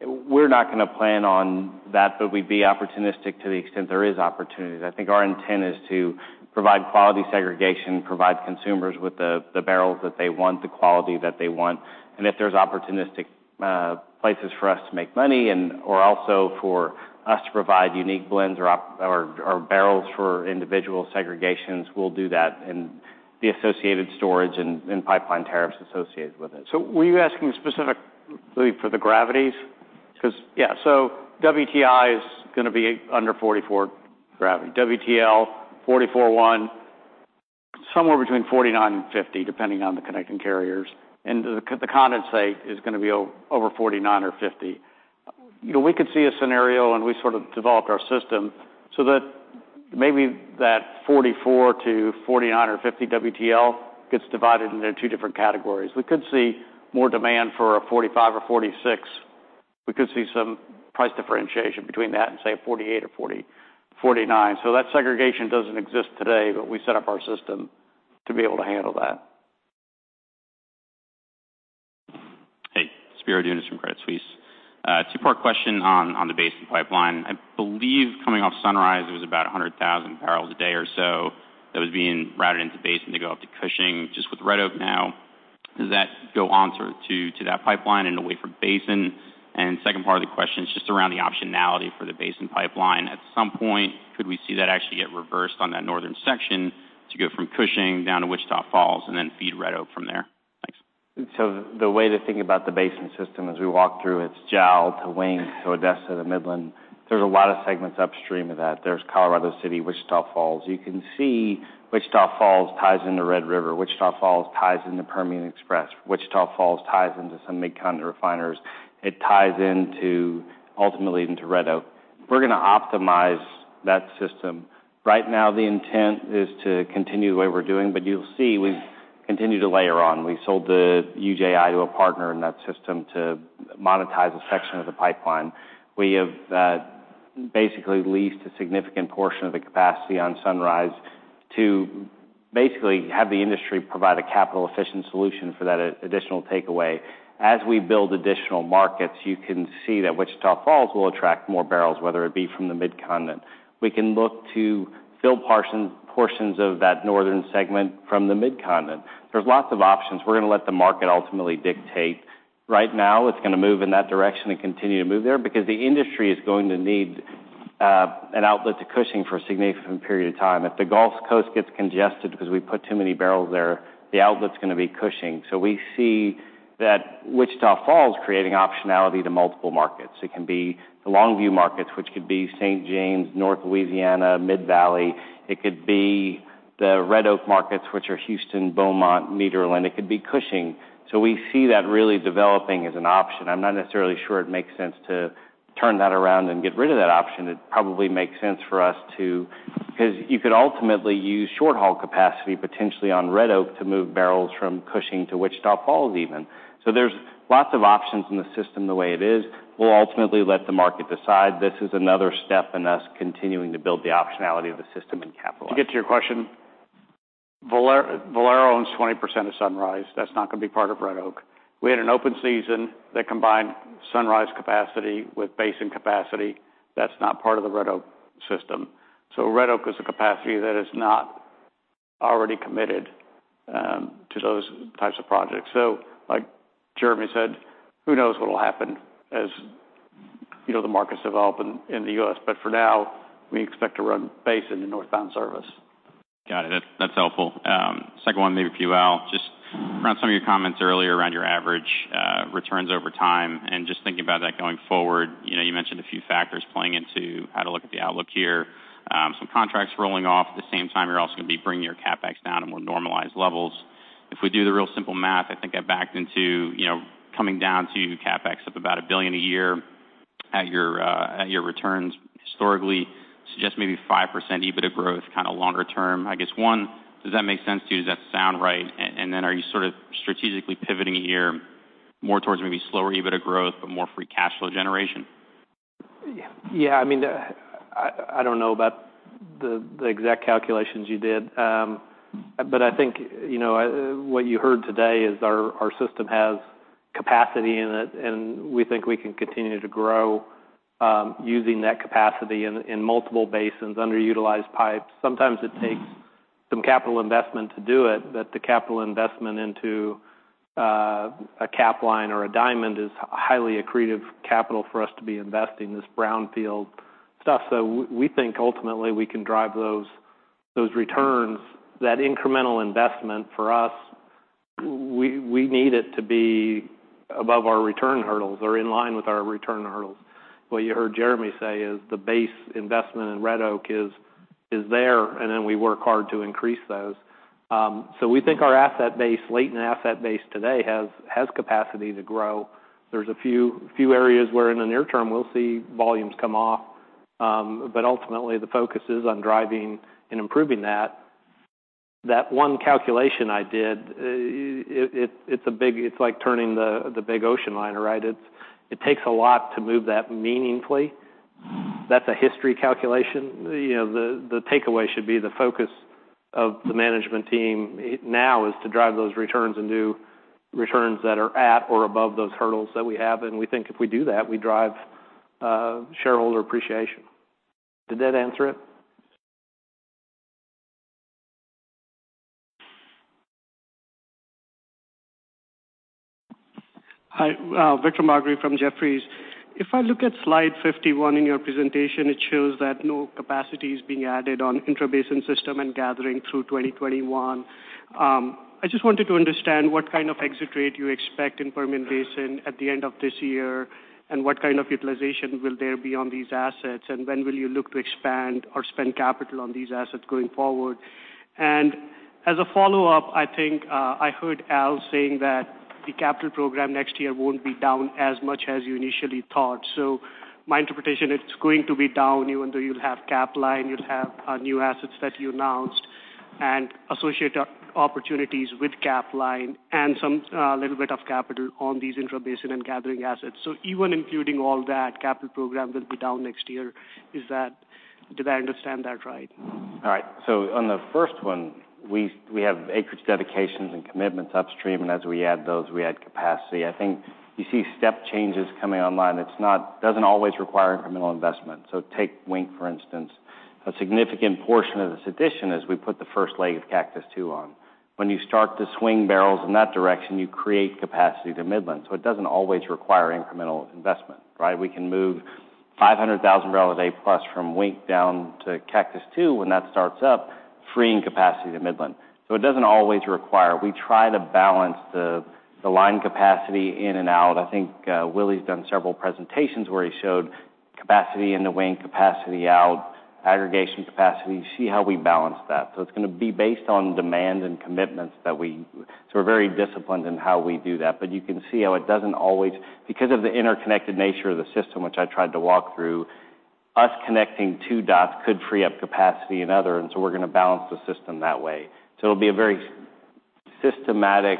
We're not going to plan on that, but we'd be opportunistic to the extent there is opportunities. I think our intent is to provide quality segregation, provide consumers with the barrels that they want, the quality that they want, and if there's opportunistic places for us to make money or also for us to provide unique blends or barrels for individual segregations, we'll do that in the associated storage and pipeline tariffs associated with it. Were you asking specifically for the gravities? Because yeah, WTI is going to be under 44 gravity. WTL, 44.1. Somewhere between 49 and 50, depending on the connecting carriers. The condensate is going to be over 49 or 50. We could see a scenario, and we sort of developed our system so that maybe that 44 to 49 or 50 WTL gets divided into two different categories. We could see more demand for a 45 or 46. We could see some price differentiation between that and, say, a 48 or 49. That segregation doesn't exist today, but we set up our system to be able to handle that. Hey. Spiro Dounis from Credit Suisse. A two-part question on the Basin pipeline. I believe coming off Sunrise, it was about 100,000 barrels a day or so that was being routed into Basin to go up to Cushing. Just with Red Oak now, does that go on to that pipeline and away from Basin? Second part of the question is just around the optionality for the Basin pipeline. At some point, could we see that actually get reversed on that northern section to go from Cushing down to Wichita Falls and then feed Red Oak from there? Thanks. The way to think about the Basin Pipeline system as we walk through, it's JAL to Wink to Odessa to Midland. There's a lot of segments upstream of that. There's Colorado City, Wichita Falls. You can see Wichita Falls ties into Red River Pipeline. Wichita Falls ties into Permian Express. Wichita Falls ties into some Mid-Continent refiners. It ties, ultimately, into Red Oak. We're going to optimize that system. Right now, the intent is to continue the way we're doing, but you'll see we've continued to layer on. We sold the UJI to a partner in that system to monetize a section of the pipeline. We have basically leased a significant portion of the capacity on Sunrise Pipeline to basically have the industry provide a capital-efficient solution for that additional takeaway. As we build additional markets, you can see that Wichita Falls will attract more barrels, whether it be from the Mid-Continent. We can look to fill portions of that northern segment from the Mid-Continent. There's lots of options. We're going to let the market ultimately dictate. Right now, it's going to move in that direction and continue to move there because the industry is going to need an outlet to Cushing for a significant period of time. If the Gulf Coast gets congested because we put too many barrels there, the outlet's going to be Cushing. We see that Wichita Falls creating optionality to multiple markets. It can be the Longview markets, which could be St. James, North Louisiana, Mid-Valley. It could be the Red Oak markets, which are Houston, Beaumont, Mid-Atlantic. It could be Cushing. We see that really developing as an option. I'm not necessarily sure it makes sense to turn that around and get rid of that option. It probably makes sense because you could ultimately use short-haul capacity potentially on Red Oak to move barrels from Cushing to Wichita Falls even. There's lots of options in the system the way it is. We'll ultimately let the market decide. This is another step in us continuing to build the optionality of the system and capitalize. To get to your question, Valero owns 20% of Sunrise Pipeline. That's not going to be part of Red Oak. We had an open season that combined Sunrise Pipeline capacity with Basin Pipeline capacity. That's not part of the Red Oak system. Red Oak is a capacity that is not already committed to those types of projects. Like Jeremy said, who knows what'll happen as the markets develop in the U.S. For now, we expect to run Basin Pipeline in northbound service. Got it. That's helpful. Second one, maybe for you, Al. Just around some of your comments earlier around your average returns over time and just thinking about that going forward. You mentioned a few factors playing into how to look at the outlook here. Some contracts rolling off. At the same time, you're also going to be bringing your CapEx down to more normalized levels. If we do the real simple math, I think I backed into coming down to CapEx of about $1 billion a year at your returns historically. Suggest maybe 5% EBITDA growth kind of longer term. Does that make sense to you? Does that sound right? Are you sort of strategically pivoting here more towards maybe slower EBITDA growth, but more free cash flow generation? Yeah. I don't know about the exact calculations you did. I think what you heard today is our system has capacity in it, and we think we can continue to grow using that capacity in multiple basins, underutilized pipes. Sometimes it takes some capital investment to do it, but the capital investment into a Capline or a Diamond is highly accretive capital for us to be investing this brownfield stuff. We think ultimately we can drive those returns. That incremental investment for us, we need it to be above our return hurdles or in line with our return hurdles. What you heard Jeremy say is the base investment in Red Oak is there, and we work hard to increase those. We think our asset base, latent asset base today has capacity to grow. There's a few areas where in the near term we'll see volumes come off. Ultimately, the focus is on driving and improving that. That one calculation I did, it's like turning the big ocean liner, right? It takes a lot to move that meaningfully. That's a history calculation. The takeaway should be the focus of the management team now is to drive those returns and do returns that are at or above those hurdles that we have. We think if we do that, we drive shareholder appreciation. Did that answer it? Hi. Vikram Bagri from Jefferies. If I look at slide 51 in your presentation, it shows that no capacity is being added on intrabasin system and gathering through 2021. I just wanted to understand what kind of exit rate you expect in Permian Basin at the end of this year, and what kind of utilization will there be on these assets, and when will you look to expand or spend capital on these assets going forward? As a follow-up, I think I heard Al saying that the capital program next year won't be down as much as you initially thought. My interpretation, it's going to be down even though you'll have Capline, you'll have new assets that you announced, associated opportunities with Capline, and some little bit of capital on these intrabasin and gathering assets. Even including all that, capital program will be down next year. Did I understand that right? On the first one, we have acreage dedications and commitments upstream, as we add those, we add capacity. I think you see step changes coming online. It doesn't always require incremental investment. Take Wink, for instance. A significant portion of this addition is we put the first leg of Cactus II on. When you start to swing barrels in that direction, you create capacity to Midland. It doesn't always require incremental investment, right? We can move 500,000 barrels a day plus from Wink down to Cactus II when that starts up, freeing capacity to Midland. It doesn't always require. We try to balance the line capacity in and out. I think Willie's done several presentations where he showed capacity in the Wink, capacity out, aggregation capacity. You see how we balance that. It's going to be based on demand and commitments. We're very disciplined in how we do that. You can see how it doesn't always. Because of the interconnected nature of the system, which I tried to walk through, us connecting two dots could free up capacity in other, we're going to balance the system that way. It'll be a very systematic,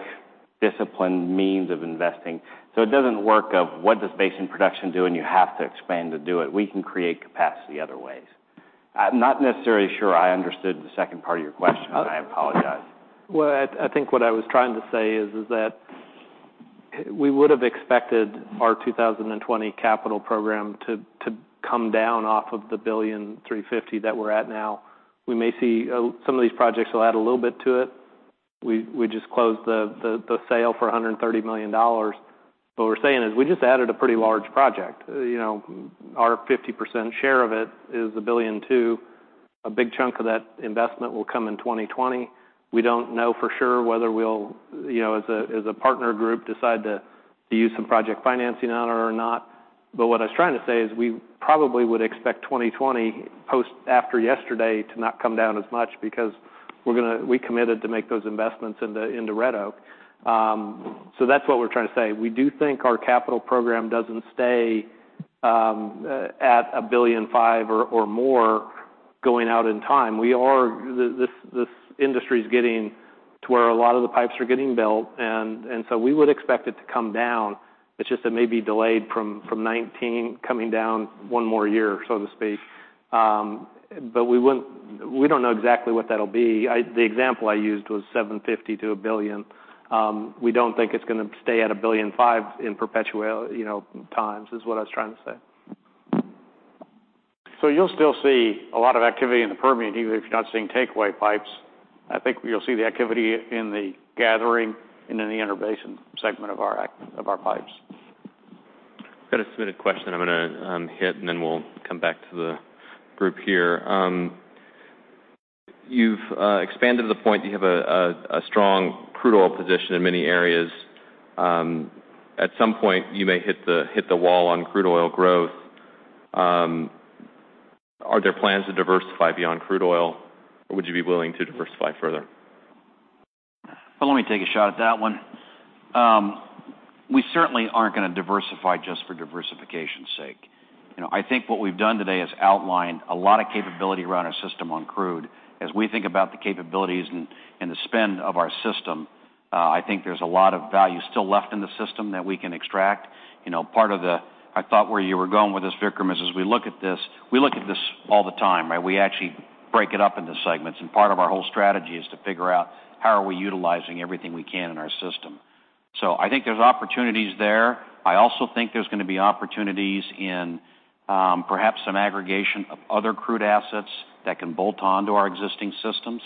disciplined means of investing. It doesn't work of what does basin production do, you have to expand to do it. We can create capacity other ways. I'm not necessarily sure I understood the second part of your question. I apologize. I think what I was trying to say is that we would have expected our 2020 capital program to come down off of the $1.35 billion that we're at now. We may see some of these projects will add a little bit to it. We just closed the sale for $130 million. What we're saying is we just added a pretty large project. Our 50% share of it is $1.2 billion. A big chunk of that investment will come in 2020. We don't know for sure whether we'll, as a partner group, decide to use some project financing on it or not. What I was trying to say is we probably would expect 2020 post after yesterday to not come down as much because we committed to make those investments into Red Oak. That's what we're trying to say. We do think our capital program doesn't stay at $1.5 billion or more going out in time. This industry is getting to where a lot of the pipes are getting built, we would expect it to come down. It's just it may be delayed from 2019 coming down one more year, so to speak. We don't know exactly what that'll be. The example I used was $750 million to $1 billion. We don't think it's going to stay at $1.5 billion in perpetual times is what I was trying to say. You'll still see a lot of activity in the Permian, even if you're not seeing takeaway pipes. I think you'll see the activity in the gathering and in the intrabasin segment of our pipes. got a submitted question I'm going to hit, then we'll come back to the group here. You've expanded to the point you have a strong crude oil position in many areas. At some point, you may hit the wall on crude oil growth. Are there plans to diversify beyond crude oil, or would you be willing to diversify further? Well, let me take a shot at that one. We certainly aren't going to diversify just for diversification's sake. I think what we've done today is outlined a lot of capability around our system on crude. As we think about the capabilities and the spend of our system, I think there's a lot of value still left in the system that we can extract. I thought where you were going with this, Vikram, is as we look at this, we look at this all the time, right? We actually break it up into segments, part of our whole strategy is to figure out how are we utilizing everything we can in our system. I think there's opportunities there. I also think there's going to be opportunities in perhaps some aggregation of other crude assets that can bolt on to our existing systems.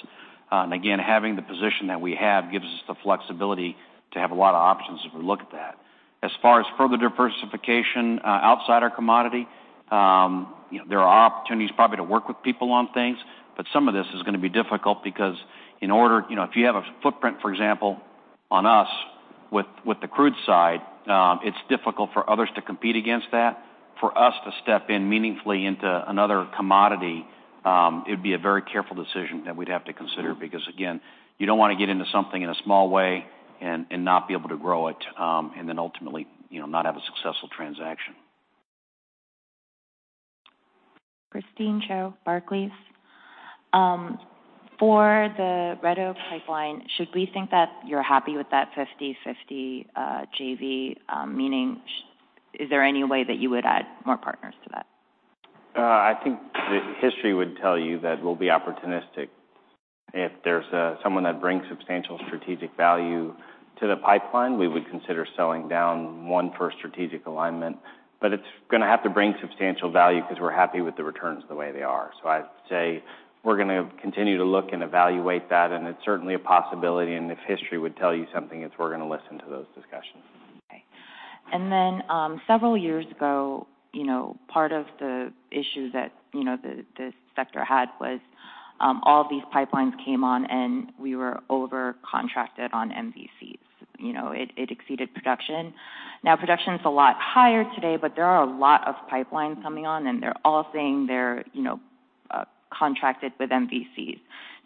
Again, having the position that we have gives us the flexibility to have a lot of options as we look at that. As far as further diversification outside our commodity, there are opportunities probably to work with people on things. Some of this is going to be difficult because if you have a footprint, for example, on us with the crude side, it's difficult for others to compete against that. For us to step in meaningfully into another commodity, it would be a very careful decision that we'd have to consider. Again, you don't want to get into something in a small way and not be able to grow it, and then ultimately not have a successful transaction. Christine Cho, Barclays. For the Red Oak pipeline, should we think that you're happy with that 50/50 JV? Meaning, is there any way that you would add more partners to that? I think the history would tell you that we'll be opportunistic. If there's someone that brings substantial strategic value to the pipeline, we would consider selling down one for strategic alignment, it's going to have to bring substantial value because we're happy with the returns the way they are. I'd say we're going to continue to look and evaluate that, it's certainly a possibility, if history would tell you something, it's we're going to listen to those discussions. Okay. Several years ago, part of the issue that the sector had was all of these pipelines came on, and we were over-contracted on MVCs. It exceeded production. Production's a lot higher today, but there are a lot of pipelines coming on, and they're all saying they're contracted with MVCs.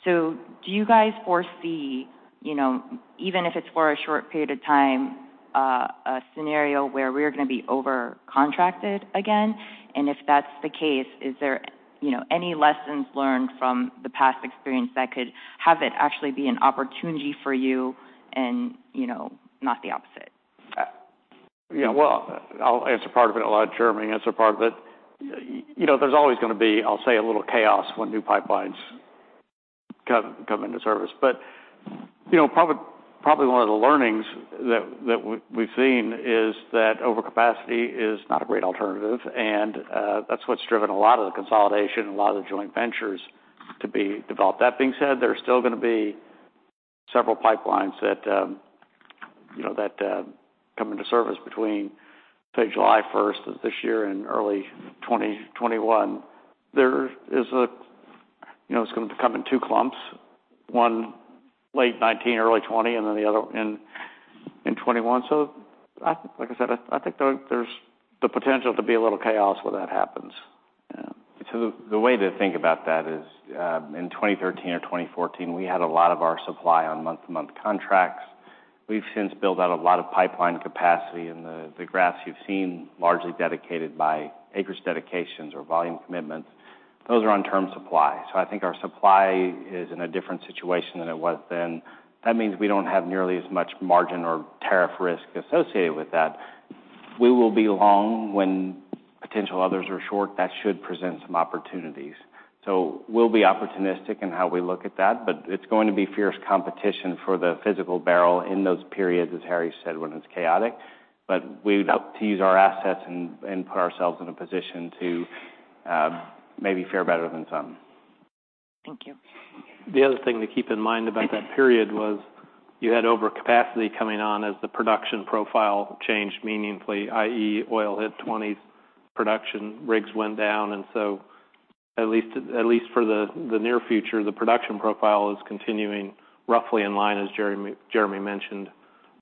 Do you guys foresee, even if it's for a short period of time, a scenario where we are going to be over-contracted again? If that's the case, is there any lessons learned from the past experience that could have it actually be an opportunity for you and not the opposite? Yeah. Well, I'll answer part of it, allow Jeremy answer part of it. There's always going to be, I'll say, a little chaos when new pipelines come into service. Probably one of the learnings that we've seen is that overcapacity is not a great alternative, and that's what's driven a lot of the consolidation and a lot of the joint ventures to be developed. That being said, there are still going to be several pipelines that come into service between, say, July 1st of this year and early 2021. It's going to come in 2 clumps, one late 2019, early 2020, and then the other in 2021. Like I said, I think there's the potential to be a little chaos when that happens. Yeah. The way to think about that is, in 2013 or 2014, we had a lot of our supply on month-to-month contracts. We've since built out a lot of pipeline capacity, and the graphs you've seen largely dedicated by acreage dedications or volume commitments. Those are on term supply. I think our supply is in a different situation than it was then. That means we don't have nearly as much margin or tariff risk associated with that. We will be long when potential others are short. That should present some opportunities. We'll be opportunistic in how we look at that, but it's going to be fierce competition for the physical barrel in those periods, as Harry said, when it's chaotic. We would hope to use our assets and put ourselves in a position to maybe fare better than some. Thank you. The other thing to keep in mind about that period was you had overcapacity coming on as the production profile changed meaningfully, i.e., oil hit 20s, production rigs went down. At least for the near future, the production profile is continuing roughly in line as Jeremy mentioned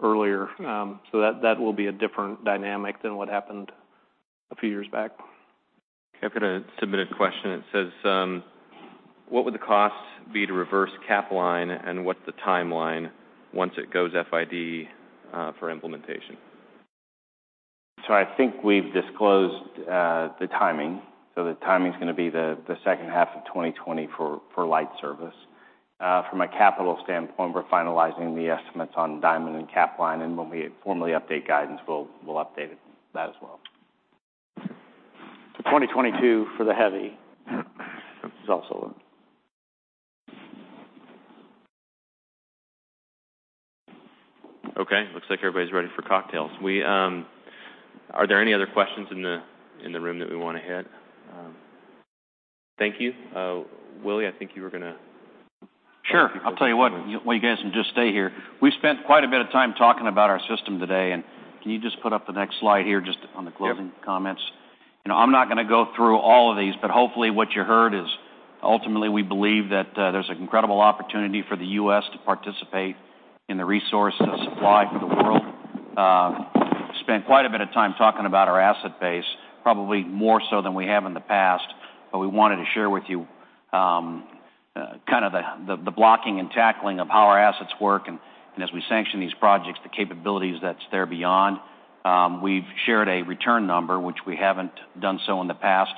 earlier. That will be a different dynamic than what happened a few years back. Okay. I've got a submitted question. It says, "What would the cost be to reverse Capline, and what's the timeline once it goes FID for implementation? I think we've disclosed the timing. The timing's going to be the second half of 2020 for light service. From a capital standpoint, we're finalizing the estimates on Diamond and Capline, and when we formally update guidance, we'll update that as well. 2022 for the heavy is also when. Okay. Looks like everybody's ready for cocktails. Are there any other questions in the room that we want to hit? Thank you. Willie, I think you were going to wrap people. Sure. I'll tell you what. You guys can just stay here. We spent quite a bit of time talking about our system today. Can you just put up the next slide here just on the closing. Yep Comments? I'm not going to go through all of these, but hopefully what you heard is ultimately we believe that there's an incredible opportunity for the U.S. to participate in the resource and supply for the world. Spent quite a bit of time talking about our asset base, probably more so than we have in the past. We wanted to share with you kind of the blocking and tackling of how our assets work, and as we sanction these projects, the capabilities that's there beyond. We've shared a return number, which we haven't done so in the past.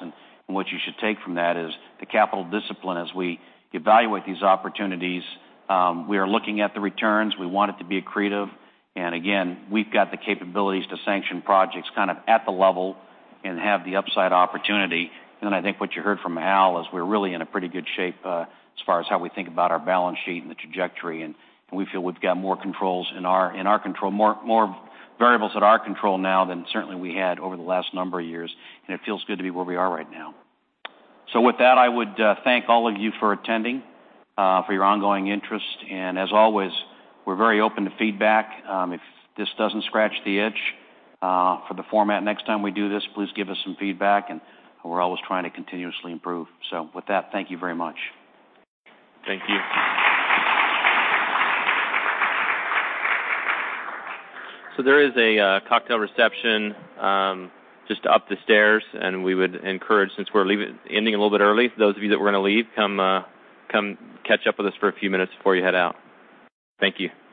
What you should take from that is the capital discipline as we evaluate these opportunities. We are looking at the returns. We want it to be accretive. Again, we've got the capabilities to sanction projects kind of at the level and have the upside opportunity. I think what you heard from Al is we're really in a pretty good shape as far as how we think about our balance sheet and the trajectory, and we feel we've got more variables at our control now than certainly we had over the last number of years, and it feels good to be where we are right now. With that, I would thank all of you for attending, for your ongoing interest. As always, we're very open to feedback. If this doesn't scratch the itch for the format next time we do this, please give us some feedback, and we're always trying to continuously improve. With that, thank you very much. Thank you. There is a cocktail reception just up the stairs. We would encourage, since we're ending a little bit early, for those of you that were going to leave, come catch up with us for a few minutes before you head out. Thank you.